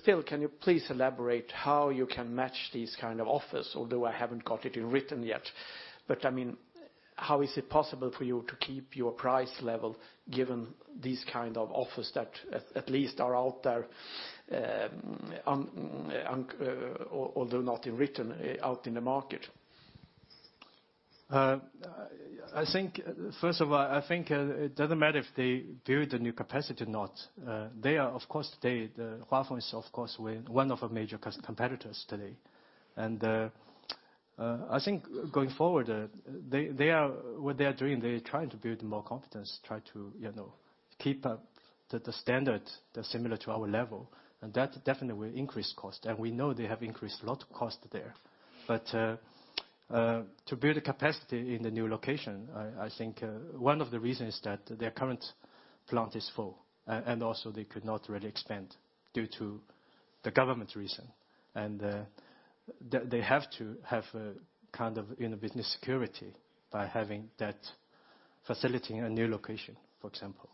Still, can you please elaborate how you can match these kind of offers? Although I haven't got it in written yet, how is it possible for you to keep your price level given these kind of offers that at least are out there, although not in written, out in the market? First of all, I think it doesn't matter if they build the new capacity or not. Huafeng is of course one of our major competitors today. I think going forward, what they are doing, they're trying to build more competence, try to keep up the standard that's similar to our level, and that definitely will increase cost. We know they have increased a lot of cost there. To build a capacity in the new location, I think one of the reasons that their current plant is full, and also they could not really expand due to the government reason, and they have to have a kind of business security by having that facility in a new location, for example.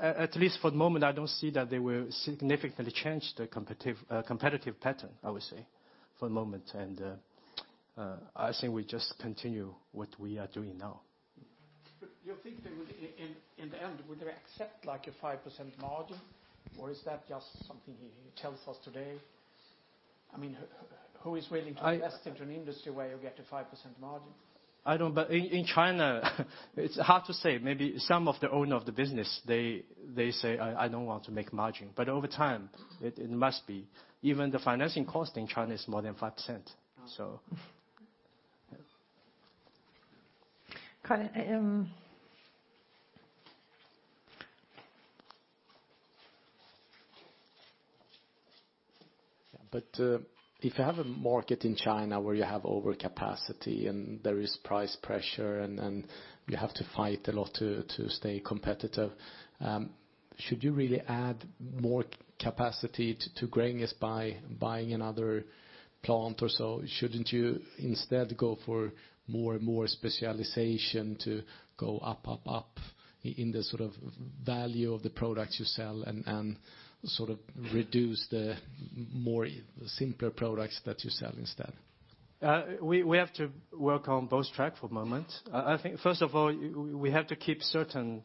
At least for the moment, I don't see that they will significantly change the competitive pattern, I would say, for the moment. I think we just continue what we are doing now. You think in the end, would they accept like a 5% margin or is that just something he tells us today? Who is willing to invest into an industry where you get a 5% margin? In China it's hard to say. Maybe some of the owner of the business, they say, "I don't want to make margin." Over time it must be. Even the financing cost in China is more than 5%. Colin. If you have a market in China where you have overcapacity and there is price pressure, and you have to fight a lot to stay competitive, should you really add more capacity to Gränges by buying another plant or so? Shouldn't you instead go for more specialization to go up in the sort of value of the products you sell and sort of reduce the simpler products that you sell instead? We have to work on both tracks for a moment. I think first of all, we have to keep certain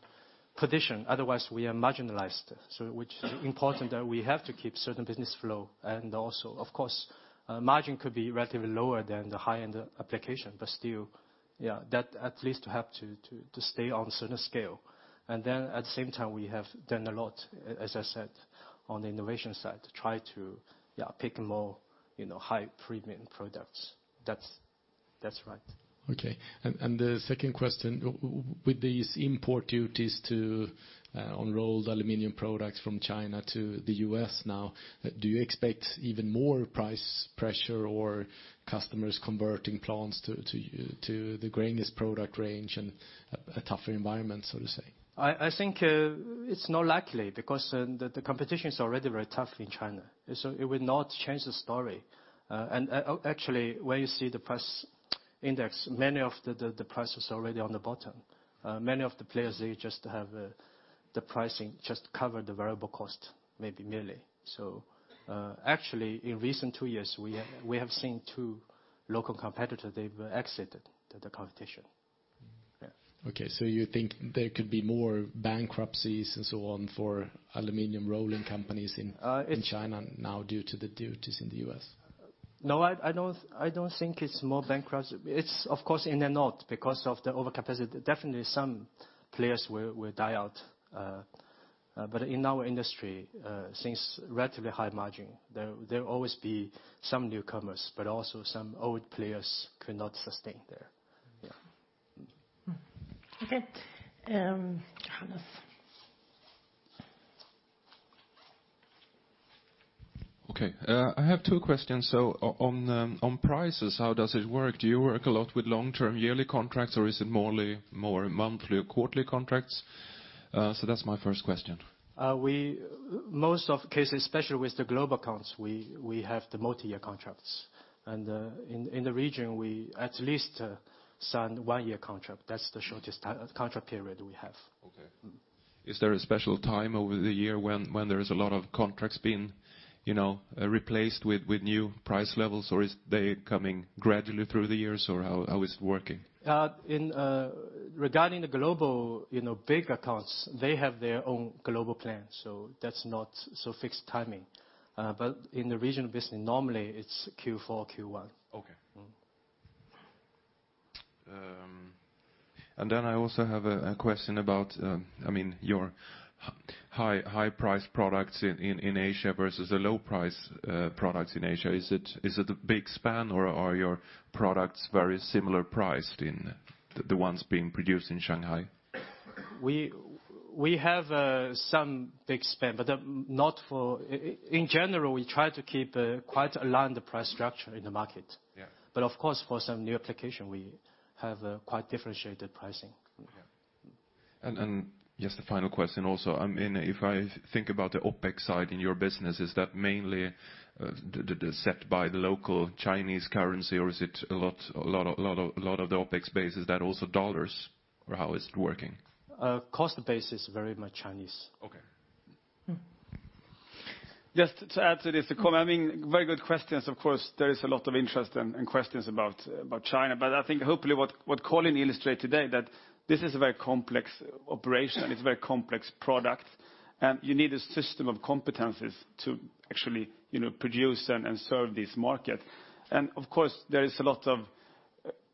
position, otherwise we are marginalized. Which is important that we have to keep certain business flow, and also of course margin could be relatively lower than the high-end application. Still, that at least have to stay on a certain scale. Then at the same time we have done a lot, as I said, on the innovation side to try to pick more high-premium products. That's right. Okay. The second question. With these import duties on rolled aluminum products from China to the US now, do you expect even more price pressure or customers converting plants to the Gränges product range and a tougher environment, so to say? I think it's not likely because the competition is already very tough in China. It would not change the story. Actually when you see the price Index, many of the prices are already on the bottom. Many of the players, they just have the pricing just covers the variable cost, maybe merely. Actually, in recent two years, we have seen two local competitors, they've exited the competition. Yeah. Okay, you think there could be more bankruptcies and so on for aluminum rolling companies in China now due to the duties in the U.S.? No, I don't think it's more bankruptcy. It's of course in the north because of the overcapacity. Definitely some players will die out. In our industry, since relatively high margin, there'll always be some newcomers, but also some old players could not sustain there. Yeah. Okay. Johannes. Okay. I have two questions. On prices, how does it work? Do you work a lot with long-term yearly contracts or is it more monthly or quarterly contracts? That's my first question. Most of cases, especially with the global accounts, we have the multi-year contracts. In the region, we at least sign one-year contract. That's the shortest contract period we have. Okay. Is there a special time over the year when there is a lot of contracts being replaced with new price levels, or are they coming gradually through the years, or how is it working? Regarding the global big accounts, they have their own global plan, so that's not so fixed timing. In the regional business, normally it's Q4, Q1. Okay. I also have a question about your high priced products in Asia versus the low priced products in Asia. Is it a big span or are your products very similar priced in the ones being produced in Shanghai? We have some big span, in general, we try to keep quite aligned the price structure in the market. Yeah. Of course, for some new application, we have quite differentiated pricing. Yeah. Just a final question also. If I think about the OpEx side in your business, is that mainly set by the local Chinese currency or is it a lot of the OpEx base is that also dollars, or how is it working? Cost base is very much Chinese. Okay. Just to add to this, very good questions. Of course, there is a lot of interest and questions about China. I think hopefully what Colin Xu illustrated today, that this is a very complex operation. It's a very complex product, and you need a system of competencies to actually produce and serve this market. Of course, there is a lot of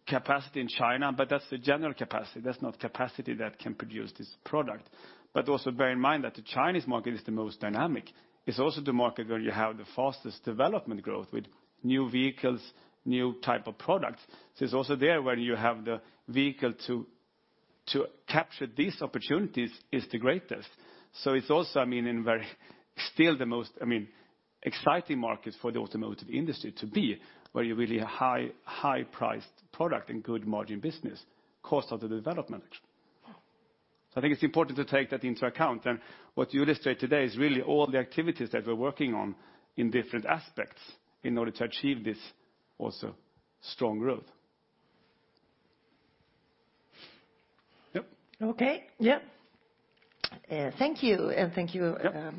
capacity in China, but that's the general capacity. That's not capacity that can produce this product. Also bear in mind that the Chinese market is the most dynamic. It's also the market where you have the fastest development growth with new vehicles, new type of products. It's also there where you have the vehicle to capture these opportunities is the greatest. It's also still the most exciting market for the automotive industry to be, where you really high priced product and good margin business cost of the development. I think it's important to take that into account. What you illustrate today is really all the activities that we're working on in different aspects in order to achieve this also strong growth. Yep. Okay. Yep. Thank you. Yep,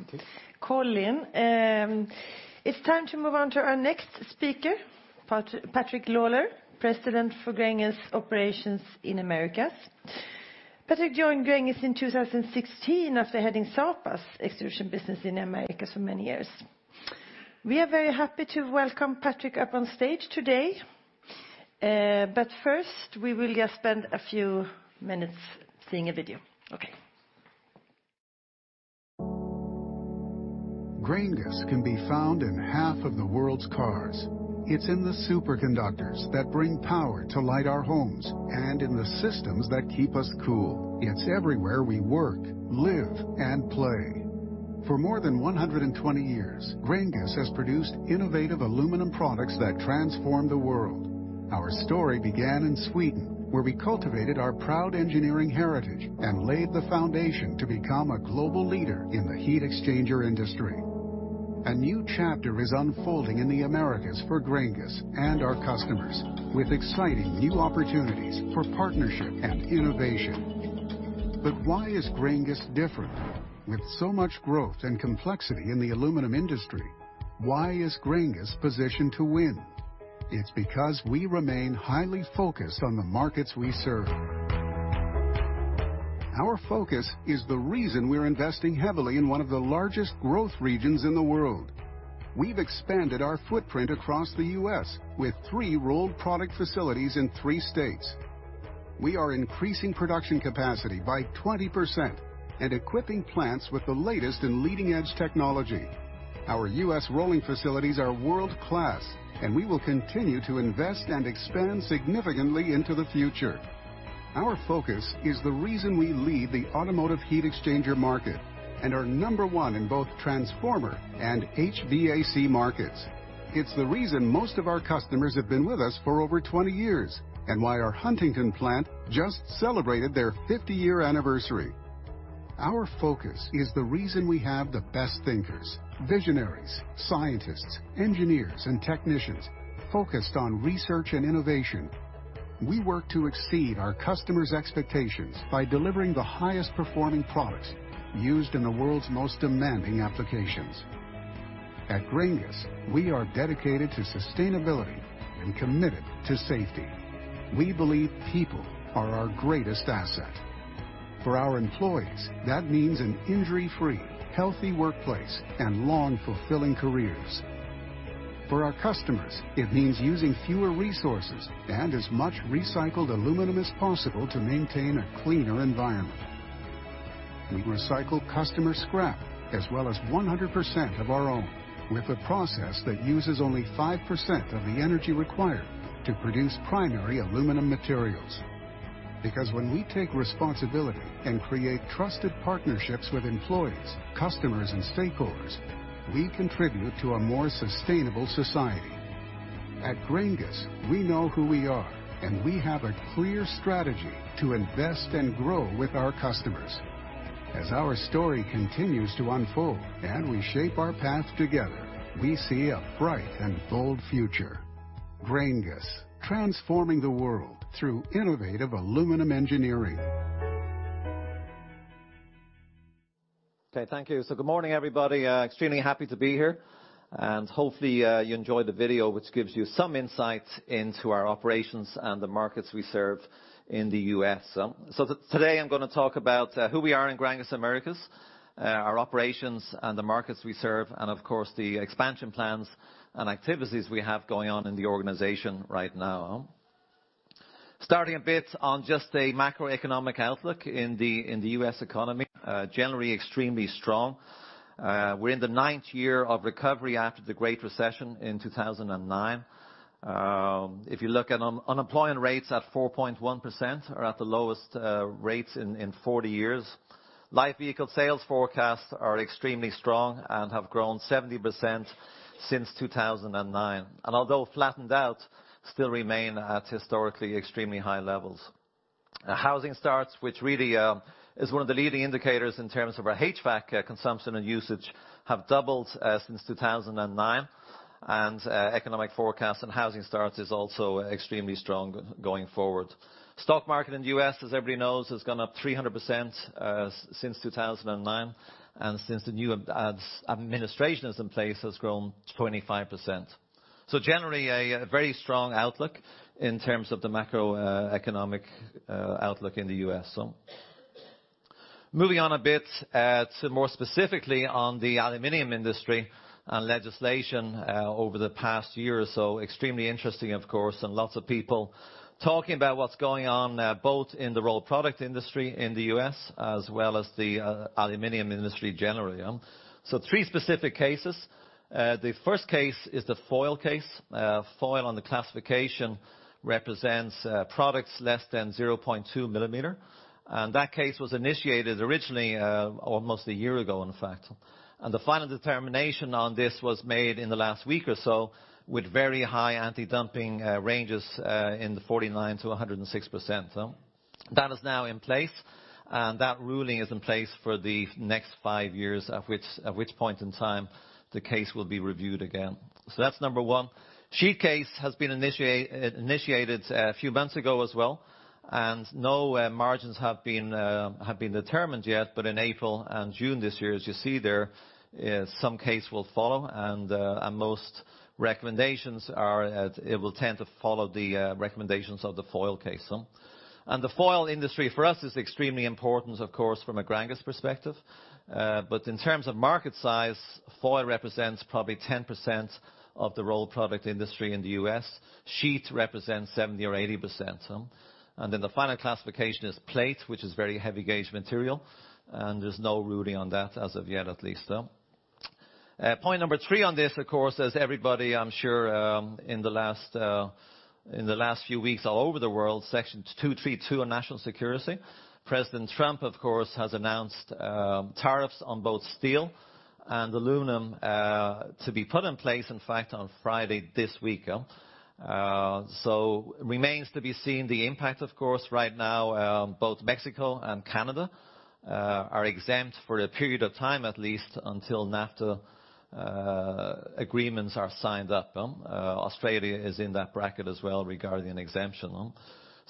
please. Colin. It's time to move on to our next speaker, Patrick Lawlor, President for Gränges Operations in Americas. Patrick joined Gränges in 2016 after heading Sapa's extrusion business in America for many years. We are very happy to welcome Patrick up on stage today. First we will just spend a few minutes seeing a video. Okay. Gränges can be found in half of the world's cars. It's in the superconductors that bring power to light our homes and in the systems that keep us cool. It's everywhere we work, live, and play. For more than 120 years, Gränges has produced innovative aluminum products that transform the world. Our story began in Sweden, where we cultivated our proud engineering heritage and laid the foundation to become a global leader in the heat exchanger industry. A new chapter is unfolding in the Americas for Gränges and our customers, with exciting new opportunities for partnership and innovation. Why is Gränges different? With so much growth and complexity in the aluminum industry, why is Gränges positioned to win? It's because we remain highly focused on the markets we serve. Our focus is the reason we're investing heavily in one of the largest growth regions in the world. We've expanded our footprint across the U.S. with three rolled product facilities in three states. We are increasing production capacity by 20% and equipping plants with the latest in leading-edge technology. Our U.S. rolling facilities are world-class, we will continue to invest and expand significantly into the future. Our focus is the reason we lead the automotive heat exchanger market and are number one in both transformer and HVAC markets. It's the reason most of our customers have been with us for over 20 years, why our Huntington plant just celebrated their 50-year anniversary. Our focus is the reason we have the best thinkers, visionaries, scientists, engineers, and technicians focused on research and innovation. We work to exceed our customers' expectations by delivering the highest performing products used in the world's most demanding applications. At Gränges, we are dedicated to sustainability and committed to safety. We believe people are our greatest asset. For our employees, that means an injury-free, healthy workplace and long, fulfilling careers. For our customers, it means using fewer resources and as much recycled aluminum as possible to maintain a cleaner environment. We recycle customer scrap as well as 100% of our own with a process that uses only five% of the energy required to produce primary aluminum materials. When we take responsibility and create trusted partnerships with employees, customers, and stakeholders, we contribute to a more sustainable society. At Gränges, we know who we are, we have a clear strategy to invest and grow with our customers. As our story continues to unfold and we shape our path together, we see a bright and bold future. Gränges, transforming the world through innovative aluminum engineering. Okay, thank you. Good morning, everybody. Extremely happy to be here, and hopefully you enjoyed the video, which gives you some insight into our operations and the markets we serve in the U.S. Today, I'm going to talk about who we are in Gränges Americas, our operations and the markets we serve, and of course, the expansion plans and activities we have going on in the organization right now. Starting a bit on just a macroeconomic outlook in the U.S. economy, generally extremely strong. We're in the ninth year of recovery after the Great Recession in 2009. If you look at unemployment rates at 4.1%, are at the lowest rates in 40 years. Light vehicle sales forecasts are extremely strong and have grown 70% since 2009, and although flattened out, still remain at historically extremely high levels. Housing starts, which really is one of the leading indicators in terms of our HVAC consumption and usage, have doubled since 2009. Economic forecast and housing starts is also extremely strong going forward. Stock market in the U.S., as everybody knows, has gone up 300% since 2009, and since the new administration is in place, has grown to 25%. Generally, a very strong outlook in terms of the macroeconomic outlook in the U.S. Moving on a bit to more specifically on the aluminium industry and legislation over the past year or so, extremely interesting, of course, and lots of people talking about what's going on both in the rolled product industry in the U.S., as well as the aluminium industry generally. Three specific cases. The first case is the foil case. Foil on the classification represents products less than 0.2 millimeter. That case was initiated originally almost a year ago, in fact. The final determination on this was made in the last week or so with very high anti-dumping ranges in the 49%-106%. That is now in place, and that ruling is in place for the next five years, at which point in time the case will be reviewed again. That's number one. Sheet case has been initiated a few months ago as well, and no margins have been determined yet, but in April and June this year, as you see there, some case will follow and most recommendations are it will tend to follow the recommendations of the foil case. The foil industry for us is extremely important, of course, from a Gränges perspective. In terms of market size, foil represents probably 10% of the rolled product industry in the U.S. Sheet represents 70% or 80%. The final classification is plate, which is very heavy gauge material, and there's no ruling on that as of yet, at least. Point number three on this, of course, as everybody I'm sure, in the last few weeks all over the world, Section 232 on national security. President Trump, of course, has announced tariffs on both steel and aluminum to be put in place, in fact, on Friday this week. Remains to be seen the impact, of course. Right now, both Mexico and Canada are exempt for a period of time, at least until NAFTA agreements are signed up. Australia is in that bracket as well regarding exemption.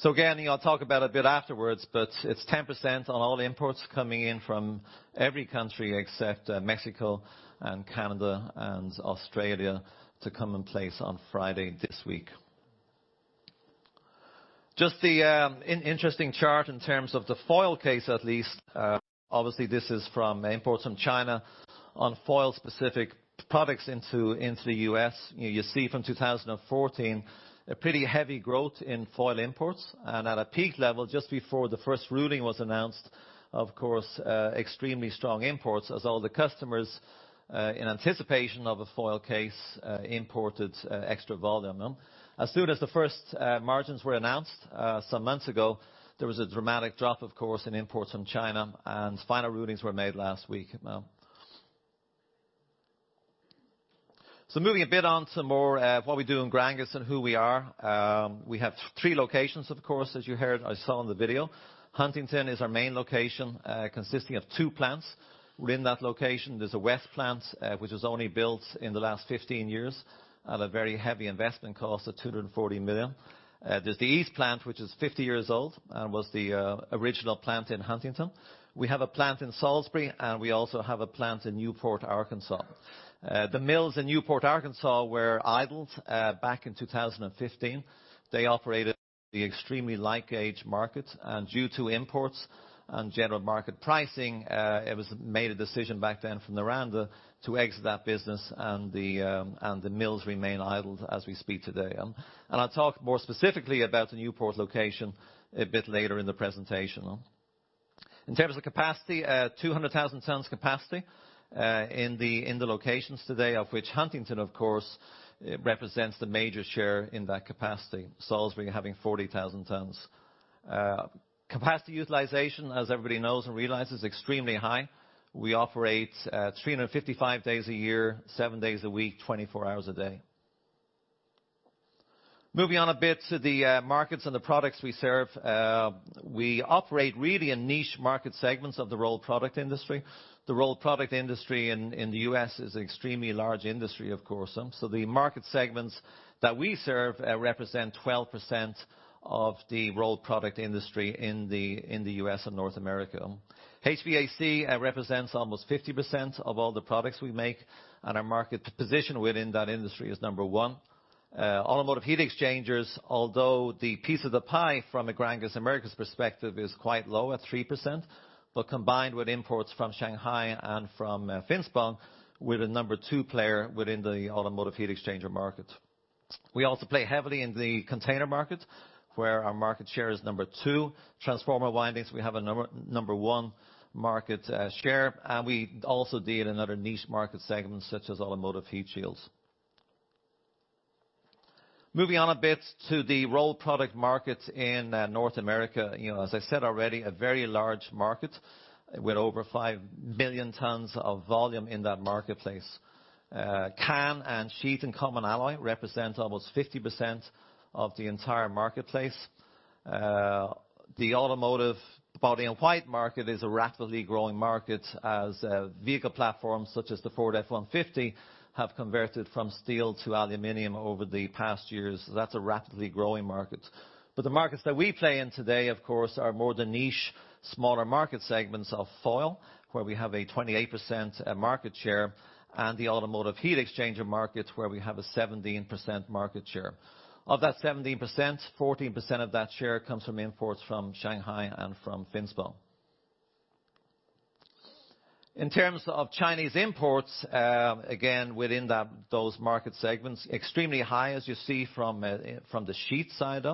Again, I'll talk about a bit afterwards, but it's 10% on all imports coming in from every country except Mexico and Canada and Australia to come in place on Friday this week. The interesting chart in terms of the foil case, at least. This is from imports from China on foil specific products into the U.S. From 2014, a pretty heavy growth in foil imports and at a peak level just before the first ruling was announced, of course, extremely strong imports as all the customers, in anticipation of a foil case, imported extra volume. As soon as the first margins were announced some months ago, there was a dramatic drop, of course, in imports from China, final rulings were made last week now. Moving a bit on to more what we do in Gränges and who we are. We have three locations, of course, as you heard or saw in the video. Huntington is our main location, consisting of two plants within that location. There's a west plant, which was only built in the last 15 years, at a very heavy investment cost of 240 million. There's the east plant, which is 50 years old and was the original plant in Huntington. We have a plant in Salisbury, and we also have a plant in Newport, Arkansas. The mills in Newport, Arkansas, were idled back in 2015. They operated in the extremely light gauge market, due to imports and general market pricing, it was made a decision back then from Noranda to exit that business, the mills remain idled as we speak today. I'll talk more specifically about the Newport location a bit later in the presentation. In terms of capacity, 200,000 tons capacity in the locations today of which Huntington, of course, represents the major share in that capacity, Salisbury having 40,000 tons. Capacity utilization, as everybody knows and realizes, extremely high. We operate 355 days a year, seven days a week, 24 hours a day. Moving on a bit to the markets and the products we serve. We operate really in niche market segments of the rolled product industry. The rolled product industry in the U.S. is an extremely large industry, of course. The market segments that we serve represent 12% of the rolled product industry in the U.S. and North America. HVAC represents almost 50% of all the products we make, our market position within that industry is number one. Automotive heat exchangers, although the piece of the pie from a Gränges Americas perspective is quite low at 3%, combined with imports from Shanghai and from Finspång, we're the number two player within the automotive heat exchanger market. We also play heavily in the container market, where our market share is number two. Transformer windings, we have a number one market share, we also deal in other niche market segments such as automotive heat shields. Moving on a bit to the rolled product market in North America. As I said already, a very large market with over 5 billion tons of volume in that marketplace. Can and sheet in common alloy represent almost 50% of the entire marketplace. The Automotive Body-in-White market is a rapidly growing market as vehicle platforms such as the Ford F-150 have converted from steel to aluminum over the past years. That's a rapidly growing market. The markets that we play in today, of course, are more the niche, smaller market segments of foil, where we have a 28% market share, and the automotive heat exchanger market, where we have a 17% market share. Of that 17%, 14% of that share comes from imports from Shanghai and from Finspång. In terms of Chinese imports, again, within those market segments, extremely high as you see from the sheet side,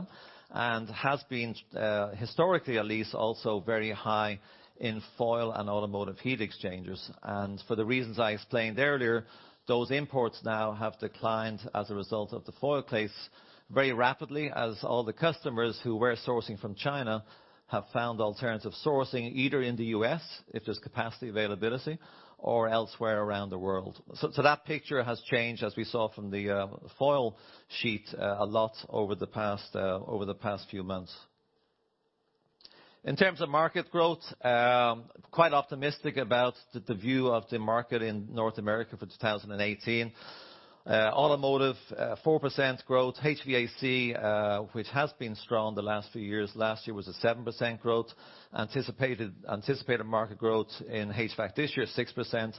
and has been historically at least also very high in foil and automotive heat exchangers. For the reasons I explained earlier, those imports now have declined as a result of the foil case very rapidly as all the customers who were sourcing from China have found alternative sourcing, either in the U.S., if there's capacity availability, or elsewhere around the world. That picture has changed, as we saw from the foil sheet a lot over the past few months. In terms of market growth, quite optimistic about the view of the market in North America for 2018. Automotive, 4% growth. HVAC, which has been strong the last few years, last year was a 7% growth. Anticipated market growth in HVAC this year is 6%.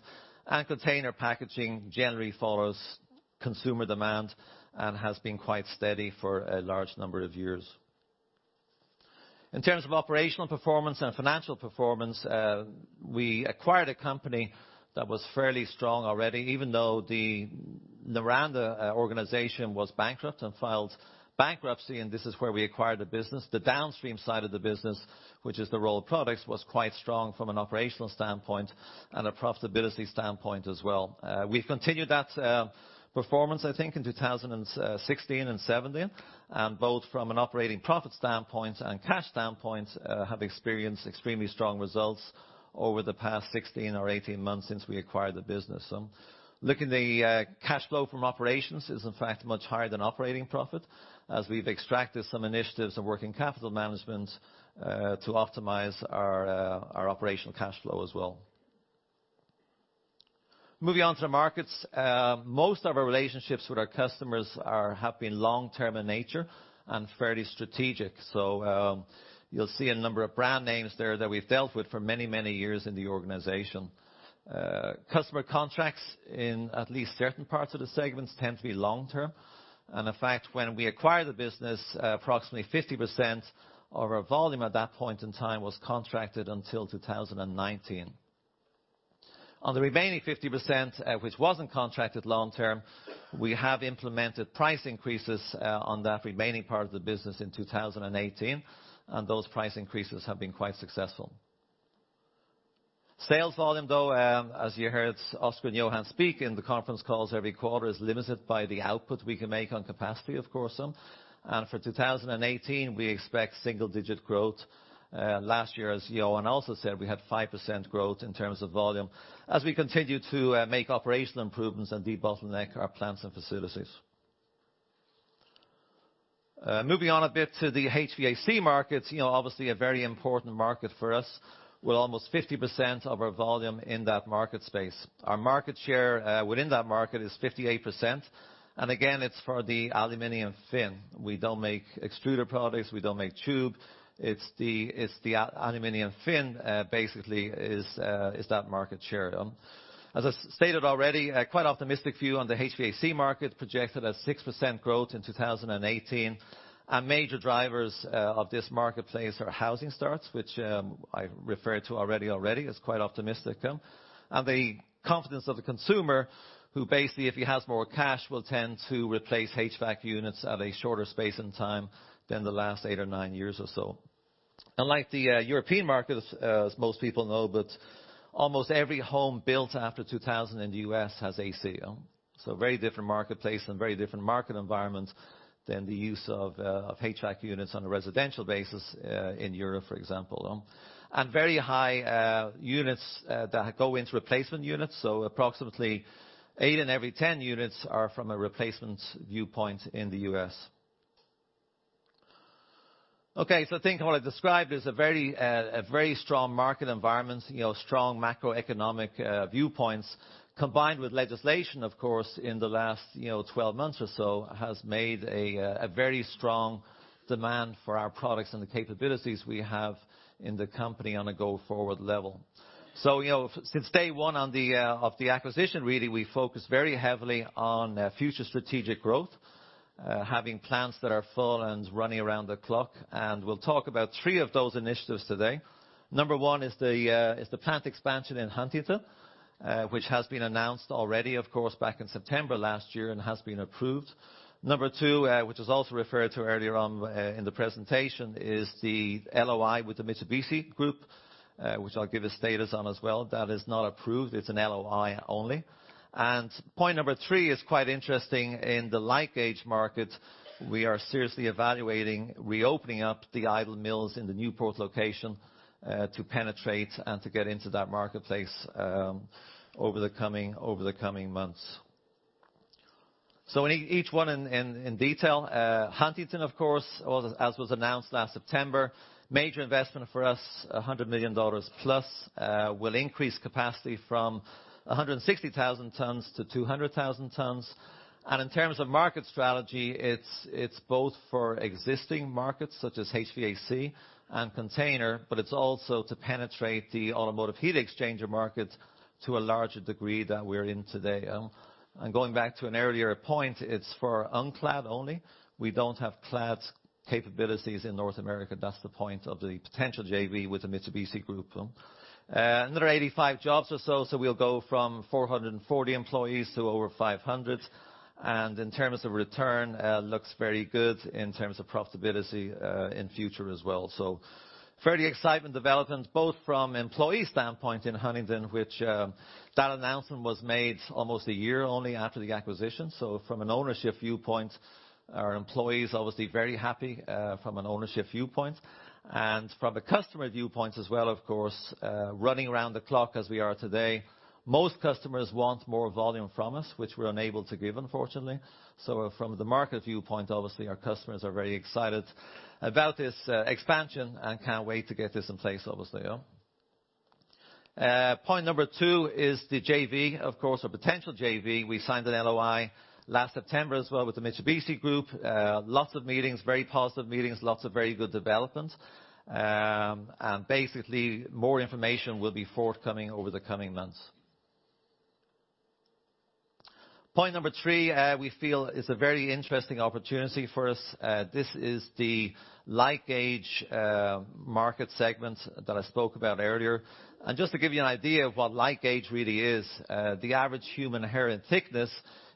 Container packaging generally follows consumer demand and has been quite steady for a large number of years. In terms of operational performance and financial performance, we acquired a company that was fairly strong already, even though the Noranda organization was bankrupt and filed bankruptcy, and this is where we acquired the business. The downstream side of the business, which is the rolled products, was quite strong from an operational standpoint and a profitability standpoint as well. We've continued that performance, I think in 2016 and 2017, both from an operating profit standpoint and cash standpoint have experienced extremely strong results over the past 16 or 18 months since we acquired the business. Looking the cash flow from operations is in fact much higher than operating profit, as we've extracted some initiatives on working capital management to optimize our operational cash flow as well. Moving on to the markets. Most of our relationships with our customers have been long-term in nature and fairly strategic. You'll see a number of brand names there that we've dealt with for many, many years in the organization. Customer contracts in at least certain parts of the segments tend to be long term. In fact, when we acquired the business, approximately 50% of our volume at that point in time was contracted until 2019. On the remaining 50%, which wasn't contracted long term, we have implemented price increases on that remaining part of the business in 2018, those price increases have been quite successful. Sales volume, though, as you heard Oskar and Johan speak in the conference calls every quarter, is limited by the output we can make on capacity, of course. For 2018, we expect single-digit growth. Last year, as Johan also said, we had 5% growth in terms of volume. As we continue to make operational improvements and debottleneck our plants and facilities. Moving on a bit to the HVAC markets, obviously a very important market for us, with almost 50% of our volume in that market space. Our market share within that market is 58%. Again, it's for the aluminum fin. We don't make extruded products. We don't make tube. The aluminum fin basically is that market share. As I stated already, quite optimistic view on the HVAC market, projected at 6% growth in 2018. Major drivers of this marketplace are housing starts, which I referred to already. It's quite optimistic. The confidence of the consumer, who basically, if he has more cash, will tend to replace HVAC units at a shorter space in time than the last eight or nine years or so. Unlike the European markets, as most people know, almost every home built after 2000 in the U.S. has AC. A very different marketplace and very different market environment than the use of HVAC units on a residential basis in Europe, for example. Very high units that go into replacement units. Approximately eight in every 10 units are from a replacement viewpoint in the U.S. Okay. I think what I described is a very strong market environment, strong macroeconomic viewpoints, combined with legislation, of course, in the last 12 months or so, has made a very strong demand for our products and the capabilities we have in the company on a go-forward level. Since day one of the acquisition, really, we focused very heavily on future strategic growth, having plants that are full and running around the clock. We'll talk about three of those initiatives today. Number one is the plant expansion in Huntington, which has been announced already, of course, back in September last year and has been approved. Number two, which was also referred to earlier on in the presentation, is the LOI with the Mitsubishi Group, which I'll give a status on as well. That is not approved. It's an LOI only. Point number three is quite interesting. In the like gauge market, we are seriously evaluating reopening up the idle mills in the Newport location to penetrate and to get into that marketplace over the coming months. Each one in detail. Huntington, of course, as was announced last September, major investment for us, $100 million plus, will increase capacity from 160,000 tons to 200,000 tons. In terms of market strategy, it's both for existing markets such as HVAC and container, but it's also to penetrate the automotive heat exchanger market to a larger degree than we're in today. Going back to an earlier point, it's for unclad only. We don't have clad capabilities in North America. That's the point of the potential JV with the Mitsubishi Group. Another 85 jobs or so. We'll go from 440 employees to over 500. In terms of return, looks very good in terms of profitability in future as well. Further exciting development both from employee standpoint in Huntington, which that announcement was made almost a year only after the acquisition. From an ownership viewpoint, our employees obviously very happy from an ownership viewpoint. From a customer viewpoint as well, of course, running around the clock as we are today. Most customers want more volume from us, which we're unable to give unfortunately. From the market viewpoint, obviously our customers are very excited about this expansion and can't wait to get this in place, obviously. Point number two is the JV. Of course, a potential JV. We signed an LOI last September as well with the Mitsubishi Group. Lots of meetings, very positive meetings, lots of very good development. Basically, more information will be forthcoming over the coming months. Point number three, we feel is a very interesting opportunity for us. This is the light gauge market segment that I spoke about earlier. Just to give you an idea of what light gauge really is, the average human hair in thickness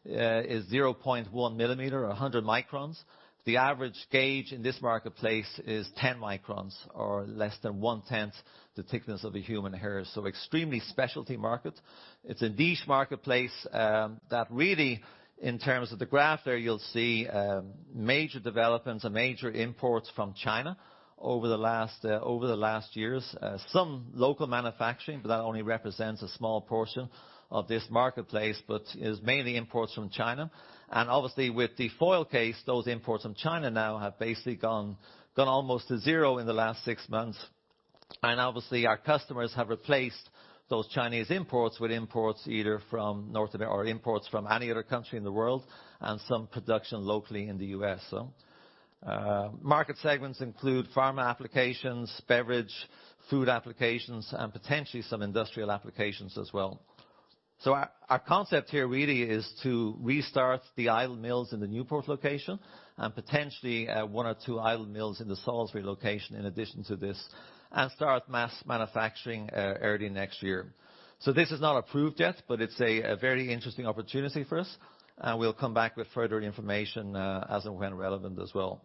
is 0.1 millimeter or 100 microns. The average gauge in this marketplace is 10 microns or less than one-tenth the thickness of a human hair. Extremely specialty market. It's a niche marketplace that really, in terms of the graph there, you'll see major developments and major imports from China over the last years. Some local manufacturing, but that only represents a small portion of this marketplace, but is mainly imports from China. Obviously with the foil case, those imports from China now have basically gone almost to zero in the last six months. Obviously our customers have replaced those Chinese imports with imports either from or imports from any other country in the world and some production locally in the U.S. Market segments include pharma applications, beverage, food applications, and potentially some industrial applications as well. Our concept here really is to restart the idle mills in the Newport location and potentially one or two idle mills in the Salisbury location in addition to this, and start mass manufacturing early next year. This is not approved yet, but it's a very interesting opportunity for us, and we'll come back with further information as and when relevant as well.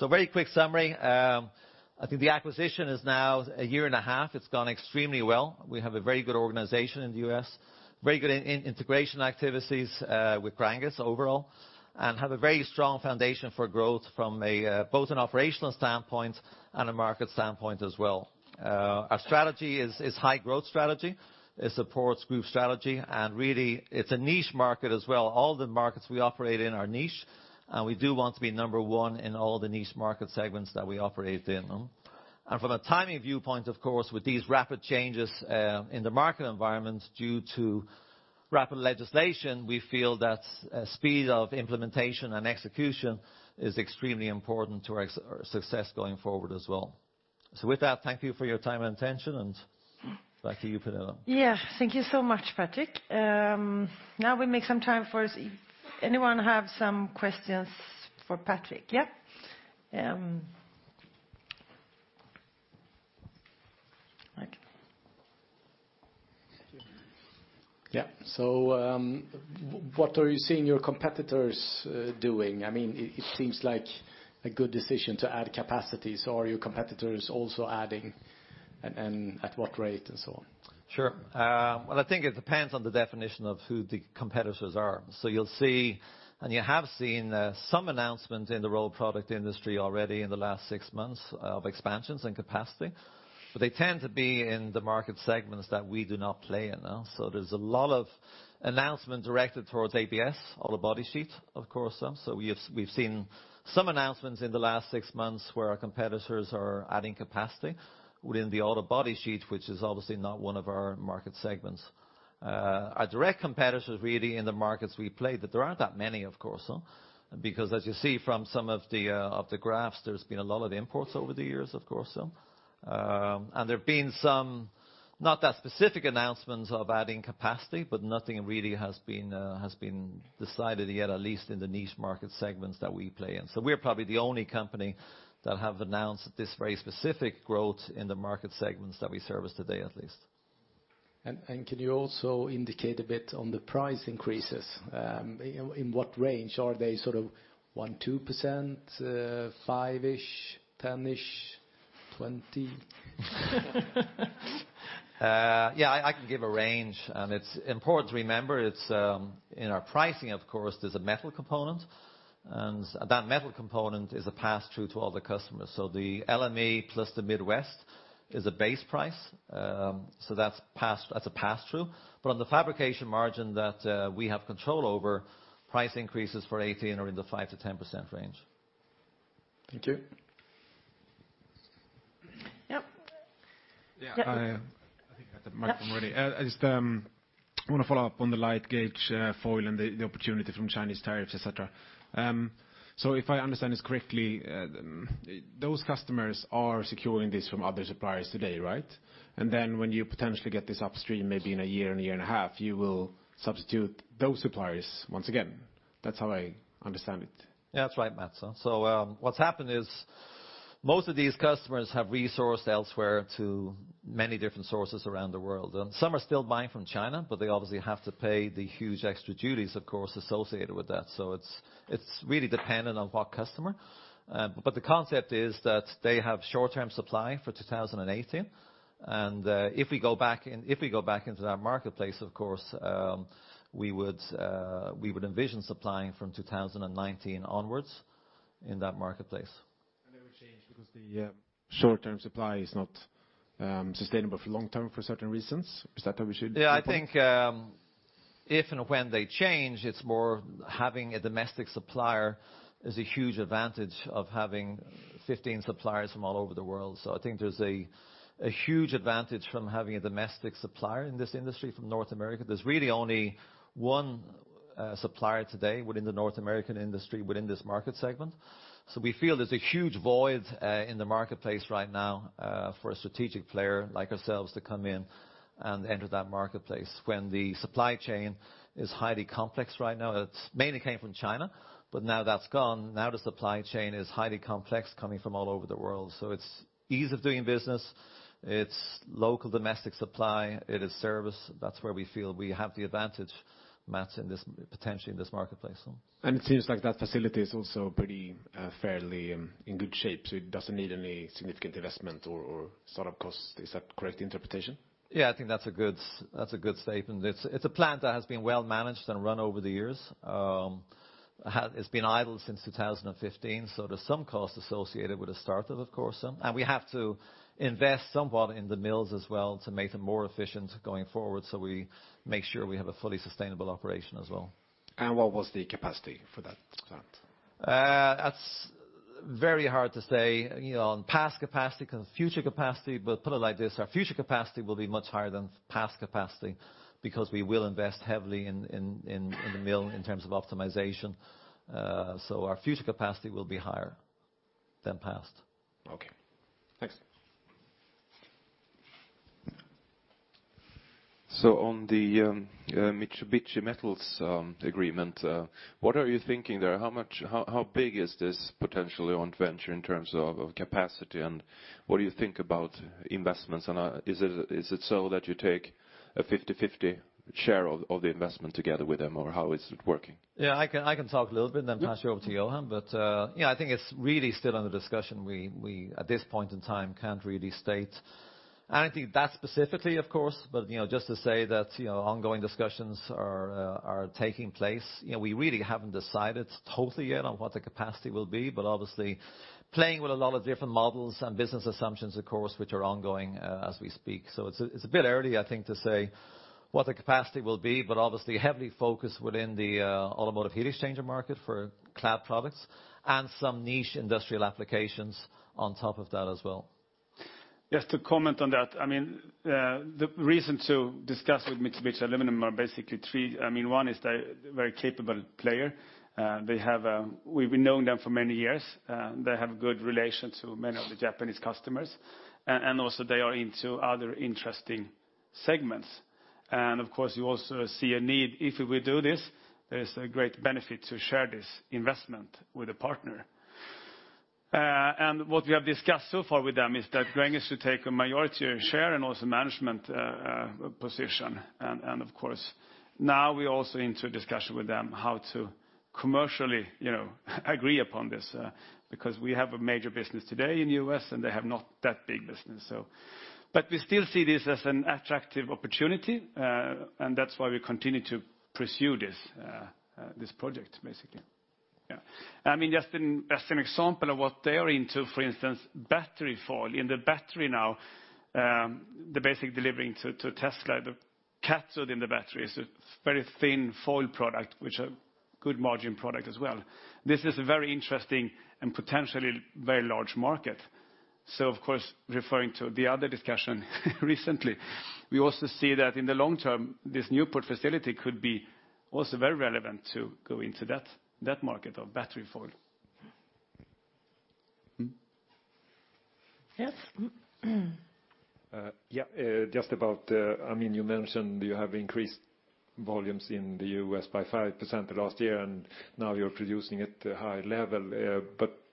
Very quick summary. I think the acquisition is now a year and a half. It's gone extremely well. We have a very good organization in the U.S. Very good in integration activities with Gränges overall, and have a very strong foundation for growth from both an operational standpoint and a market standpoint as well. Our strategy is high growth strategy. It supports group strategy, and really it's a niche market as well. All the markets we operate in are niche, and we do want to be number 1 in all the niche market segments that we operate in. From a timing viewpoint, of course, with these rapid changes in the market environment due to rapid legislation, we feel that speed of implementation and execution is extremely important to our success going forward as well. With that, thank you for your time and attention, and back to you, Pernilla. Yeah. Thank you so much, Patrick. Now we make some time for anyone have some questions for Patrick? Yeah. Ken. Yeah. What are you seeing your competitors doing? It seems like a good decision to add capacity. Are your competitors also adding, and at what rate and so on? Sure. Well, I think it depends on the definition of who the competitors are. You'll see, and you have seen some announcements in the rolled product industry already in the last six months of expansions and capacity, but they tend to be in the market segments that we do not play in. There's a lot of announcements directed towards ABS, auto body sheets, of course. We've seen some announcements in the last six months where our competitors are adding capacity within the auto body sheet, which is obviously not one of our market segments. Our direct competitors really in the markets we play, but there aren't that many, of course. As you see from some of the graphs, there's been a lot of imports over the years, of course. There have been some, not that specific announcements of adding capacity, but nothing really has been decided yet, at least in the niche market segments that we play in. We're probably the only company that have announced this very specific growth in the market segments that we service today, at least. Can you also indicate a bit on the price increases? In what range, are they 1%, 2%, five-ish%, 10-ish%, 20%? I can give a range. It's important to remember, it's in our pricing of course, there's a metal component, and that metal component is a pass-through to all the customers. The LME plus the Midwest is a base price. That's a pass-through. On the fabrication margin that we have control over, price increases for 2018 are in the 5%-10% range. Thank you. Yep. Yeah. I think I have the mic already. Yeah. I just want to follow up on the light gauge foil and the opportunity from Chinese tariffs, et cetera. If I understand this correctly, those customers are securing this from other suppliers today, right? When you potentially get this upstream, maybe in a year, in a year and a half, you will substitute those suppliers once again. That's how I understand it. That's right, Max. What's happened is most of these customers have resourced elsewhere to many different sources around the world. Some are still buying from China, but they obviously have to pay the huge extra duties, of course, associated with that. It's really dependent on what customer. The concept is that they have short-term supply for 2018. If we go back into that marketplace, of course, we would envision supplying from 2019 onwards in that marketplace. They would change because the short-term supply is not sustainable for long term for certain reasons. Is that how we should interpret? I think if and when they change, it's more having a domestic supplier is a huge advantage of having 15 suppliers from all over the world. There's a huge advantage from having a domestic supplier in this industry from North America. There's really only one supplier today within the North American industry within this market segment. We feel there's a huge void in the marketplace right now for a strategic player like ourselves to come in and enter that marketplace when the supply chain is highly complex right now. It's mainly came from China, but now that's gone. Now the supply chain is highly complex, coming from all over the world. It's ease of doing business, it's local domestic supply, it is service. That's where we feel we have the advantage, Max, potentially in this marketplace. It seems like that facility is also pretty fairly in good shape, so it doesn't need any significant investment or start-up costs. Is that a correct interpretation? Yeah, I think that's a good statement. It's a plant that has been well managed and run over the years. It's been idle since 2015, so there's some cost associated with the start of course. We have to invest somewhat in the mills as well to make them more efficient going forward, so we make sure we have a fully sustainable operation as well. What was the capacity for that plant? That's very hard to say. On past capacity, current, future capacity. Put it like this, our future capacity will be much higher than past capacity because we will invest heavily in the mill in terms of optimization. Our future capacity will be higher than past. Okay, thanks. On the Mitsubishi Aluminum agreement, what are you thinking there? How big is this potentially joint venture in terms of capacity, and what do you think about investments, and is it so that you take a 50/50 share of the investment together with them, or how is it working? Yeah, I can talk a little bit. Yeah Pass you over to Johan. I think it's really still under discussion. We, at this point in time, can't really state anything that specifically, of course, but just to say that ongoing discussions are taking place. We really haven't decided totally yet on what the capacity will be, but obviously playing with a lot of different models and business assumptions, of course, which are ongoing as we speak. It's a bit early, I think, to say what the capacity will be, but obviously heavily focused within the automotive heat exchanger market for clad products and some niche industrial applications on top of that as well. Just to comment on that. The reason to discuss with Mitsubishi Aluminum are basically three. One is they're a very capable player. We've known them for many years. They have good relations with many of the Japanese customers, and also they are into other interesting segments. Of course, you also see a need. If we do this, there's a great benefit to share this investment with a partner. What we have discussed so far with them is that Gränges should take a majority share and also management position. Of course, now we're also into a discussion with them how to commercially agree upon this, because we have a major business today in U.S., and they have not that big business. We still see this as an attractive opportunity, and that's why we continue to pursue this project, basically. Yeah. Just an example of what they are into, for instance, battery foil. In the battery now, they are basically delivering to Tesla the cathode in the battery. It is a very thin foil product, which are good margin product as well. This is a very interesting and potentially very large market. Of course, referring to the other discussion recently, we also see that in the long term, this Newport facility could be also very relevant to go into that market of battery foil. Yes? Just about, you mentioned you have increased volumes in the U.S. by 5% last year, and now you are producing at a high level.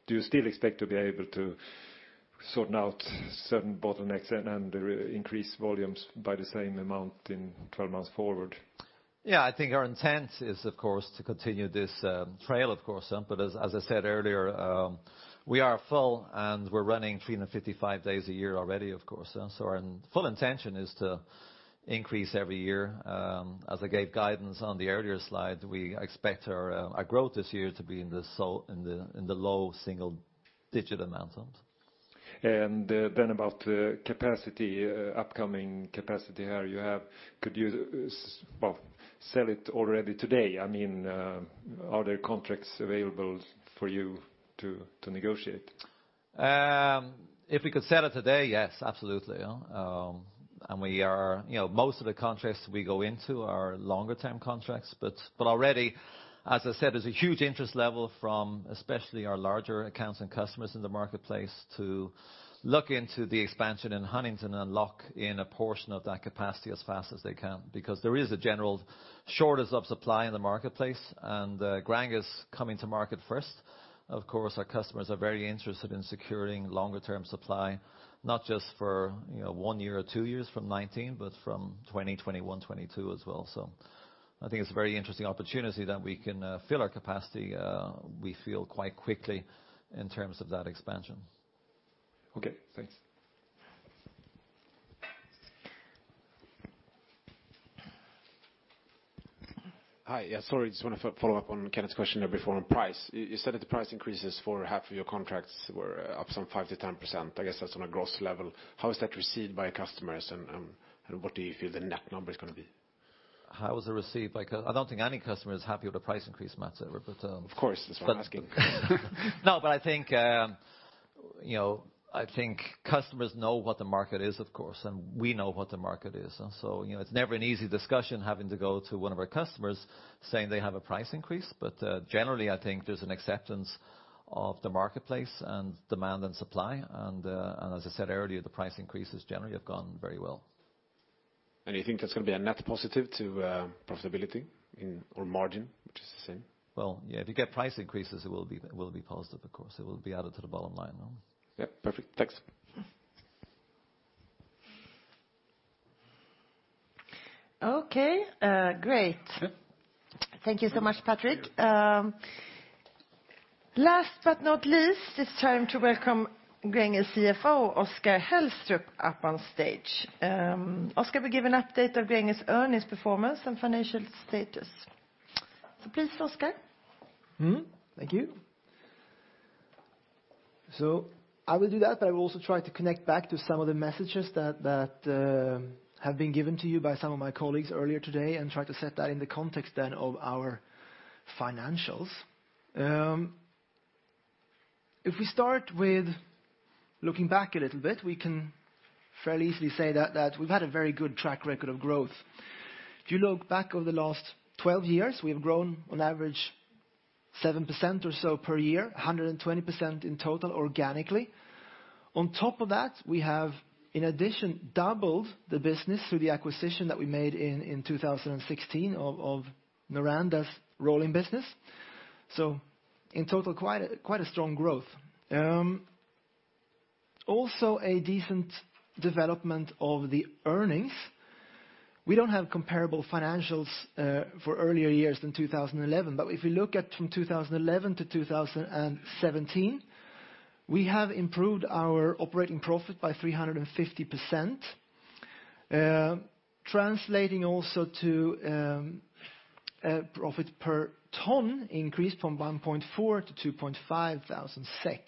Do you still expect to be able to sort out certain bottlenecks and increase volumes by the same amount in 12 months forward? I think our intent is, of course, to continue this trail, of course. As I said earlier, we are full, and we are running 355 days a year already, of course. Our full intention is to increase every year. As I gave guidance on the earlier slide, we expect our growth this year to be in the low single-digit amounts. About capacity, upcoming capacity here you have. Could you sell it already today? Are there contracts available for you to negotiate? If we could sell it today, yes, absolutely. Most of the contracts we go into are longer-term contracts. Already, as I said, there's a huge interest level from especially our larger accounts and customers in the marketplace to look into the expansion in Huntington and lock in a portion of that capacity as fast as they can. There is a general shortage of supply in the marketplace, and Gränges is coming to market first. Of course, our customers are very interested in securing longer term supply, not just for one year or two years from 2019, but from 2020, 2021, 2022 as well. I think it's a very interesting opportunity that we can fill our capacity, we feel, quite quickly in terms of that expansion. Okay, thanks. Hi. Yeah, sorry, just want to follow up on Kenneth's question there before on price. You said that the price increases for half of your contracts were up some 5%-10%. I guess that's on a gross level. How is that received by your customers, and what do you feel the net number is going to be? How was it received by? I don't think any customer is happy with a price increase, Mats, ever. Of course. That's why I'm asking. No, I think customers know what the market is, of course, and we know what the market is. It's never an easy discussion having to go to one of our customers saying they have a price increase. Generally, I think there's an acceptance of the marketplace and demand and supply. As I said earlier, the price increases generally have gone very well. You think that's going to be a net positive to profitability or margin, which is the same? Well, yeah, if you get price increases, it will be positive, of course. It will be added to the bottom line. Yep. Perfect. Thanks. Okay, great. Yeah. Thank you so much, Patrick. Last but not least, it's time to welcome Gränges CFO, Oskar Hellström, up on stage. Oskar will give an update of Gränges earnings performance and financial status. Please, Oskar. Thank you. I will do that, but I will also try to connect back to some of the messages that have been given to you by some of my colleagues earlier today and try to set that in the context then of our financials. If we start with looking back a little bit, we can fairly easily say that we've had a very good track record of growth. If you look back over the last 12 years, we have grown on average 7% or so per year, 120% in total organically. On top of that, we have, in addition, doubled the business through the acquisition that we made in 2016 of Noranda's rolling business. In total, quite a strong growth. Also, a decent development of the earnings. We don't have comparable financials for earlier years than 2011, if you look at from 2011 to 2017, we have improved our operating profit by 350%, translating also to profit per ton increased from 1.4 to 2.5 thousand SEK.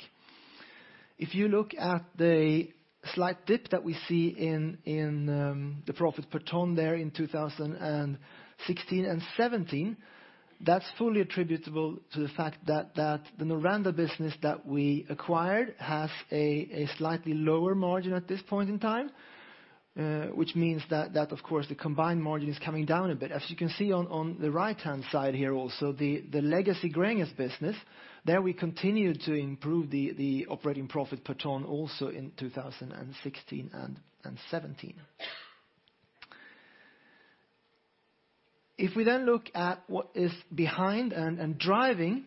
If you look at the slight dip that we see in the profit per ton there in 2016 and 2017 That's fully attributable to the fact that the Noranda business that we acquired has a slightly lower margin at this point in time, which means that, of course, the combined margin is coming down a bit. As you can see on the right-hand side here also, the legacy Gränges business, there we continue to improve the operating profit per ton also in 2016 and 2017. If we then look at what is behind and driving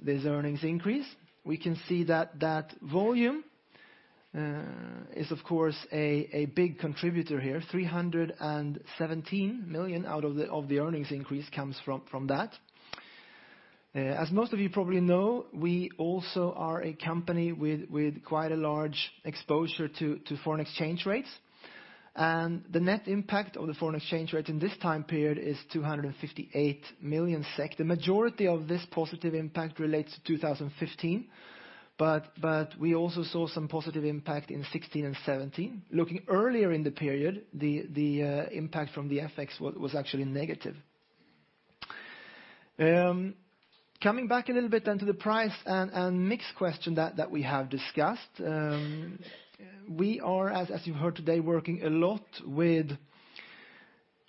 this earnings increase, we can see that volume is, of course, a big contributor here, 317 million out of the earnings increase comes from that. As most of you probably know, we also are a company with quite a large exposure to foreign exchange rates, the net impact of the foreign exchange rate in this time period is 258 million SEK. The majority of this positive impact relates to 2015, we also saw some positive impact in 2016 and 2017. Looking earlier in the period, the impact from the FX was actually negative. Coming back a little bit then to the price and mix question that we have discussed. We are, as you've heard today, working a lot with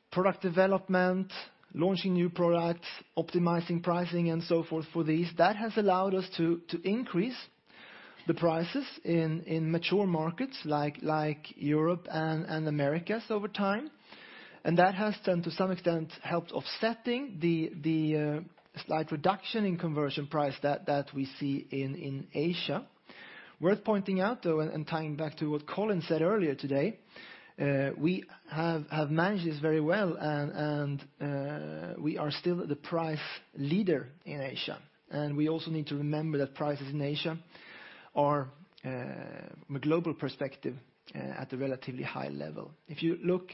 product development, launching new products, optimizing pricing, and so forth for these. That has allowed us to increase the prices in mature markets like Europe and Americas over time. That has to some extent helped offsetting the slight reduction in conversion price that we see in Asia. Worth pointing out, though, tying back to what Colin said earlier today, we have managed this very well we are still the price leader in Asia, we also need to remember that prices in Asia are, from a global perspective, at a relatively high level. If you look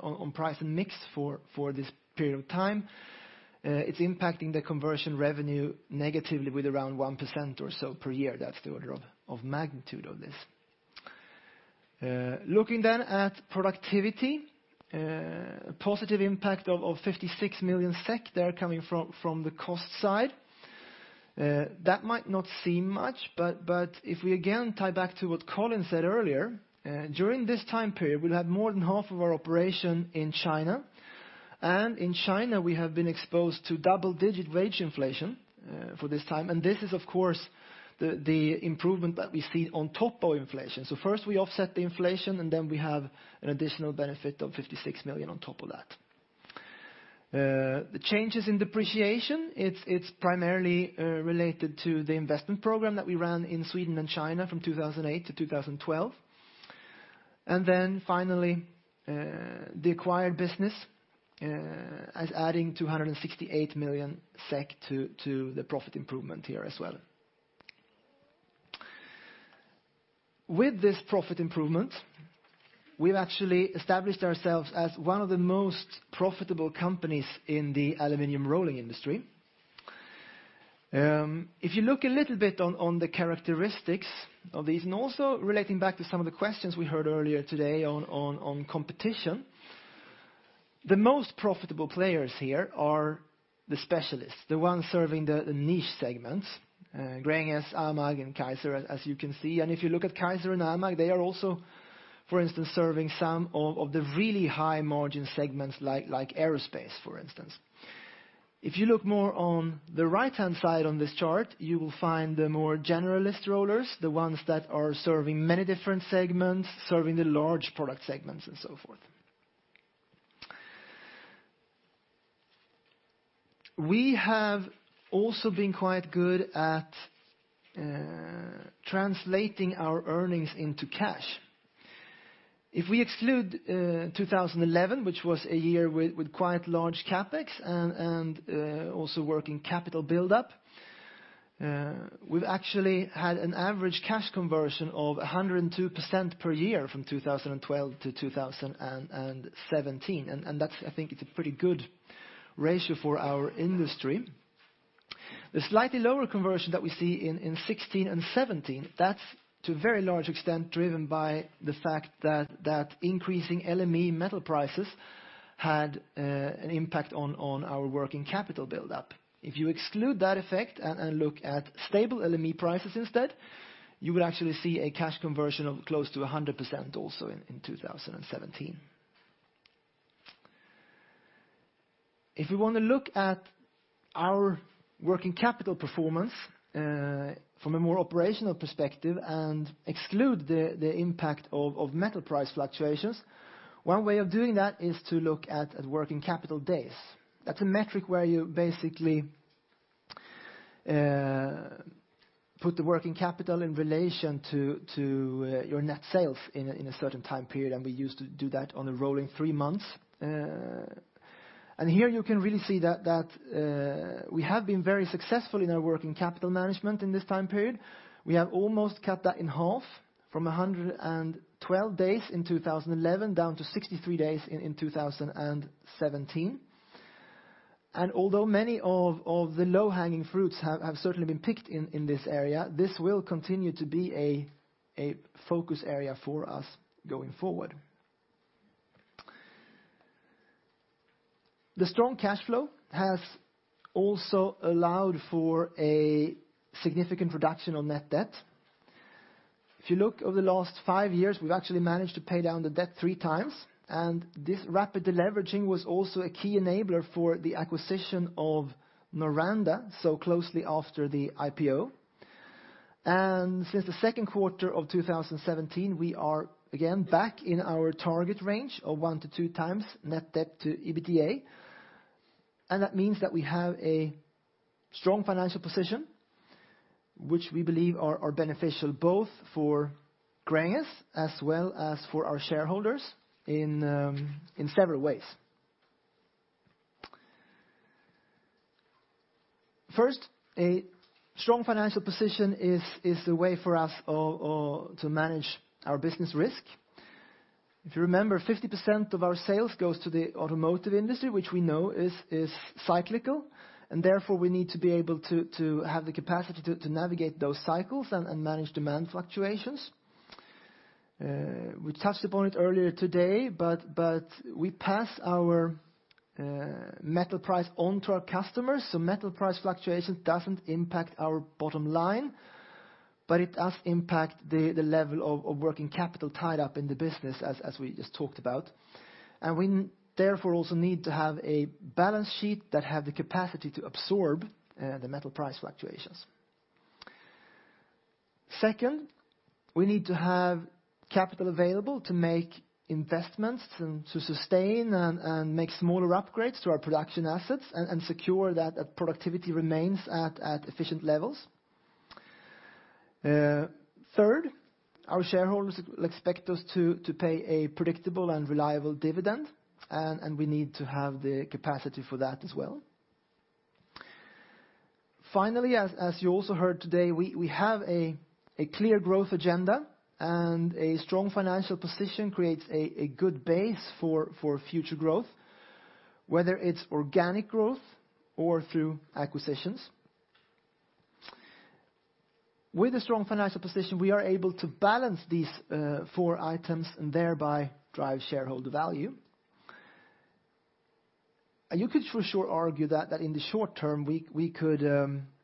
on price and mix for this period of time, it's impacting the conversion revenue negatively with around 1% or so per year. That's the order of magnitude of this. Looking then at productivity, a positive impact of 56 million SEK there coming from the cost side. That might not seem much, if we again tie back to what Colin said earlier, during this time period, we'll have more than half of our operation in China. In China, we have been exposed to double-digit wage inflation for this time, and this is, of course, the improvement that we see on top of inflation. First, we offset the inflation, and then we have an additional benefit of 56 million on top of that. The changes in depreciation, it's primarily related to the investment program that we ran in Sweden and China from 2008 to 2012. Finally, the acquired business is adding 268 million SEK to the profit improvement here as well. With this profit improvement, we've actually established ourselves as one of the most profitable companies in the aluminum rolling industry. If you look a little bit on the characteristics of these, also relating back to some of the questions we heard earlier today on competition, the most profitable players here are the specialists, the ones serving the niche segments, Gränges, AMAG, and Kaiser, as you can see. If you look at Kaiser and AMAG, they are also, for instance, serving some of the really high-margin segments like aerospace, for instance. If you look more on the right-hand side on this chart, you will find the more generalist rollers, the ones that are serving many different segments, serving the large product segments and so forth. We have also been quite good at translating our earnings into cash. If we exclude 2011, which was a year with quite large CapEx and also working capital buildup, we've actually had an average cash conversion of 102% per year from 2012 to 2017. That's, I think, it's a pretty good ratio for our industry. The slightly lower conversion that we see in 2016 and 2017, that's to a very large extent driven by the fact that increasing LME metal prices had an impact on our working capital buildup. If you exclude that effect and look at stable LME prices instead, you would actually see a cash conversion of close to 100% also in 2017. If you want to look at our working capital performance from a more operational perspective and exclude the impact of metal price fluctuations, one way of doing that is to look at working capital days. That's a metric where you basically put the working capital in relation to your net sales in a certain time period, and we used to do that on a rolling three months. Here you can really see that we have been very successful in our working capital management in this time period. We have almost cut that in half from 112 days in 2011 down to 63 days in 2017. Although many of the low-hanging fruits have certainly been picked in this area, this will continue to be a focus area for us going forward. The strong cash flow has also allowed for a significant reduction on net debt. If you look over the last five years, we've actually managed to pay down the debt three times, and this rapid deleveraging was also a key enabler for the acquisition of Noranda so closely after the IPO. Since the second quarter of 2017, we are again back in our target range of one to two times net debt to EBITDA. That means that we have a strong financial position, which we believe are beneficial both for Gränges as well as for our shareholders in several ways. First, a strong financial position is the way for us to manage our business risk. If you remember, 50% of our sales goes to the automotive industry, which we know is cyclical, and therefore we need to be able to have the capacity to navigate those cycles and manage demand fluctuations. We touched upon it earlier today, but we pass our metal price on to our customers, so metal price fluctuation doesn't impact our bottom line, but it does impact the level of working capital tied up in the business as we just talked about. We therefore also need to have a balance sheet that have the capacity to absorb the metal price fluctuations. Second, we need to have capital available to make investments and to sustain and make smaller upgrades to our production assets and secure that productivity remains at efficient levels. Third, our shareholders expect us to pay a predictable and reliable dividend, and we need to have the capacity for that as well. Finally, as you also heard today, we have a clear growth agenda, and a strong financial position creates a good base for future growth, whether it's organic growth or through acquisitions. With a strong financial position, we are able to balance these four items and thereby drive shareholder value. You could for sure argue that in the short term, we could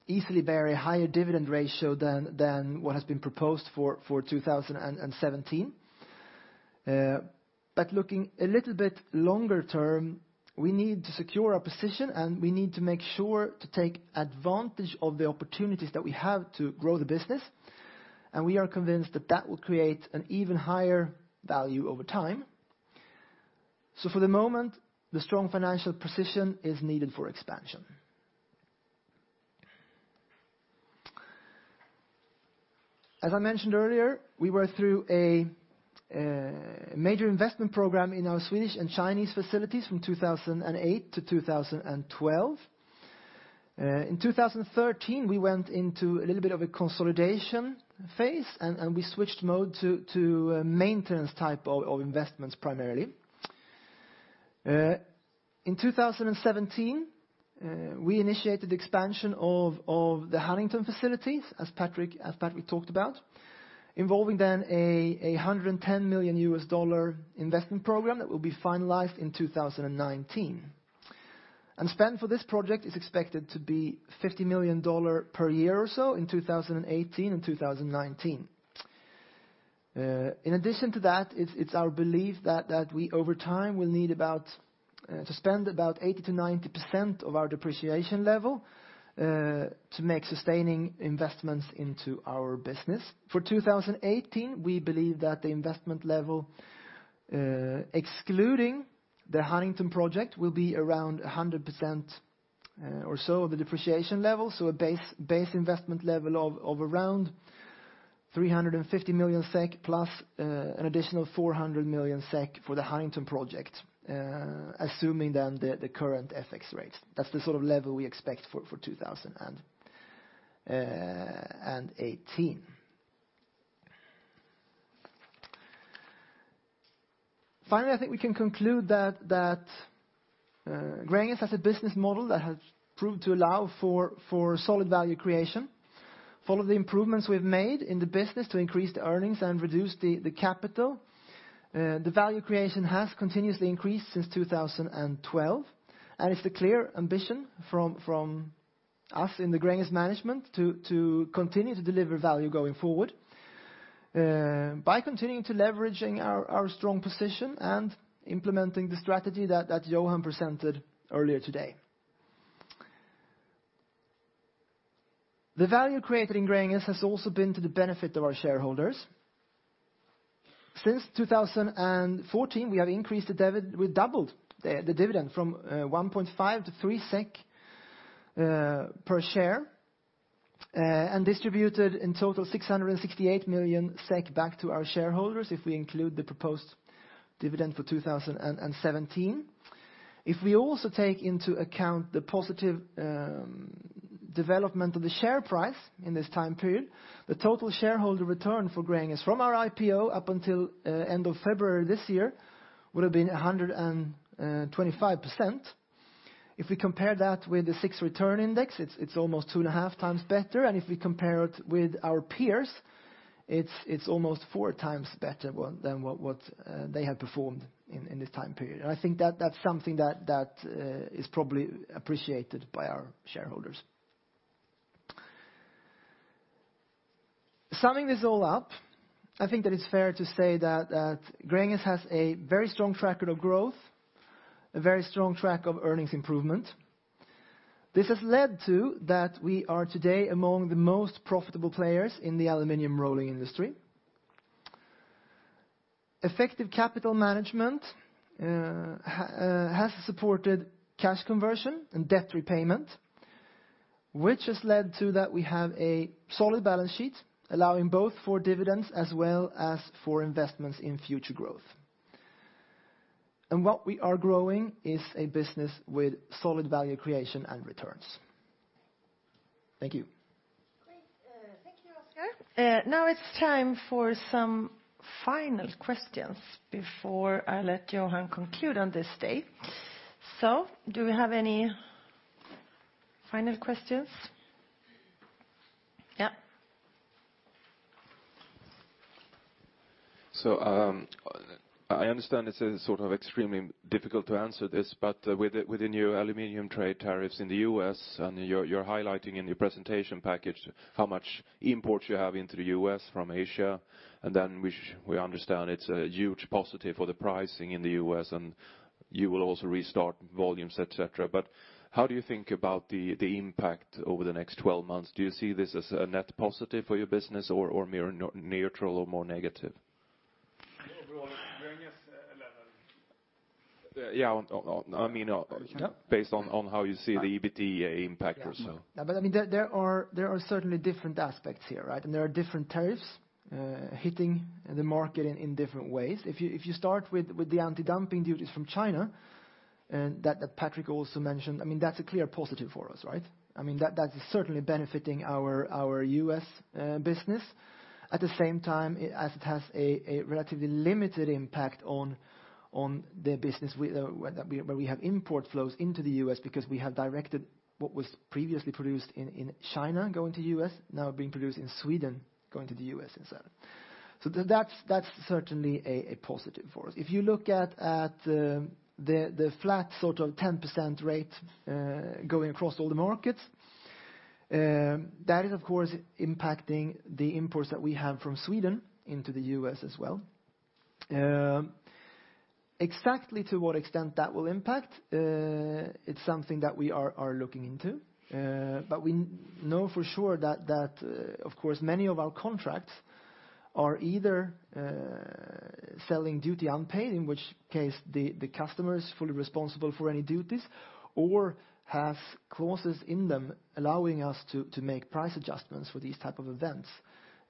easily bear a higher dividend ratio than what has been proposed for 2017. Looking a little bit longer term, we need to secure our position, and we need to make sure to take advantage of the opportunities that we have to grow the business. We are convinced that that will create an even higher value over time. For the moment, the strong financial position is needed for expansion. As I mentioned earlier, we were through a major investment program in our Swedish and Chinese facilities from 2008 to 2012. In 2013, we went into a little bit of a consolidation phase, and we switched mode to maintenance type of investments primarily. In 2017, we initiated expansion of the Huntington facilities, as Patrick talked about, involving then a $110 million investment program that will be finalized in 2019. Spend for this project is expected to be $50 million per year or so in 2018 and 2019. In addition to that, it's our belief that we, over time, will need to spend about 80%-90% of our depreciation level to make sustaining investments into our business. For 2018, we believe that the investment level, excluding the Huntington project, will be around 100% or so of the depreciation level. So a base investment level of around 350 million SEK plus an additional 400 million SEK for the Huntington project, assuming then the current FX rate. That's the sort of level we expect for 2018. Finally, I think we can conclude that Gränges has a business model that has proved to allow for solid value creation. Follow the improvements we've made in the business to increase the earnings and reduce the capital. The value creation has continuously increased since 2012, and it's the clear ambition from us in the Gränges management to continue to deliver value going forward by continuing to leveraging our strong position and implementing the strategy that Johan presented earlier today. The value created in Gränges has also been to the benefit of our shareholders. Since 2014, we doubled the dividend from 1.5 to 3 SEK per share and distributed in total 668 million SEK back to our shareholders if we include the proposed dividend for 2017. If we also take into account the positive development of the share price in this time period, the total shareholder return for Gränges from our IPO up until end of February this year would have been 125%. If we compare that with the SIX Return Index, it's almost two and a half times better. If we compare it with our peers, it's almost four times better than what they have performed in this time period. I think that's something that is probably appreciated by our shareholders. Summing this all up, I think that it's fair to say that Gränges has a very strong track record of growth, a very strong track of earnings improvement. This has led to that we are today among the most profitable players in the aluminum rolling industry. Effective capital management has supported cash conversion and debt repayment, which has led to that we have a solid balance sheet, allowing both for dividends as well as for investments in future growth. What we are growing is a business with solid value creation and returns. Thank you. Great. Thank you, Oskar. Now it's time for some final questions before I let Johan conclude on this day. Do we have any final questions? Yeah. I understand this is extremely difficult to answer this, but with the new aluminum trade tariffs in the U.S., and you're highlighting in your presentation package how much imports you have into the U.S. from Asia, and then we understand it's a huge positive for the pricing in the U.S., and you will also restart volumes, et cetera. How do you think about the impact over the next 12 months? Do you see this as a net positive for your business, or more neutral or more negative? Overall Gränges or? [inaudible] Yeah. I mean. Yeah based on how you see the EBT impact or so. Yeah. There are certainly different aspects here, right? There are different tariffs hitting the market in different ways. If you start with the anti-dumping duties from China that Patrick also mentioned, that's a clear positive for us, right? That is certainly benefiting our U.S. business. At the same time, as it has a relatively limited impact on the business where we have import flows into the U.S. because we have directed what was previously produced in China going to U.S., now being produced in Sweden, going to the U.S. instead. That's certainly a positive for us. If you look at the flat 10% rate going across all the markets, that is, of course, impacting the imports that we have from Sweden into the U.S. as well. Exactly to what extent that will impact, it's something that we are looking into. We know for sure that, of course, many of our contracts are either selling duty unpaid, in which case the customer is fully responsible for any duties, or have clauses in them allowing us to make price adjustments for these type of events.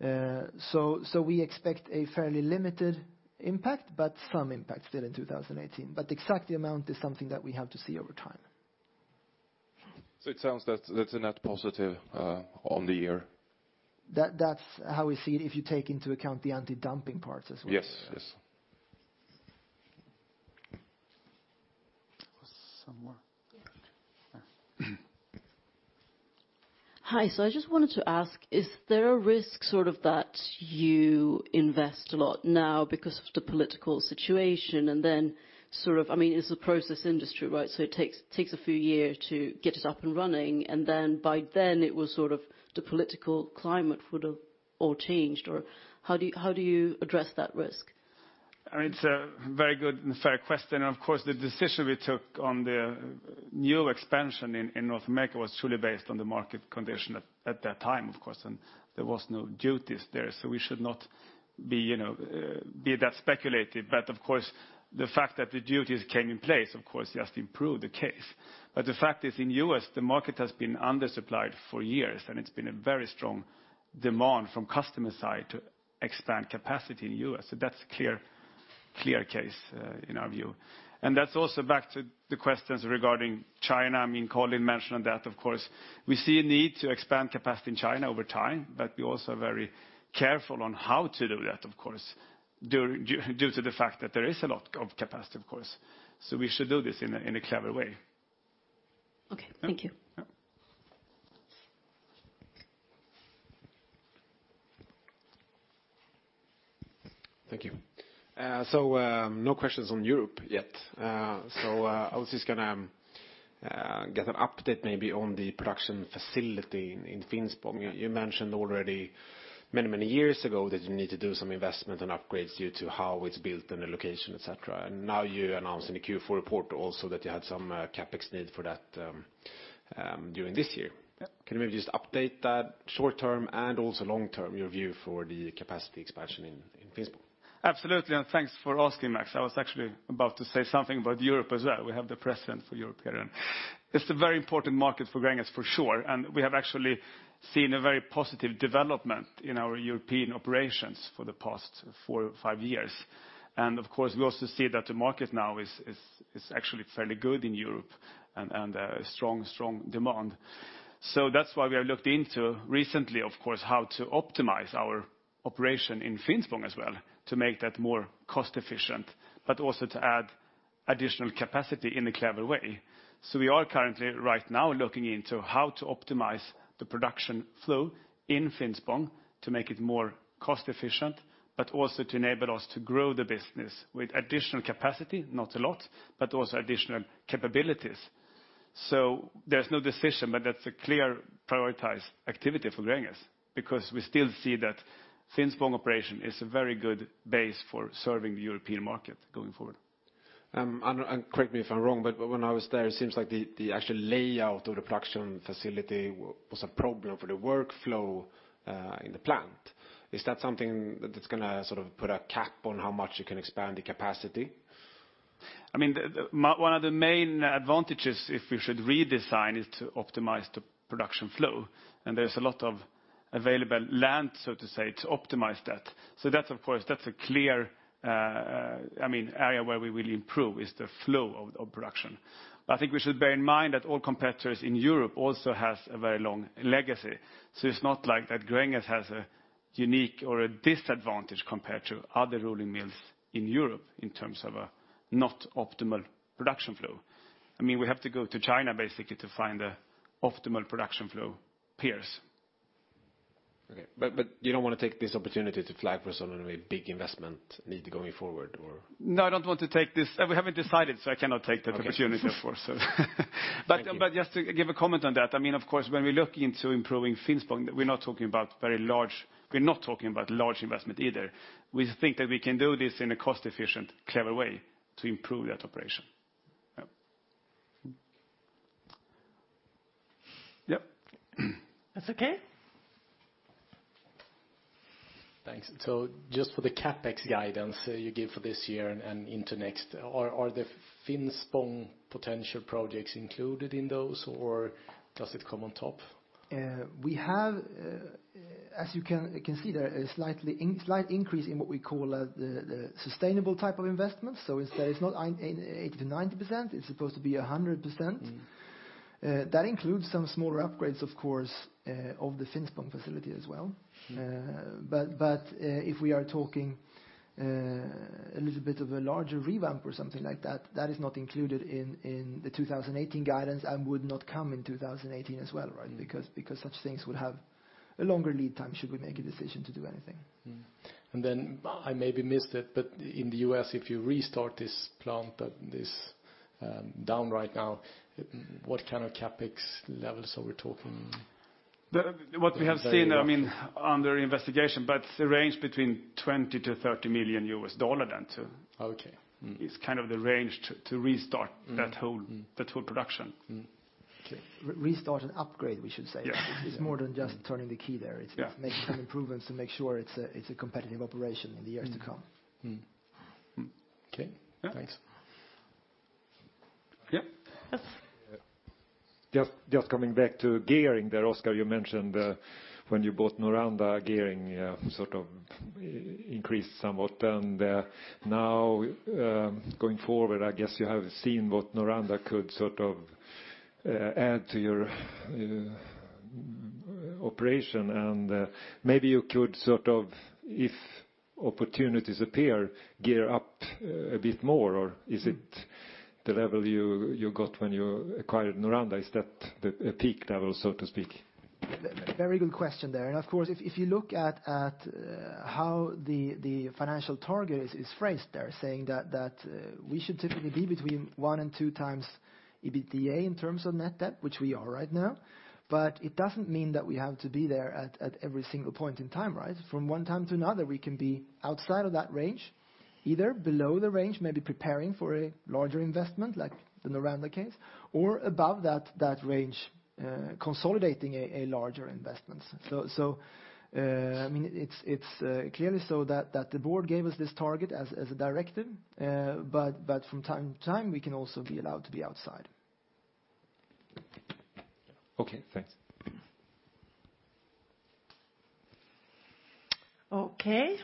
We expect a fairly limited impact, but some impact still in 2018. The exact amount is something that we have to see over time. It sounds that's a net positive on the year. That's how we see it, if you take into account the anti-dumping parts as well. Yes, yes. There was someone. Yeah. Yeah. Hi. I just wanted to ask, is there a risk that you invest a lot now because of the political situation? It's a process industry, right? It takes a few year to get it up and running, and then by then, it was sort of the political climate would have all changed, or how do you address that risk? It's a very good and fair question. Of course, the decision we took on the new expansion in North America was truly based on the market condition at that time, of course, and there was no duties there. We should not be that speculative. Of course, the fact that the duties came in place, of course, just improved the case. The fact is, in U.S., the market has been undersupplied for years, and it's been a very strong demand from customer side to expand capacity in U.S. That's a clear case in our view. That's also back to the questions regarding China. Colin mentioned that, of course, we see a need to expand capacity in China over time, but we're also very careful on how to do that, of course, due to the fact that there is a lot of capacity, of course. We should do this in a clever way. Okay. Thank you. Yeah, yeah. Thank you. No questions on Europe yet. I was just going to get an update maybe on the production facility in Finspång. You mentioned already many years ago that you need to do some investment and upgrades due to how it's built and the location, et cetera. Now you announced in the Q4 report also that you had some CapEx need for that during this year. Yeah. Can you maybe just update that short term and also long term, your view for the capacity expansion in Finspång? Absolutely, thanks for asking, Max. I was actually about to say something about Europe as well. We have the president for Europe here. It's a very important market for Gränges for sure. We have actually seen a very positive development in our European operations for the past four or five years. Of course, we also see that the market now is actually fairly good in Europe and a strong demand. That's why we have looked into recently, of course, how to optimize our operation in Finspång as well to make that more cost efficient, but also to add additional capacity in a clever way. We are currently right now looking into how to optimize the production flow in Finspång to make it more cost efficient, but also to enable us to grow the business with additional capacity, not a lot, but also additional capabilities. There's no decision, but that's a clear prioritized activity for Gränges, because we still see that Finspång operation is a very good base for serving the European market going forward. Correct me if I'm wrong, but when I was there, it seems like the actual layout of the production facility was a problem for the workflow, in the plant. Is that something that's going to sort of put a cap on how much you can expand the capacity? One of the main advantages, if we should redesign, is to optimize the production flow. There's a lot of available land, so to say, to optimize that. That's a clear area where we will improve is the flow of production. I think we should bear in mind that all competitors in Europe also has a very long legacy. It's not like that Gränges has a unique or a disadvantage compared to other rolling mills in Europe in terms of a not optimal production flow. We have to go to China, basically, to find the optimal production flow peers. Okay. You don't want to take this opportunity to flag for some of a big investment need going forward, or? No, I don't want to take. We haven't decided, so I cannot take that opportunity, of course. Okay. Just to give a comment on that, of course, when we look into improving Finspång, we're not talking about large investment either. We think that we can do this in a cost-efficient, clever way to improve that operation. Yep. That's okay. Thanks. Just for the CapEx guidance you give for this year and into next, are the Finspång potential projects included in those, or does it come on top? As you can see, there is slight increase in what we call the sustainable type of investment. Instead it's not 80% to 90%, it's supposed to be 100%. That includes some smaller upgrades, of course, of the Finspång facility as well. If we are talking a little bit of a larger revamp or something like that is not included in the 2018 guidance and would not come in 2018 as well, right? Because such things would have a longer lead time, should we make a decision to do anything. I maybe missed it, in the U.S., if you restart this plant that is down right now, what kind of CapEx levels are we talking? What we have seen under investigation, it's a range between SEK 20 million-SEK 30 million. Okay. Mm-hmm is the range to restart that whole production. Mm-hmm. Okay. Restart and upgrade, we should say. Yeah. It's more than just turning the key there. Yeah. It's making some improvements to make sure it's a competitive operation in the years to come. Okay. Thanks. Yep. Yes. Just coming back to gearing there, Oskar, you mentioned when you bought Noranda, gearing increased somewhat. Now, going forward, I guess you have seen what Noranda could add to your operation, and maybe you could, if opportunities appear, gear up a bit more, or is it the level you got when you acquired Noranda? Is that a peak level, so to speak? Very good question there. Of course, if you look at how the financial target is phrased there, saying that we should typically be between one and two times EBITDA in terms of net debt, which we are right now. It doesn't mean that we have to be there at every single point in time, right? From one time to another, we can be outside of that range, either below the range, maybe preparing for a larger investment like the Noranda case, or above that range, consolidating a larger investment. It's clearly so that the board gave us this target as a directive, but from time to time, we can also be allowed to be outside. Okay, thanks. Okay.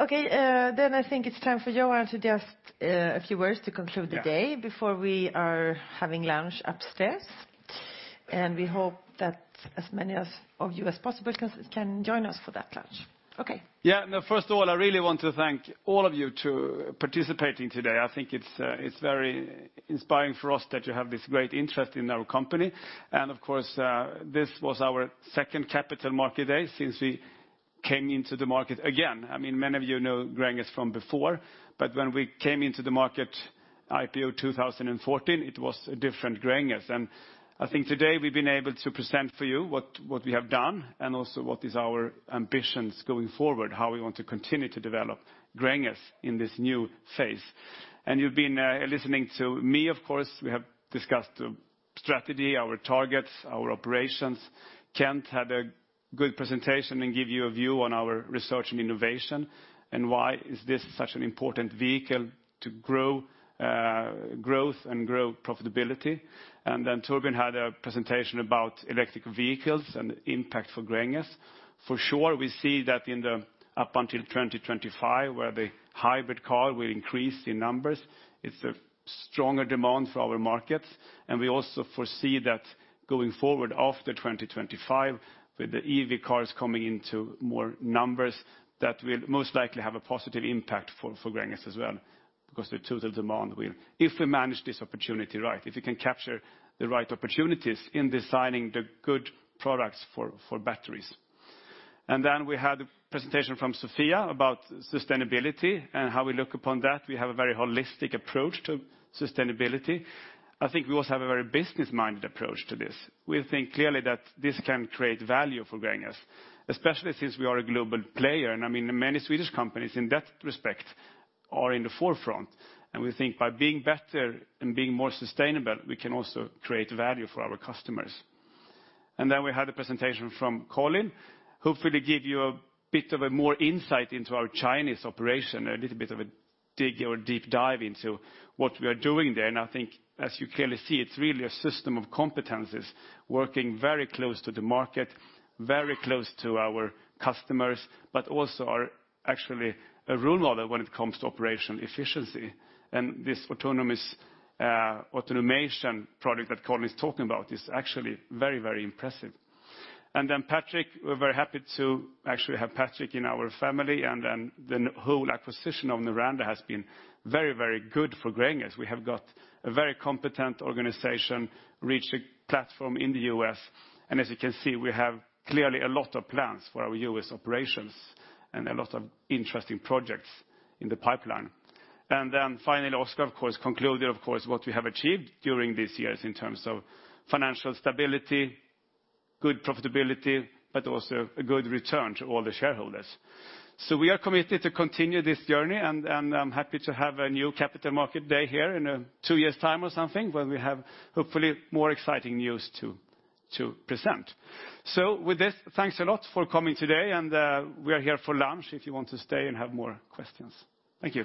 I think it's time for Johan to just a few words to conclude the day. Yeah before we are having lunch upstairs. We hope that as many of you as possible can join us for that lunch. Okay. First of all, I really want to thank all of you to participating today. I think it's very inspiring for us that you have this great interest in our company. Of course, this was our second Capital Market Day since we came into the market again. Many of you know Gränges from before, but when we came into the market IPO 2014, it was a different Gränges. I think today we've been able to present for you what we have done and also what is our ambitions going forward, how we want to continue to develop Gränges in this new phase. You've been listening to me, of course, we have discussed the strategy, our targets, our operations. Kent had a good presentation and gave you a view on our research and innovation, and why is this such an important vehicle to grow growth and grow profitability. Then Torbjörn had a presentation about electric vehicles and impact for Gränges. For sure, we see that up until 2025, where the hybrid car will increase in numbers, it's a stronger demand for our markets. We also foresee that going forward after 2025, with the EV cars coming into more numbers, that will most likely have a positive impact for Gränges as well, because the total demand. If we manage this opportunity right, if we can capture the right opportunities in designing the good products for batteries. Then we had a presentation from Sofia about sustainability and how we look upon that. We have a very holistic approach to sustainability. I think we also have a very business-minded approach to this. We think clearly that this can create value for Gränges, especially since we are a global player, and many Swedish companies in that respect are in the forefront. We think by being better and being more sustainable, we can also create value for our customers. Then we had a presentation from Colin, hopefully give you a bit of a more insight into our Chinese operation, a little bit of a dig or deep dive into what we are doing there. I think as you clearly see, it's really a system of competencies working very close to the market, very close to our customers, but also are actually a role model when it comes to operation efficiency. This autonomous automation product that Colin is talking about is actually very, very impressive. Patrick, we're very happy to actually have Patrick in our family, and the whole acquisition of Noranda has been very, very good for Gränges. We have got a very competent organization, reached a platform in the U.S., and as you can see, we have clearly a lot of plans for our U.S. operations and a lot of interesting projects in the pipeline. Finally, Oskar concluded, of course, what we have achieved during these years in terms of financial stability, good profitability, but also a good return to all the shareholders. We are committed to continue this journey, and I'm happy to have a new capital market day here in two years' time or something, when we have hopefully more exciting news to present. With this, thanks a lot for coming today, and we are here for lunch if you want to stay and have more questions. Thank you